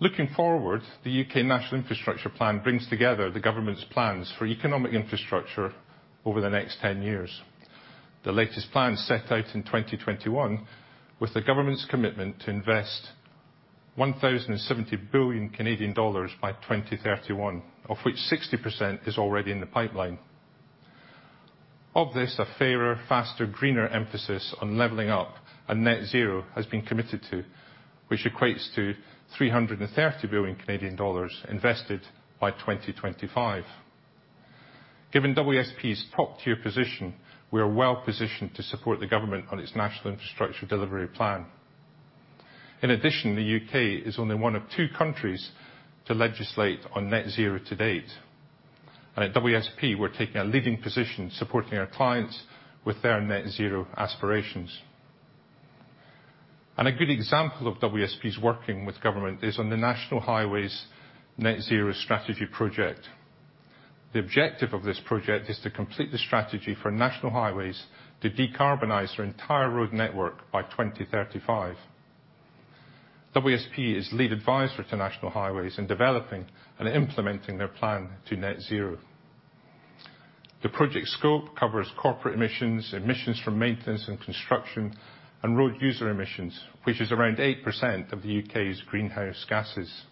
Looking forward, the U.K. National Infrastructure Plan brings together the government's plans for economic infrastructure over the next 10 years. The latest plan set out in 2021 was the government's commitment to invest 1,070 billion Canadian dollars by 2031, of which 60% is already in the pipeline. Of this, a fairer, faster, greener emphasis on leveling up and net zero has been committed to, which equates to 330 billion Canadian dollars invested by 2025. Given WSP's top-tier position, we are well-positioned to support the government on its national infrastructure delivery plan. In addition, the U.K. is only one of two countries to legislate on net zero to date. At WSP, we're taking a leading position supporting our clients with their net zero aspirations. A good example of WSP's working with government is on the National Highways Net Zero strategy project. The objective of this project is to complete the strategy for National Highways to decarbonize their entire road network by 2035. WSP is lead advisor to National Highways in developing and implementing their plan to net zero. The project scope covers corporate emissions from maintenance and construction, and road user emissions, which is around 8% of the U.K.'s greenhouse gases.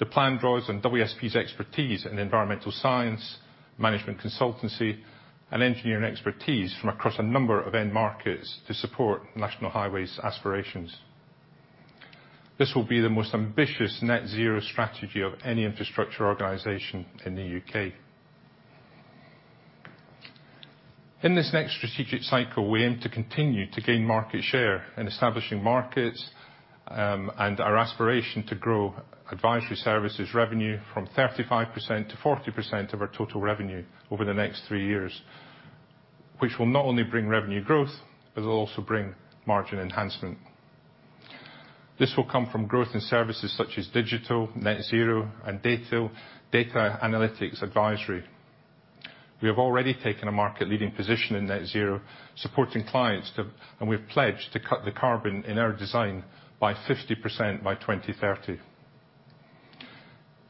The plan draws on WSP's expertise in environmental science, management consultancy, and engineering expertise from across a number of end markets to support National Highways aspirations. This will be the most ambitious net-zero strategy of any infrastructure organization in the U.K. In this next strategic cycle, we aim to continue to gain market share in establishing markets, and our aspiration to grow advisory services revenue from 35%-40% of our total revenue over the next three years, which will not only bring revenue growth, but it'll also bring margin enhancement. This will come from growth in services such as digital, net zero and data analytics advisory. We have already taken a market leading position in net zero supporting clients to and we've pledged to cut the carbon in our design by 50% by 2030.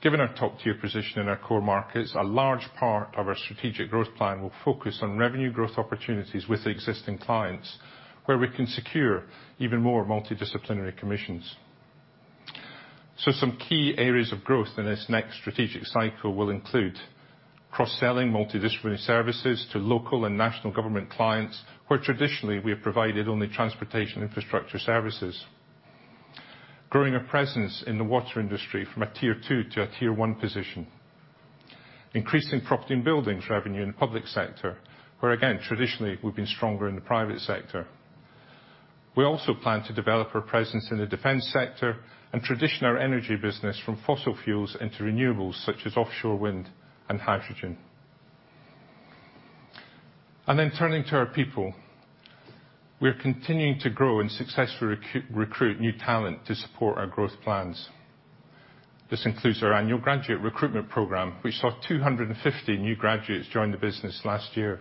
Given our top-tier position in our core markets, a large part of our strategic growth plan will focus on revenue growth opportunities with existing clients, where we can secure even more multidisciplinary commissions. Some key areas of growth in this next strategic cycle will include cross-selling multidisciplinary services to local and national government clients, where traditionally we have provided only transportation infrastructure services, growing a presence in the water industry from a tier 2 to a tier 1 position, increasing Property and Buildings revenue in the public sector, where again, traditionally, we've been stronger in the private sector. We also plan to develop our presence in the defense sector and transition our energy business from fossil fuels into renewables such as offshore wind and hydrogen. Then turning to our people, we are continuing to grow and successfully recruit new talent to support our growth plans. This includes our annual graduate recruitment program, which saw 250 new graduates join the business last year.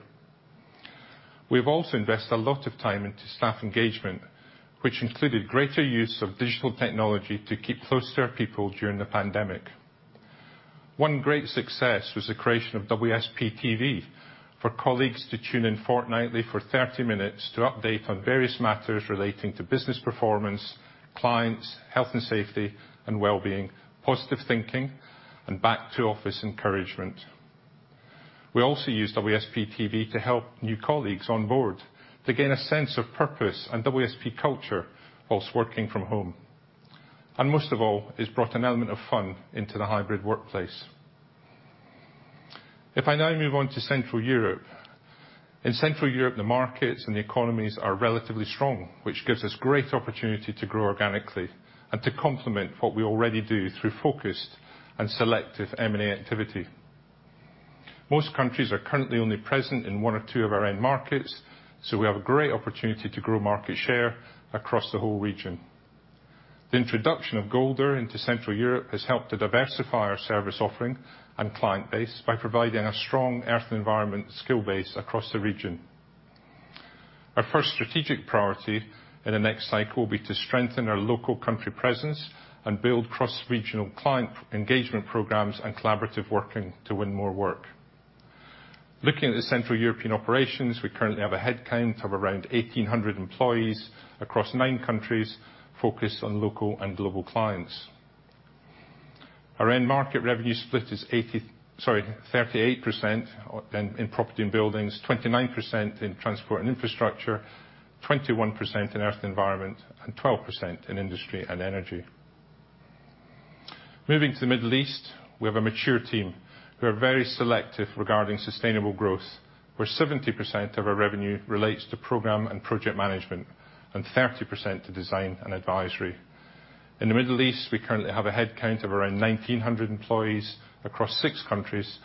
We've also invested a lot of time into staff engagement, which included greater use of digital technology to keep close to our people during the pandemic. One great success was the creation of WSP TV for colleagues to tune in fortnightly for 30 minutes to update on various matters relating to business performance, clients, health and safety and well-being, positive thinking, and back to office encouragement. We also use WSP TV to help new colleagues on board to gain a sense of purpose and WSP culture while working from home. Most of all, it's brought an element of fun into the hybrid workplace. If I now move on to Central Europe, the markets and the economies are relatively strong, which gives us great opportunity to grow organically and to complement what we already do through focused and selective M&A activity. Most countries are currently only present in one or two of our end markets, so we have a great opportunity to grow market share across the whole region. The introduction of Golder into Central Europe has helped to diversify our service offering and client base by providing a strong earth environment skill base across the region. Our first strategic priority in the next cycle will be to strengthen our local country presence and build cross-regional client engagement programs and collaborative working to win more work. Looking at the Central European operations, we currently have a headcount of around 1,800 employees across nine countries focused on local and global clients. Our end market revenue split is sorry, 38% in Property and Buildings, 29% in Transport and Infrastructure, 21% in Earth and Environment, and 12% in Industry and Energy. Moving to the Middle East, we have a mature team who are very selective regarding sustainable growth, where 70% of our revenue relates to program and project management and 30% to design and advisory. In the Middle East, we currently have a headcount of around 1,900 employees across six countries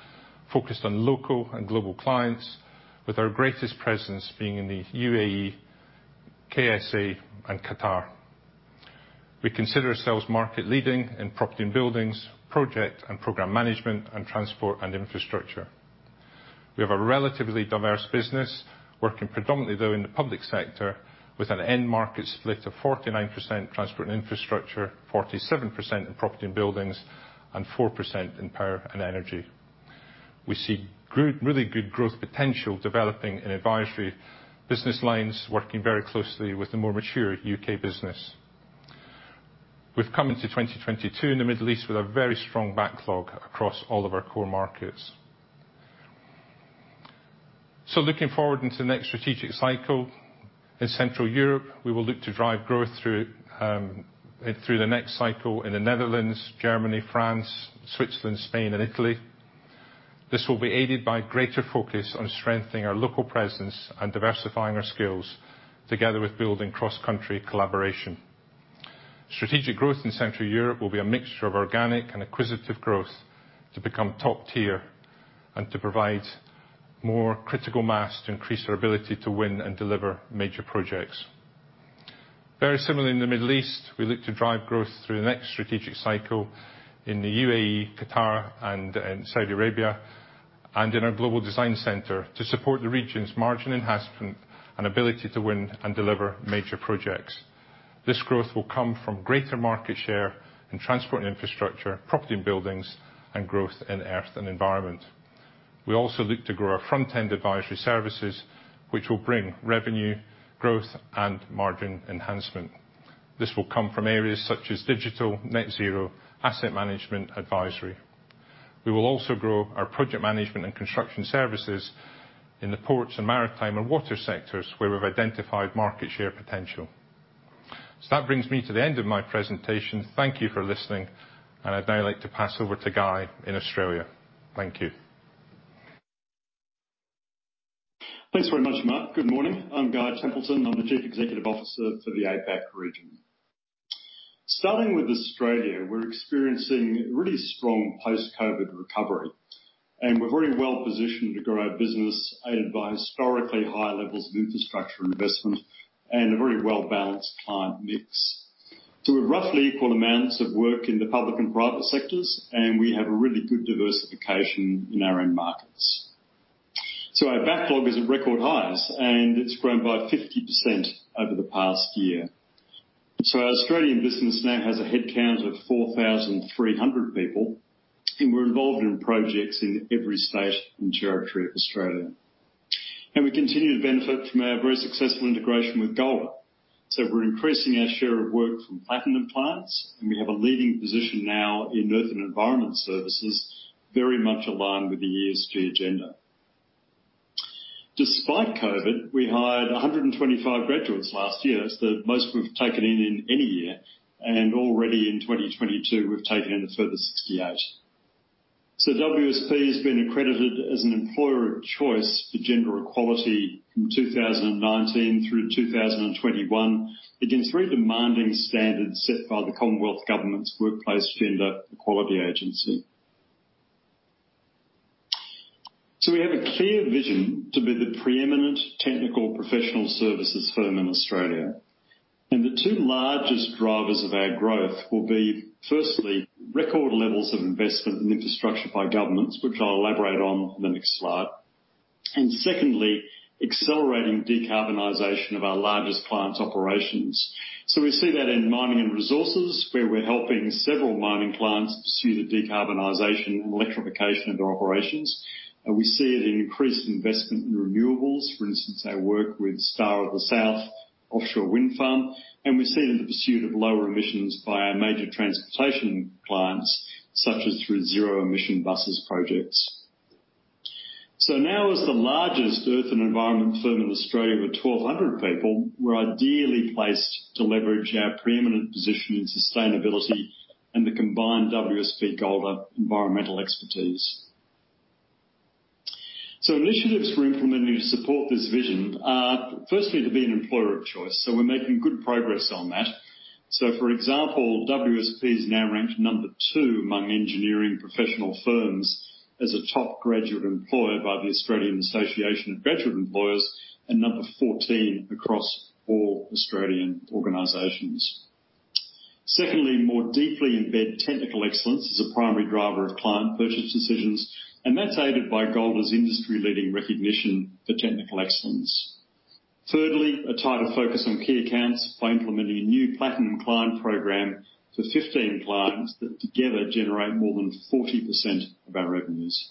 focused on local and global clients, with our greatest presence being in the UAE, KSA, and Qatar. We consider ourselves market leading in property and buildings, project and program management, and transport and infrastructure. We have a relatively diverse business, working predominantly though in the public sector with an end market split of 49% transport and infrastructure, 47% in property and buildings, and 4% in power and energy. We see good, really good growth potential developing in advisory business lines, working very closely with the more mature U.K. business. We've come into 2022 in the Middle East with a very strong backlog across all of our core markets. Looking forward into the next strategic cycle. In Central Europe, we will look to drive growth through the next cycle in the Netherlands, Germany, France, Switzerland, Spain, and Italy. This will be aided by greater focus on strengthening our local presence and diversifying our skills together with building cross-country collaboration. Strategic growth in Central Europe will be a mixture of organic and acquisitive growth to become top tier and to provide more critical mass to increase our ability to win and deliver major projects. Very similarly in the Middle East, we look to drive growth through the next strategic cycle in the UAE, Qatar, and in Saudi Arabia, and in our global design center to support the region's margin enhancement and ability to win and deliver major projects. This growth will come from greater market share in transport and infrastructure, property and buildings, and growth in earth and environment. We also look to grow our front-end advisory services, which will bring revenue growth and margin enhancement. This will come from areas such as digital, net zero, asset management, advisory. We will also grow our project management and construction services in the ports and maritime and water sectors where we've identified market share potential. That brings me to the end of my presentation. Thank you for listening, and I'd now like to pass over to Guy in Australia. Thank you. Thanks very much, Mark. Good morning. I'm Guy Templeton. I'm the Chief Executive Officer for the APAC region. Starting with Australia, we're experiencing really strong post-COVID recovery, and we're very well positioned to grow our business aided by historically high levels of infrastructure investment and a very well-balanced client mix. We have roughly equal amounts of work in the public and private sectors, and we have a really good diversification in our end markets. Our backlog is at record highs, and it's grown by 50% over the past year. Our Australian business now has a headcount of 4,300 people, and we're involved in projects in every state and territory of Australia. We continue to benefit from our very successful integration with Golder. We're increasing our share of work from platinum clients, and we have a leading position now in earth and environment services, very much aligned with the ESG agenda. Despite COVID, we hired 125 graduates last year. It's the most we've taken in in any year, and already in 2022, we've taken a further 68. WSP has been accredited as an employer of choice for gender equality from 2019 through 2021 against very demanding standards set by the Commonwealth Government's Workplace Gender Equality Agency. We have a clear vision to be the preeminent technical professional services firm in Australia. The two largest drivers of our growth will be, firstly, record levels of investment in infrastructure by governments, which I'll elaborate on in the next slide. Secondly, accelerating decarbonization of our largest clients' operations. We see that in mining and resources, where we're helping several mining clients pursue the decarbonization and electrification of their operations. We see it in increased investment in renewables. For instance, our work with Star of the South offshore wind farm, and we see it in the pursuit of lower emissions by our major transportation clients, such as through zero-emission buses projects. Now as the largest earth and environment firm in Australia with 1,200 people, we're ideally placed to leverage our preeminent position in sustainability and the combined WSP Golder environmental expertise. Initiatives we're implementing to support this vision are firstly to be an employer of choice, so we're making good progress on that. For example, WSP is now ranked number two among engineering professional firms as a top graduate employer by the Australian Association of Graduate Employers and number 14 across all Australian organizations. Secondly, more deeply embed technical excellence as a primary driver of client purchase decisions, and that's aided by Golder's industry-leading recognition for technical excellence. Thirdly, a tighter focus on key accounts by implementing a new platinum client program for 15 clients that together generate more than 40% of our revenues.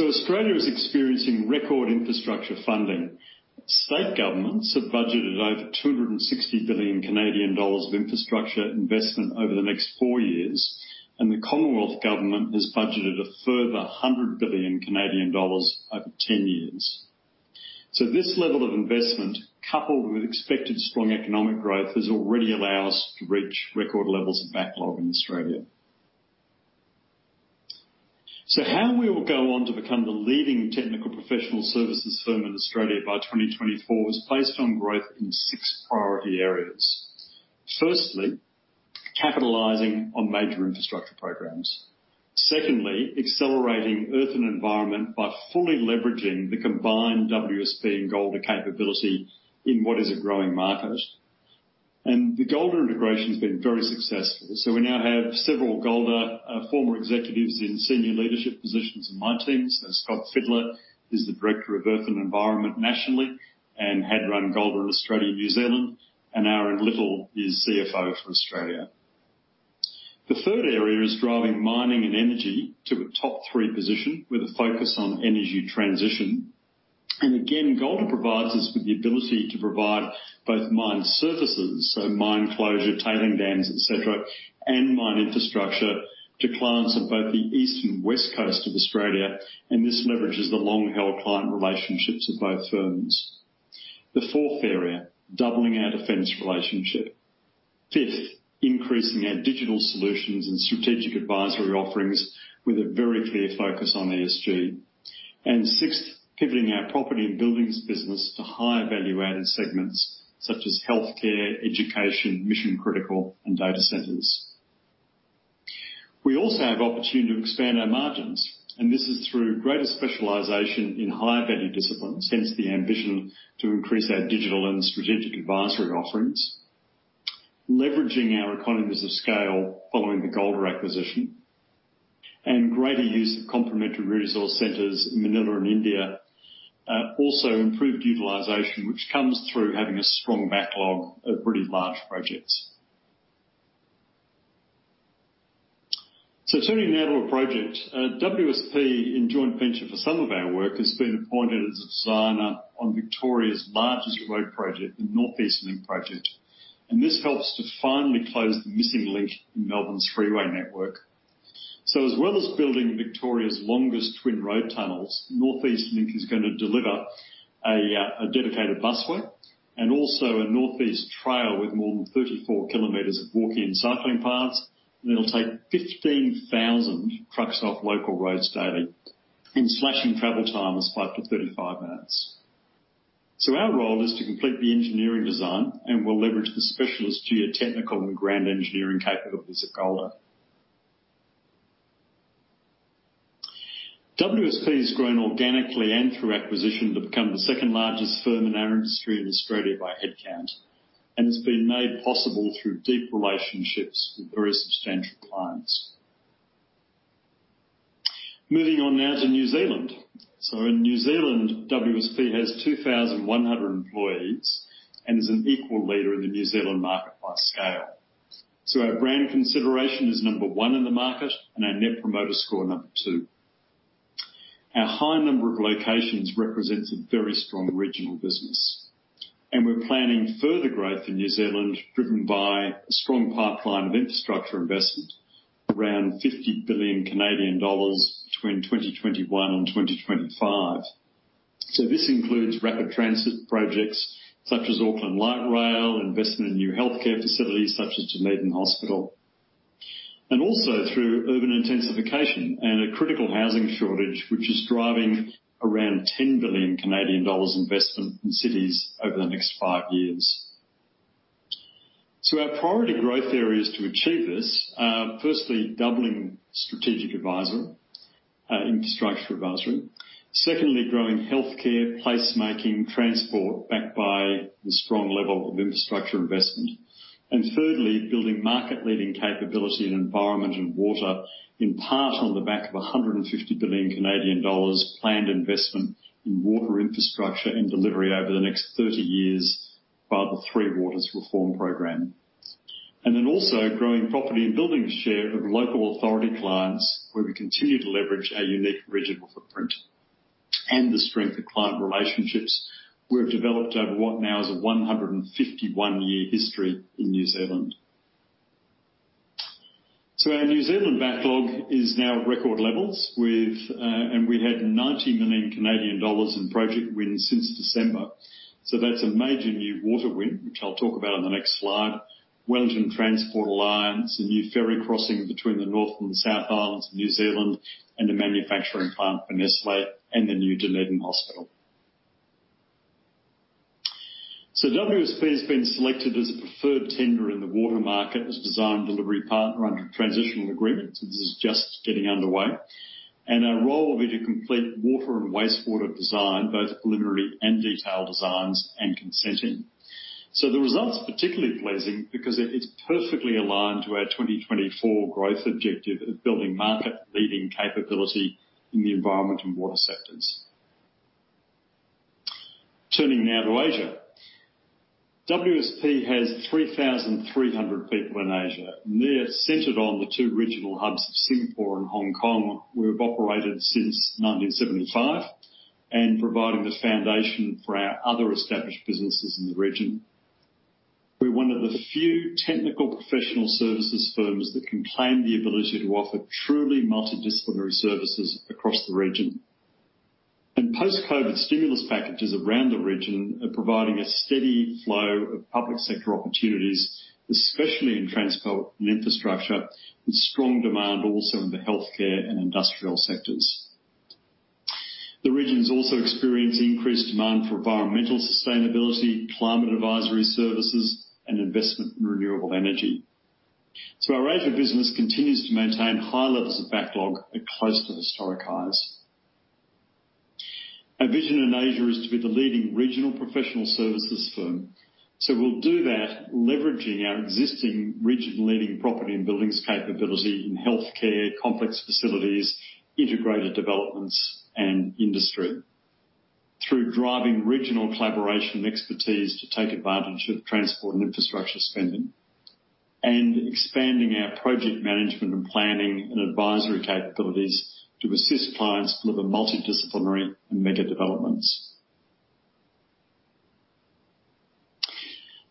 Australia is experiencing record infrastructure funding. State governments have budgeted over 260 billion Canadian dollars of infrastructure investment over the next four years, and the Commonwealth Government has budgeted a further 100 billion Canadian dollars over 10 years. This level of investment, coupled with expected strong economic growth, has already allowed us to reach record levels of backlog in Australia. How we will go on to become the leading technical professional services firm in Australia by 2024 is based on growth in six priority areas. Firstly, capitalizing on major infrastructure programs. Secondly, accelerating Earth and Environment by fully leveraging the combined WSP and Golder capability in what is a growing market. The Golder integration has been very successful. We now have several Golder former executives in senior leadership positions in my team. Scott Fidler is the Director of Earth and Environment nationally and had run Golder in Australia and New Zealand, and Aaron Little is CFO for Australia. The third area is driving mining and energy to a top three position with a focus on energy transition. Golder provides us with the ability to provide both mine services, so mine closure, tailings dams, et cetera, and mine infrastructure to clients at both the east and west coast of Australia, and this leverages the long-held client relationships of both firms. The fourth area, doubling our defense relationship. Fifth, increasing our digital solutions and strategic advisory offerings with a very clear focus on ESG. Sixth, pivoting our property and buildings business to higher value-added segments such as healthcare, education, mission-critical, and data centers. We also have opportunity to expand our margins, and this is through greater specialization in higher value disciplines, hence the ambition to increase our digital and strategic advisory offerings. Leveraging our economies of scale following the Golder acquisition and greater use of complementary resource centers in Manila and India. Also improved utilization, which comes through having a strong backlog of pretty large projects. Turning now to a project. WSP, in joint venture for some of our work, has been appointed as a designer on Victoria's largest road project, the Northeast Link project, and this helps to finally close the missing link in Melbourne's freeway network. As well as building Victoria's longest twin road tunnels, Northeast Link is gonna deliver a dedicated busway and also a North East Trail with more than 34 km of walking and cycling paths that'll take 15,000 trucks off local roads daily and slashing travel times by up to 35 minutes. Our role is to complete the engineering design, and we'll leverage the specialist geotechnical and ground engineering capabilities at Golder. WSP has grown organically and through acquisition to become the second-largest firm in our industry in Australia by headcount and has been made possible through deep relationships with very substantial clients. Moving on now to New Zealand. In New Zealand, WSP has 2,100 employees and is an equal leader in the New Zealand market by scale. Our brand consideration is 1 in the market and our Net Promoter Score 2. Our high number of locations represents a very strong regional business, and we're planning further growth in New Zealand driven by a strong pipeline of infrastructure investment, around 50 billion Canadian dollars between 2021 and 2025. This includes rapid transit projects such as Auckland Light Rail, investment in new healthcare facilities such as Dunedin Hospital. Also through urban intensification and a critical housing shortage, which is driving around 10 billion Canadian dollars investment in cities over the next five years. Our priority growth areas to achieve this are firstly, doubling strategic advisory, infrastructure advisory. Secondly, growing healthcare, placemaking, transport backed by the strong level of infrastructure investment. Thirdly, building market-leading capability in environment and water, in part on the back of 150 billion Canadian dollars planned investment in water infrastructure and delivery over the next 30 years via the Three Waters Reform program. Then also growing property and building share with local authority clients, where we continue to leverage our unique regional footprint. The strength of client relationships we have developed over what now is a 151-year history in New Zealand. Our New Zealand backlog is now at record levels with, and we had 90 million Canadian dollars in project wins since December. That's a major new water win, which I'll talk about on the next slide. Wellington Transport Alliance, a new ferry crossing between the North and South Islands of New Zealand, and a manufacturing plant for Nestlé and the new Dunedin Hospital. WSP has been selected as a preferred tenderer in the water market as design delivery partner under transitional agreement. This is just getting underway. Our role will be to complete water and wastewater design, both preliminary and detailed designs and consenting. The result's particularly pleasing because it's perfectly aligned to our 2024 growth objective of building market-leading capability in the environment and water sectors. Turning now to Asia. WSP has 3,300 people in Asia, and they're centered on the two regional hubs of Singapore and Hong Kong, where we've operated since 1975, and providing the foundation for our other established businesses in the region. We're one of the few technical professional services firms that can claim the ability to offer truly multidisciplinary services across the region. Post-COVID stimulus packages around the region are providing a steady flow of public sector opportunities, especially in transport and infrastructure, with strong demand also in the healthcare and industrial sectors. The region is also experiencing increased demand for environmental sustainability, climate advisory services, and investment in renewable energy. Our Asia business continues to maintain high levels of backlog at close to historic highs. Our vision in Asia is to be the leading regional professional services firm. We'll do that leveraging our existing region-leading property and buildings capability in healthcare, complex facilities, integrated developments, and industry through driving regional collaboration and expertise to take advantage of transport and infrastructure spending, expanding our project management and planning and advisory capabilities to assist clients deliver multidisciplinary and mega developments.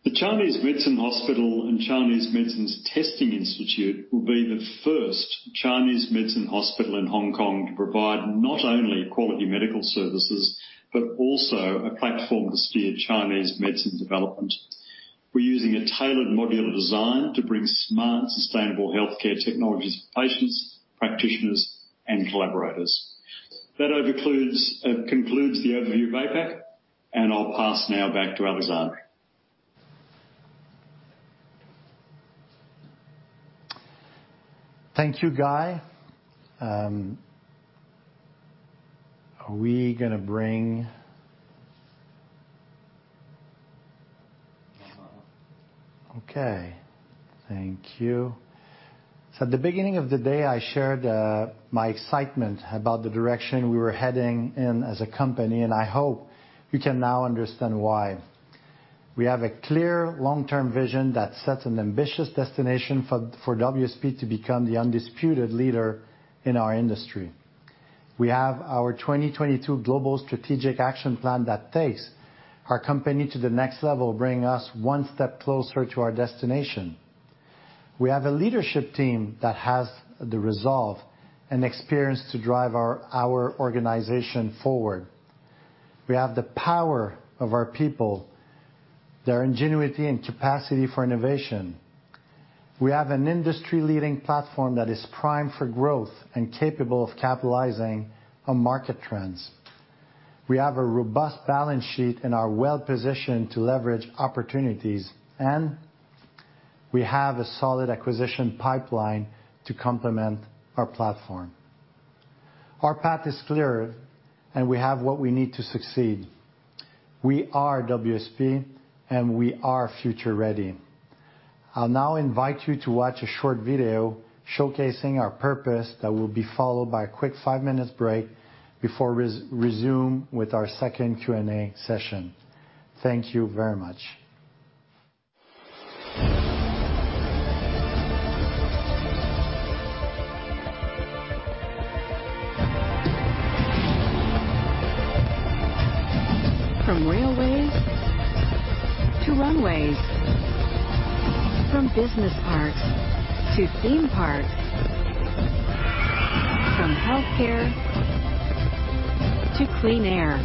The Chinese Medicine Hospital and Chinese Medicines Testing Institute will be the first Chinese medicine hospital in Hong Kong to provide not only quality medical services, but also a platform to steer Chinese medicine development. We're using a tailored modular design to bring smart, sustainable healthcare technologies to patients, practitioners, and collaborators. That concludes the overview of APAC, and I'll pass now back to Alexandre. Thank you, Guy. Are we gonna bring The mic. Okay. Thank you. At the beginning of the day, I shared my excitement about the direction we were heading in as a company, and I hope you can now understand why. We have a clear long-term vision that sets an ambitious destination for WSP to become the undisputed leader in our industry. We have our 2022 Global Strategic Action Plan that takes our company to the next level, bringing us one step closer to our destination. We have a leadership team that has the resolve and experience to drive our organization forward. We have the power of our people, their ingenuity and capacity for innovation. We have an industry-leading platform that is primed for growth and capable of capitalizing on market trends. We have a robust balance sheet and are well-positioned to leverage opportunities, and we have a solid acquisition pipeline to complement our platform. Our path is clear, and we have what we need to succeed. We are WSP, and we are Future Ready. I'll now invite you to watch a short video showcasing our purpose that will be followed by a quick five-minute break before resume with our second Q&A session. Thank you very much. From railways to runways. From business parks to theme parks. From healthcare to clean air.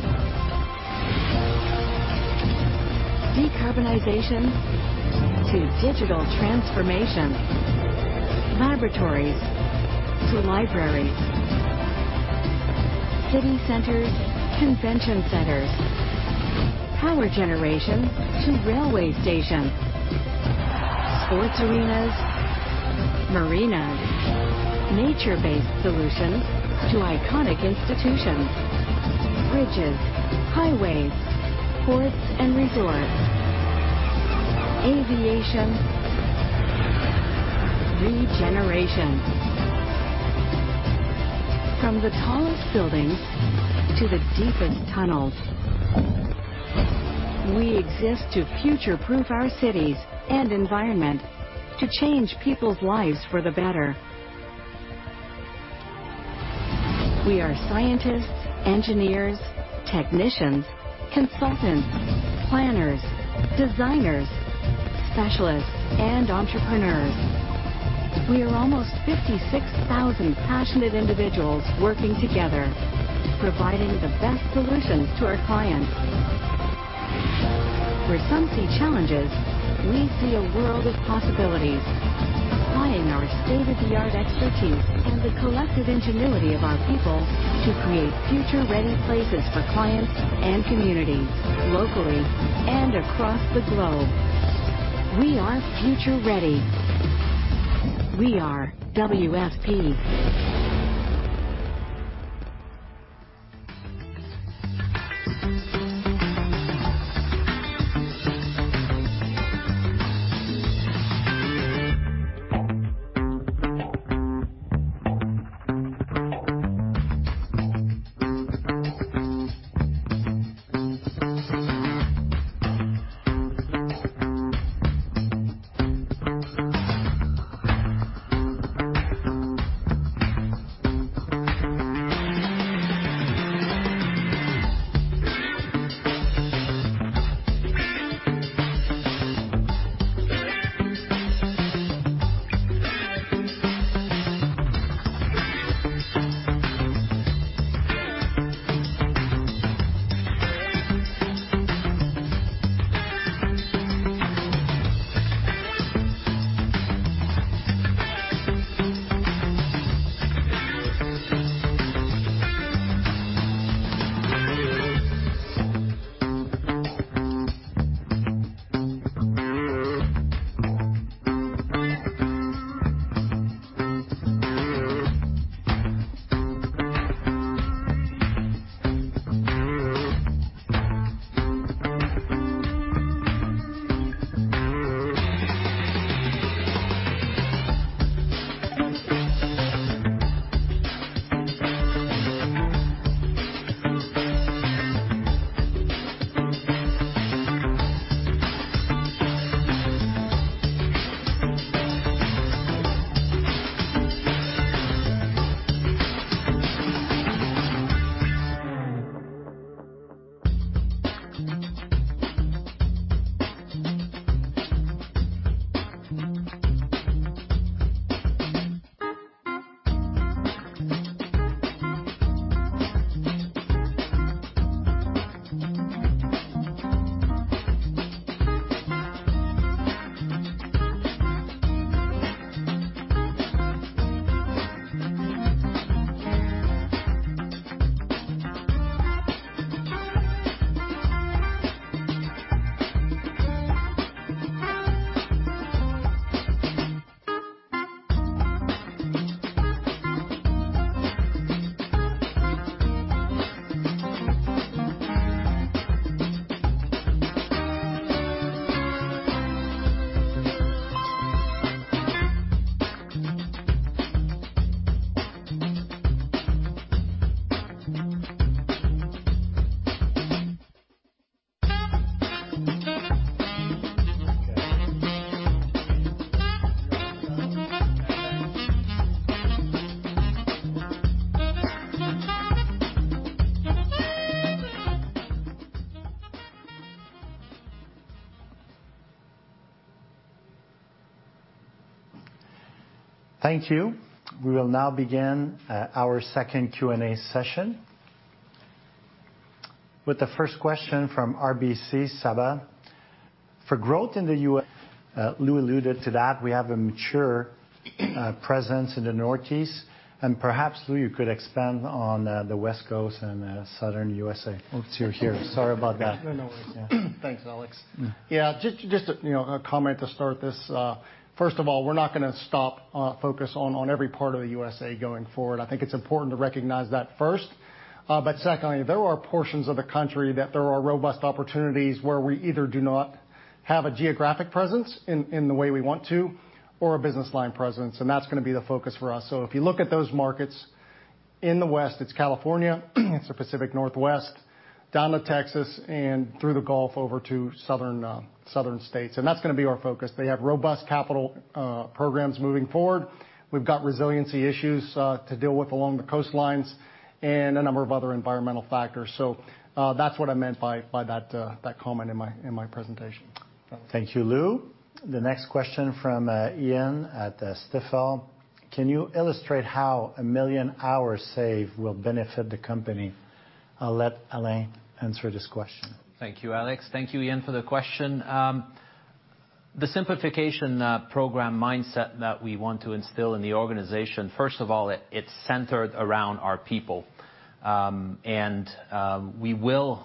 Decarbonization to digital transformation. Laboratories to libraries. City centers, convention centers. Power generation to railway stations. Sports arenas, marinas. Nature-based solutions to iconic institutions. Bridges, highways, ports and resorts. Aviation, regeneration. From the tallest buildings to the deepest tunnels. We exist to future-proof our cities and environment to change people's lives for the better. We are scientists, engineers, technicians, consultants, planners, designers, specialists, and entrepreneurs. We are almost 56,000 passionate individuals working together, providing the best solutions to our clients. Where some see challenges, we see a world of possibilities. Applying our state-of-the-art expertise and the collective ingenuity of our people to create Future Ready places for clients and communities locally and across the globe. We are Future Ready. We are WSP. Thank you. We will now begin our second Q&A session. With the first question from RBC, Saba. For growth in the U.S. Lou alluded to that we have a mature presence in the Northeast, and perhaps, Lou, you could expand on the West Coast and Southern U.S. Oh, it's you here. Sorry about that. No, no worries. Thanks, Alex. Mm-hmm. You know, a comment to start this. First of all, we're not gonna stop our focus on every part of the U.S.A. going forward. I think it's important to recognize that first. Secondly, there are portions of the country where there are robust opportunities where we either do not have a geographic presence in the way we want to or a business line presence, and that's gonna be the focus for us. If you look at those markets, in the West, it's California, it's the Pacific Northwest, down to Texas and through the Gulf over to Southern states. That's gonna be our focus. They have robust capital programs moving forward. We've got resiliency issues to deal with along the coastlines and a number of other environmental factors. That's what I meant by that comment in my presentation. Thank you, Lou. The next question from Ian at Stifel. Can you illustrate how 1 million hours saved will benefit the company? I'll let Alain answer this question. Thank you, Alex. Thank you, Ian, for the question. The simplification program mindset that we want to instill in the organization, first of all, it's centered around our people. We will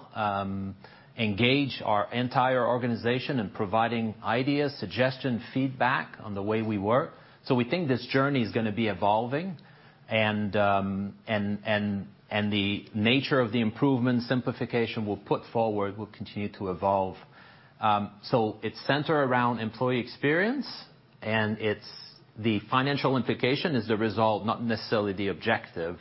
engage our entire organization in providing ideas, suggestions, feedback on the way we work. We think this journey is gonna be evolving and the nature of the improvement simplification we'll put forward will continue to evolve. It's centered around employee experience, and it's the financial implication is the result, not necessarily the objective.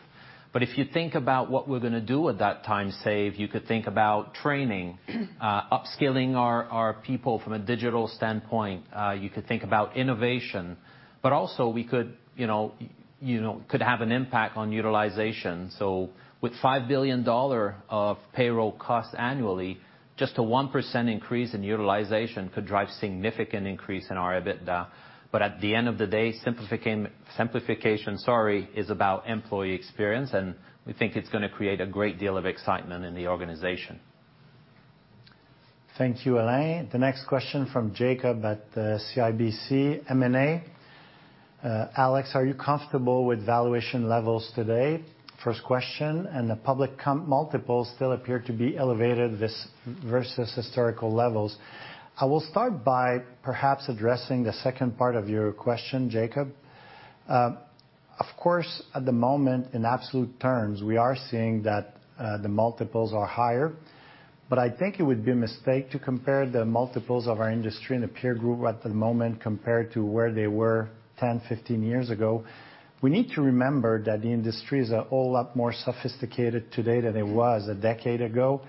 If you think about what we're gonna do with that time save, you could think about training, upskilling our people from a digital standpoint. You could think about innovation. Also we could have an impact on utilization. With 5 billion dollar of payroll costs annually, just a 1% increase in utilization could drive significant increase in our EBITDA. At the end of the day, simplification is about employee experience, and we think it's gonna create a great deal of excitement in the organization. Thank you, Alain. The next question from Jacob at CIBC World Markets. Alex, are you comfortable with valuation levels today? First question, the public comp multiples still appear to be elevated versus historical levels. I will start by perhaps addressing the second part of your question, Jacob. Of course, at the moment, in absolute terms, we are seeing that the multiples are higher. I think it would be a mistake to compare the multiples of our industry and the peer group at the moment compared to where they were 10, 15 years ago. We need to remember that the industry is a whole lot more sophisticated today than it was a decade ago.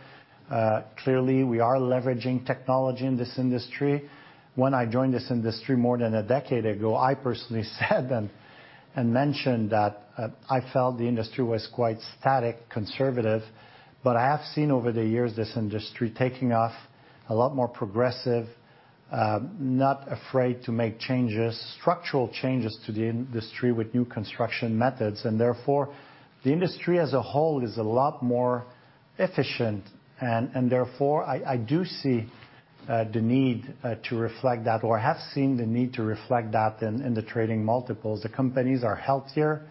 Clearly, we are leveraging technology in this industry. When I joined this industry more than a decade ago, I personally said and mentioned that I felt the industry was quite static, conservative. I have seen over the years this industry taking off a lot more progressive, not afraid to make changes, structural changes to the industry with new construction methods. Therefore, the industry as a whole is a lot more efficient and therefore I do see the need to reflect that or have seen the need to reflect that in the trading multiples. The companies are healthier,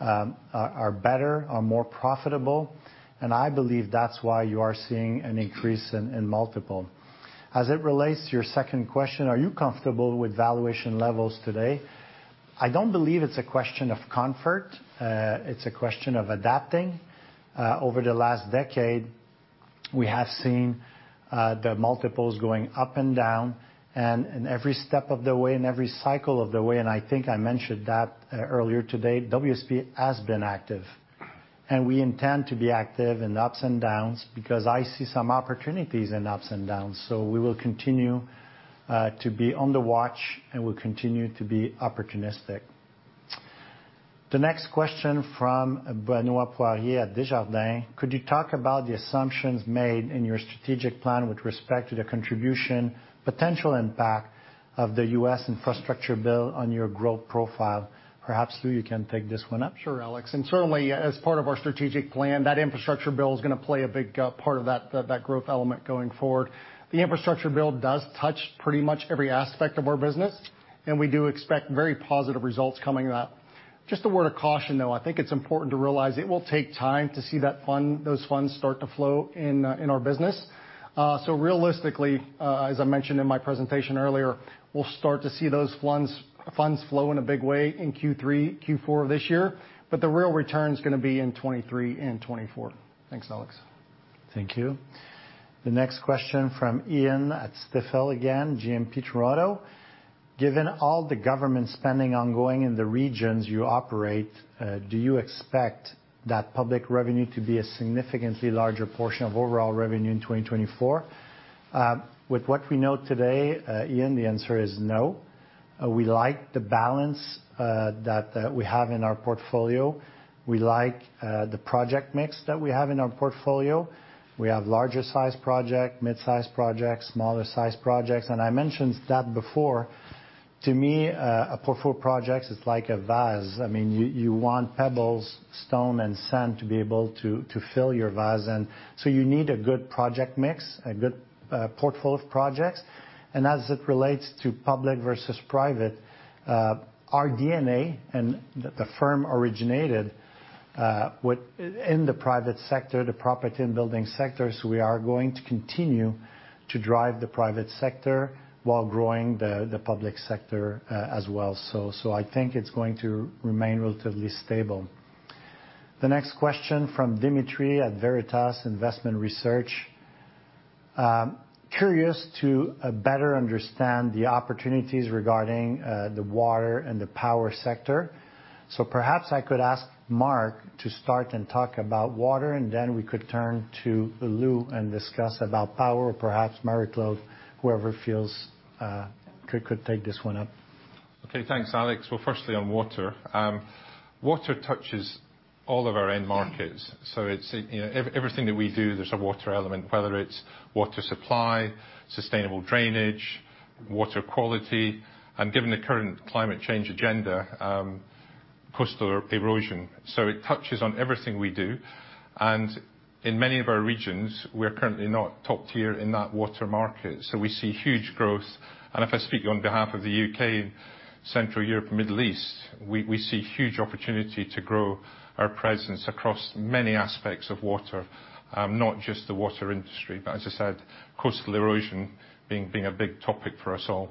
are better, are more profitable, and I believe that's why you are seeing an increase in multiple. As it relates to your second question, are you comfortable with valuation levels today? I don't believe it's a question of comfort. It's a question of adapting. Over the last decade, we have seen the multiples going up and down and in every step of the way, in every cycle of the way, and I think I mentioned that earlier today, WSP has been active. We intend to be active in the ups and downs because I see some opportunities in ups and downs. We will continue to be on the watch, and we'll continue to be opportunistic. The next question from Benoit Poirier at Desjardins. Could you talk about the assumptions made in your strategic plan with respect to the contribution, potential impact of the U.S. infrastructure bill on your growth profile? Perhaps, Lou, you can take this one up. Sure, Alex. Certainly, as part of our strategic plan, that infrastructure bill is gonna play a big part of that growth element going forward. The infrastructure bill does touch pretty much every aspect of our business, and we do expect very positive results coming up. Just a word of caution, though. I think it's important to realize it will take time to see that fund, those funds start to flow in our business. Realistically, as I mentioned in my presentation earlier, we'll start to see those funds flow in a big way in Q3, Q4 of this year, but the real return is gonna be in 2023 and 2024. Thanks, Alex. Thank you. The next question from Ian Gillies at Stifel GMP Toronto. Given all the government spending ongoing in the regions you operate, do you expect that public revenue to be a significantly larger portion of overall revenue in 2024? With what we know today, Ian, the answer is no. We like the balance that we have in our portfolio. We like the project mix that we have in our portfolio. We have larger-sized project, mid-sized projects, smaller-sized projects, and I mentioned that before. To me, a portfolio of projects is like a vase. I mean, you want pebbles, stone, and sand to fill your vase. You need a good project mix, a good portfolio of projects. As it relates to public versus private, our DNA and the firm originated in the private sector, the property and building sector. We are going to continue to drive the private sector while growing the public sector as well. I think it's going to remain relatively stable. The next question from Dmitry at Veritas Investment Research: curious to better understand the opportunities regarding the water and the power sector. Perhaps I could ask Mark to start and talk about water, and then we could turn to Lou and discuss about power, or perhaps Marie-Claude, whoever feels could take this one up. Okay. Thanks, Alex. Firstly, on water touches all of our end markets. It's, you know, everything that we do, there's a water element, whether it's water supply, sustainable drainage, water quality, and given the current climate change agenda, coastal erosion. It touches on everything we do. In many of our regions, we're currently not top tier in that water market. We see huge growth. If I speak on behalf of the U.K., Central Europe, and Middle East, we see huge opportunity to grow our presence across many aspects of water, not just the water industry. As I said, coastal erosion being a big topic for us all.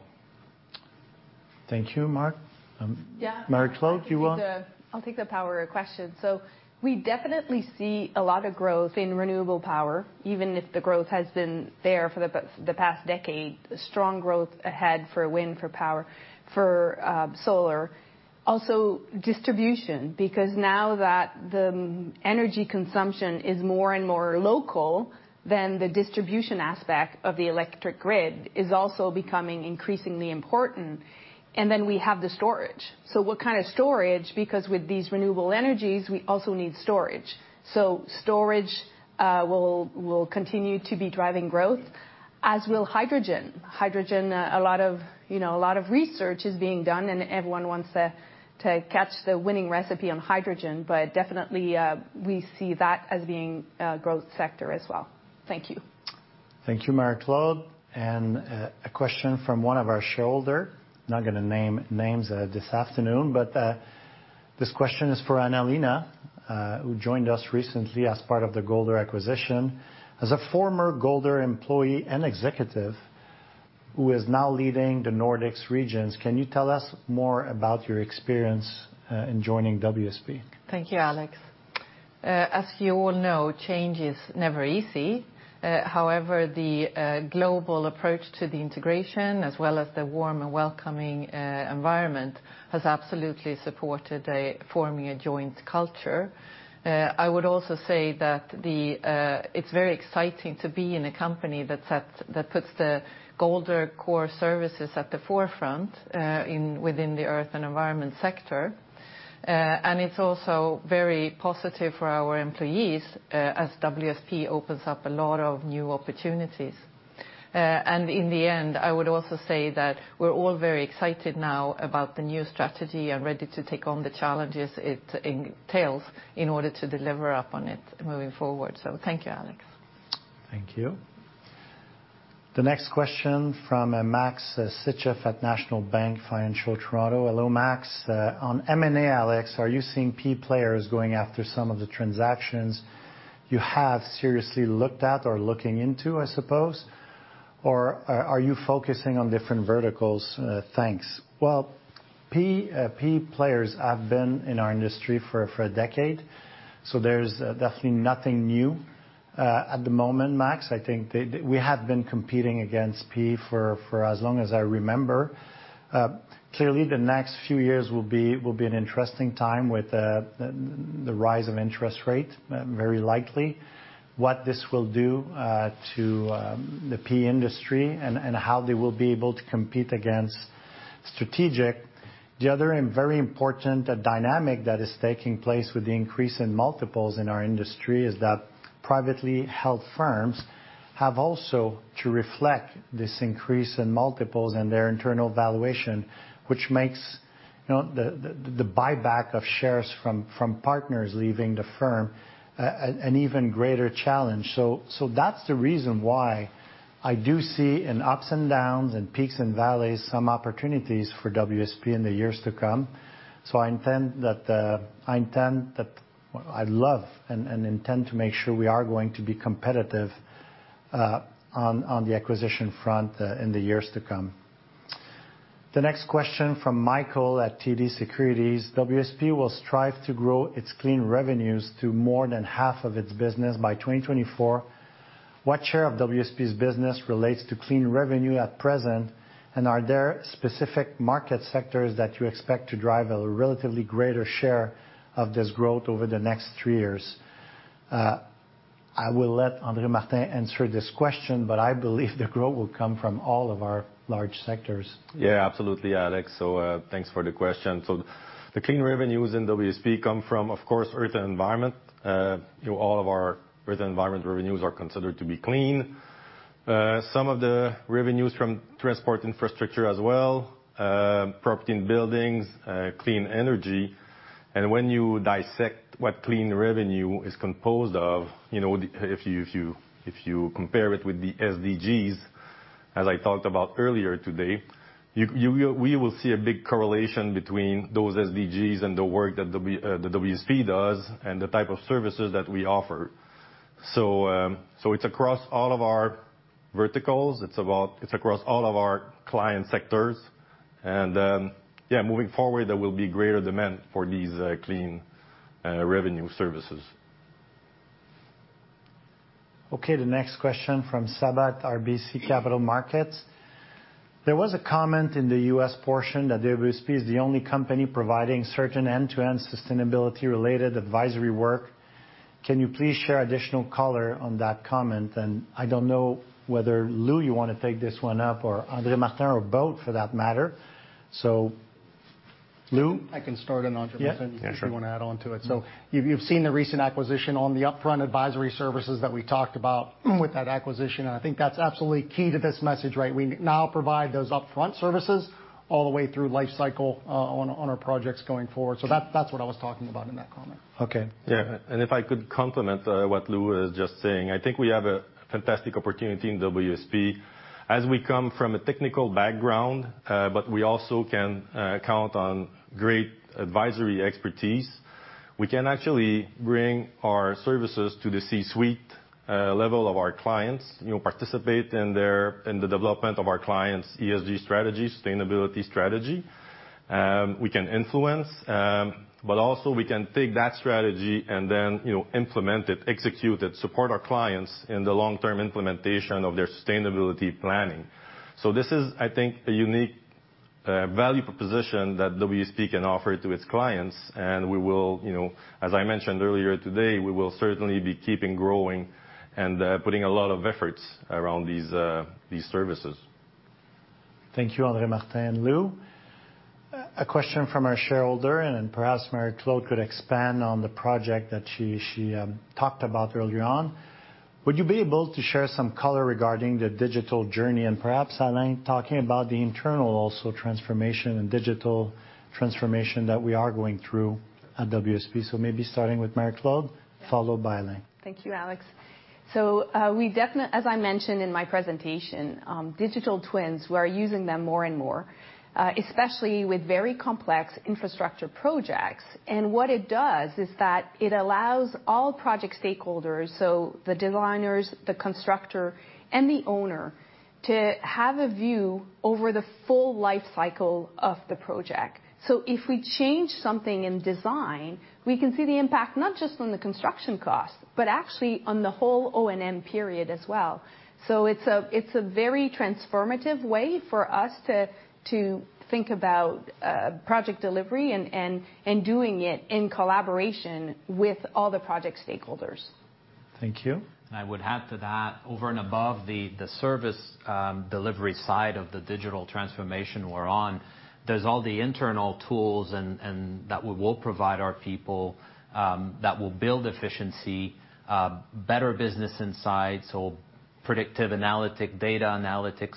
Thank you, Mark. Marie-Claude, you want- Yeah, I'll take the power question. We definitely see a lot of growth in renewable power, even if the growth has been there for the past decade, strong growth ahead for wind, for power, solar. Also distribution, because now that the energy consumption is more and more local, then the distribution aspect of the electric grid is also becoming increasingly important. Then we have the storage. What kind of storage? Because with these renewable energies, we also need storage. Storage will continue to be driving growth, as will hydrogen. Hydrogen, a lot of, you know, a lot of research is being done, and everyone wants to catch the winning recipe on hydrogen. Definitely, we see that as being a growth sector as well. Thank you. Thank you, Marie-Claude. A question from one of our shareholder. Not gonna name names, this afternoon, but, this question is for Anna-Lena Öberg-Högsta, who joined us recently as part of the Golder acquisition. As a former Golder employee and executive who is now leading the Nordic region, can you tell us more about your experience in joining WSP? Thank you, Alex. As you all know, change is never easy. However, the global approach to the integration, as well as the warm and welcoming environment, has absolutely supported forming a joint culture. I would also say that it's very exciting to be in a company that puts the Golder core services at the forefront within the earth and environment sector. And it's also very positive for our employees, as WSP opens up a lot of new opportunities. And in the end, I would also say that we're all very excited now about the new strategy and ready to take on the challenges it entails in order to deliver up on it moving forward. Thank you, Alex. Thank you. The next question from Maxim Sytchev at National Bank Financial, Toronto. Hello, Max. On M&A, Alex, are you seeing PE players going after some of the transactions you have seriously looked at or looking into, I suppose? Or are you focusing on different verticals? Thanks. Well, PE players have been in our industry for a decade, so there's definitely nothing new at the moment, Max. I think we have been competing against PE for as long as I remember. Clearly, the next few years will be an interesting time with the rise of interest rate, very likely. What this will do to the PE industry and how they will be able to compete against strategic. The other and very important dynamic that is taking place with the increase in multiples in our industry is that privately held firms have also to reflect this increase in multiples and their internal valuation, which makes the buyback of shares from partners leaving the firm an even greater challenge. That's the reason why I do see in ups and downs, in peaks and valleys, some opportunities for WSP in the years to come. I intend to make sure we are going to be competitive on the acquisition front in the years to come. The next question from Michael at TD Securities. WSP will strive to grow its client revenues to more than half of its business by 2024. What share of WSP's business relates to clean revenue at present, and are there specific market sectors that you expect to drive a relatively greater share of this growth over the next three years? I will let André-Martin answer this question, but I believe the growth will come from all of our large sectors. Yeah, absolutely, Alex. Thanks for the question. The clean revenues in WSP come from, of course, Earth and Environment. You know, all of our Earth and Environment revenues are considered to be clean. Some of the revenues from transport infrastructure as well, Property and Buildings, clean energy. When you dissect what clean revenue is composed of, you know, if you compare it with the SDGs, as I talked about earlier today, we will see a big correlation between those SDGs and the work that WSP does and the type of services that we offer. It's across all of our verticals. It's across all of our client sectors. Moving forward, there will be greater demand for these clean revenue services. Okay, the next question from Sabahat Khan, RBC Capital Markets. There was a comment in the U.S. portion that WSP is the only company providing certain end-to-end sustainability-related advisory work. Can you please share additional color on that comment? I don't know whether, Lou Cornell, you wanna take this one up or André-Martin Bouchard or both for that matter. Lou? I can start and André-Martin. Yeah, sure. If you wanna add on to it. You've seen the recent acquisition on the upfront advisory services that we talked about with that acquisition, and I think that's absolutely key to this message, right? We now provide those upfront services all the way through lifecycle on our projects going forward. That's what I was talking about in that comment. Okay. Yeah, if I could complement what Lou is just saying. I think we have a fantastic opportunity in WSP as we come from a technical background, but we also can count on great advisory expertise. We can actually bring our services to the C-suite level of our clients, you know, participate in their, in the development of our clients' ESG strategy, sustainability strategy. We can influence, but also we can take that strategy and then, you know, implement it, execute it, support our clients in the long-term implementation of their sustainability planning. This is, I think, a unique value proposition that WSP can offer to its clients, and we will, you know, as I mentioned earlier today, we will certainly be keeping growing and putting a lot of efforts around these services. Thank you, André-Martin, and Lou. A question from our shareholder, and perhaps Marie-Claude could expand on the project that she talked about earlier on. Would you be able to share some color regarding the digital journey, and perhaps Alain talking about the internal also transformation and digital transformation that we are going through at WSP. Maybe starting with Marie-Claude, followed by Alain. Thank you, Alex. As I mentioned in my presentation, digital twins, we're using them more and more, especially with very complex infrastructure projects. What it does is that it allows all project stakeholders, so the designers, the constructor, and the owner, to have a view over the full life cycle of the project. If we change something in design, we can see the impact, not just on the construction cost, but actually on the whole O&M period as well. It's a very transformative way for us to think about project delivery and doing it in collaboration with all the project stakeholders. Thank you. I would add to that, over and above the service delivery side of the digital transformation we're on, there's all the internal tools and that we will provide our people that will build efficiency, better business insights or predictive analytic, data analytics,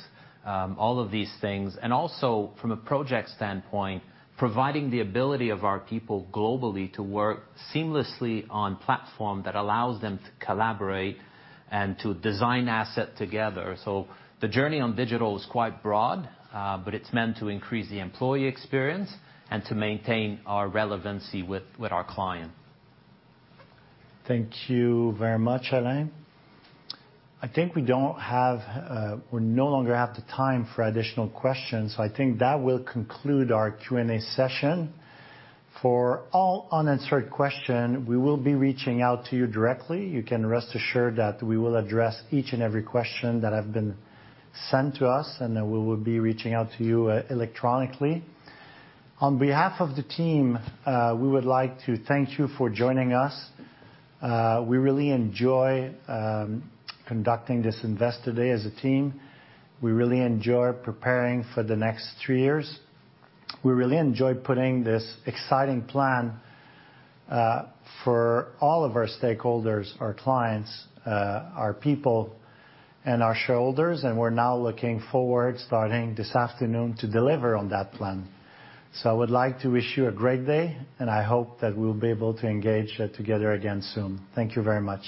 all of these things. Also, from a project standpoint, providing the ability of our people globally to work seamlessly on platform that allows them to collaborate and to design asset together. The journey on digital is quite broad, but it's meant to increase the employee experience and to maintain our relevancy with our client. Thank you very much, Alain. I think we no longer have the time for additional questions, so I think that will conclude our Q&A session. For all unanswered question, we will be reaching out to you directly. You can rest assured that we will address each and every question that have been sent to us, and, we will be reaching out to you, electronically. On behalf of the team, we would like to thank you for joining us. We really enjoy conducting this Investor Day as a team. We really enjoy preparing for the next three years. We really enjoy putting this exciting plan, for all of our stakeholders, our clients, our people, and our shareholders, and we're now looking forward, starting this afternoon, to deliver on that plan. I would like to wish you a great day, and I hope that we'll be able to engage, together again soon. Thank you very much.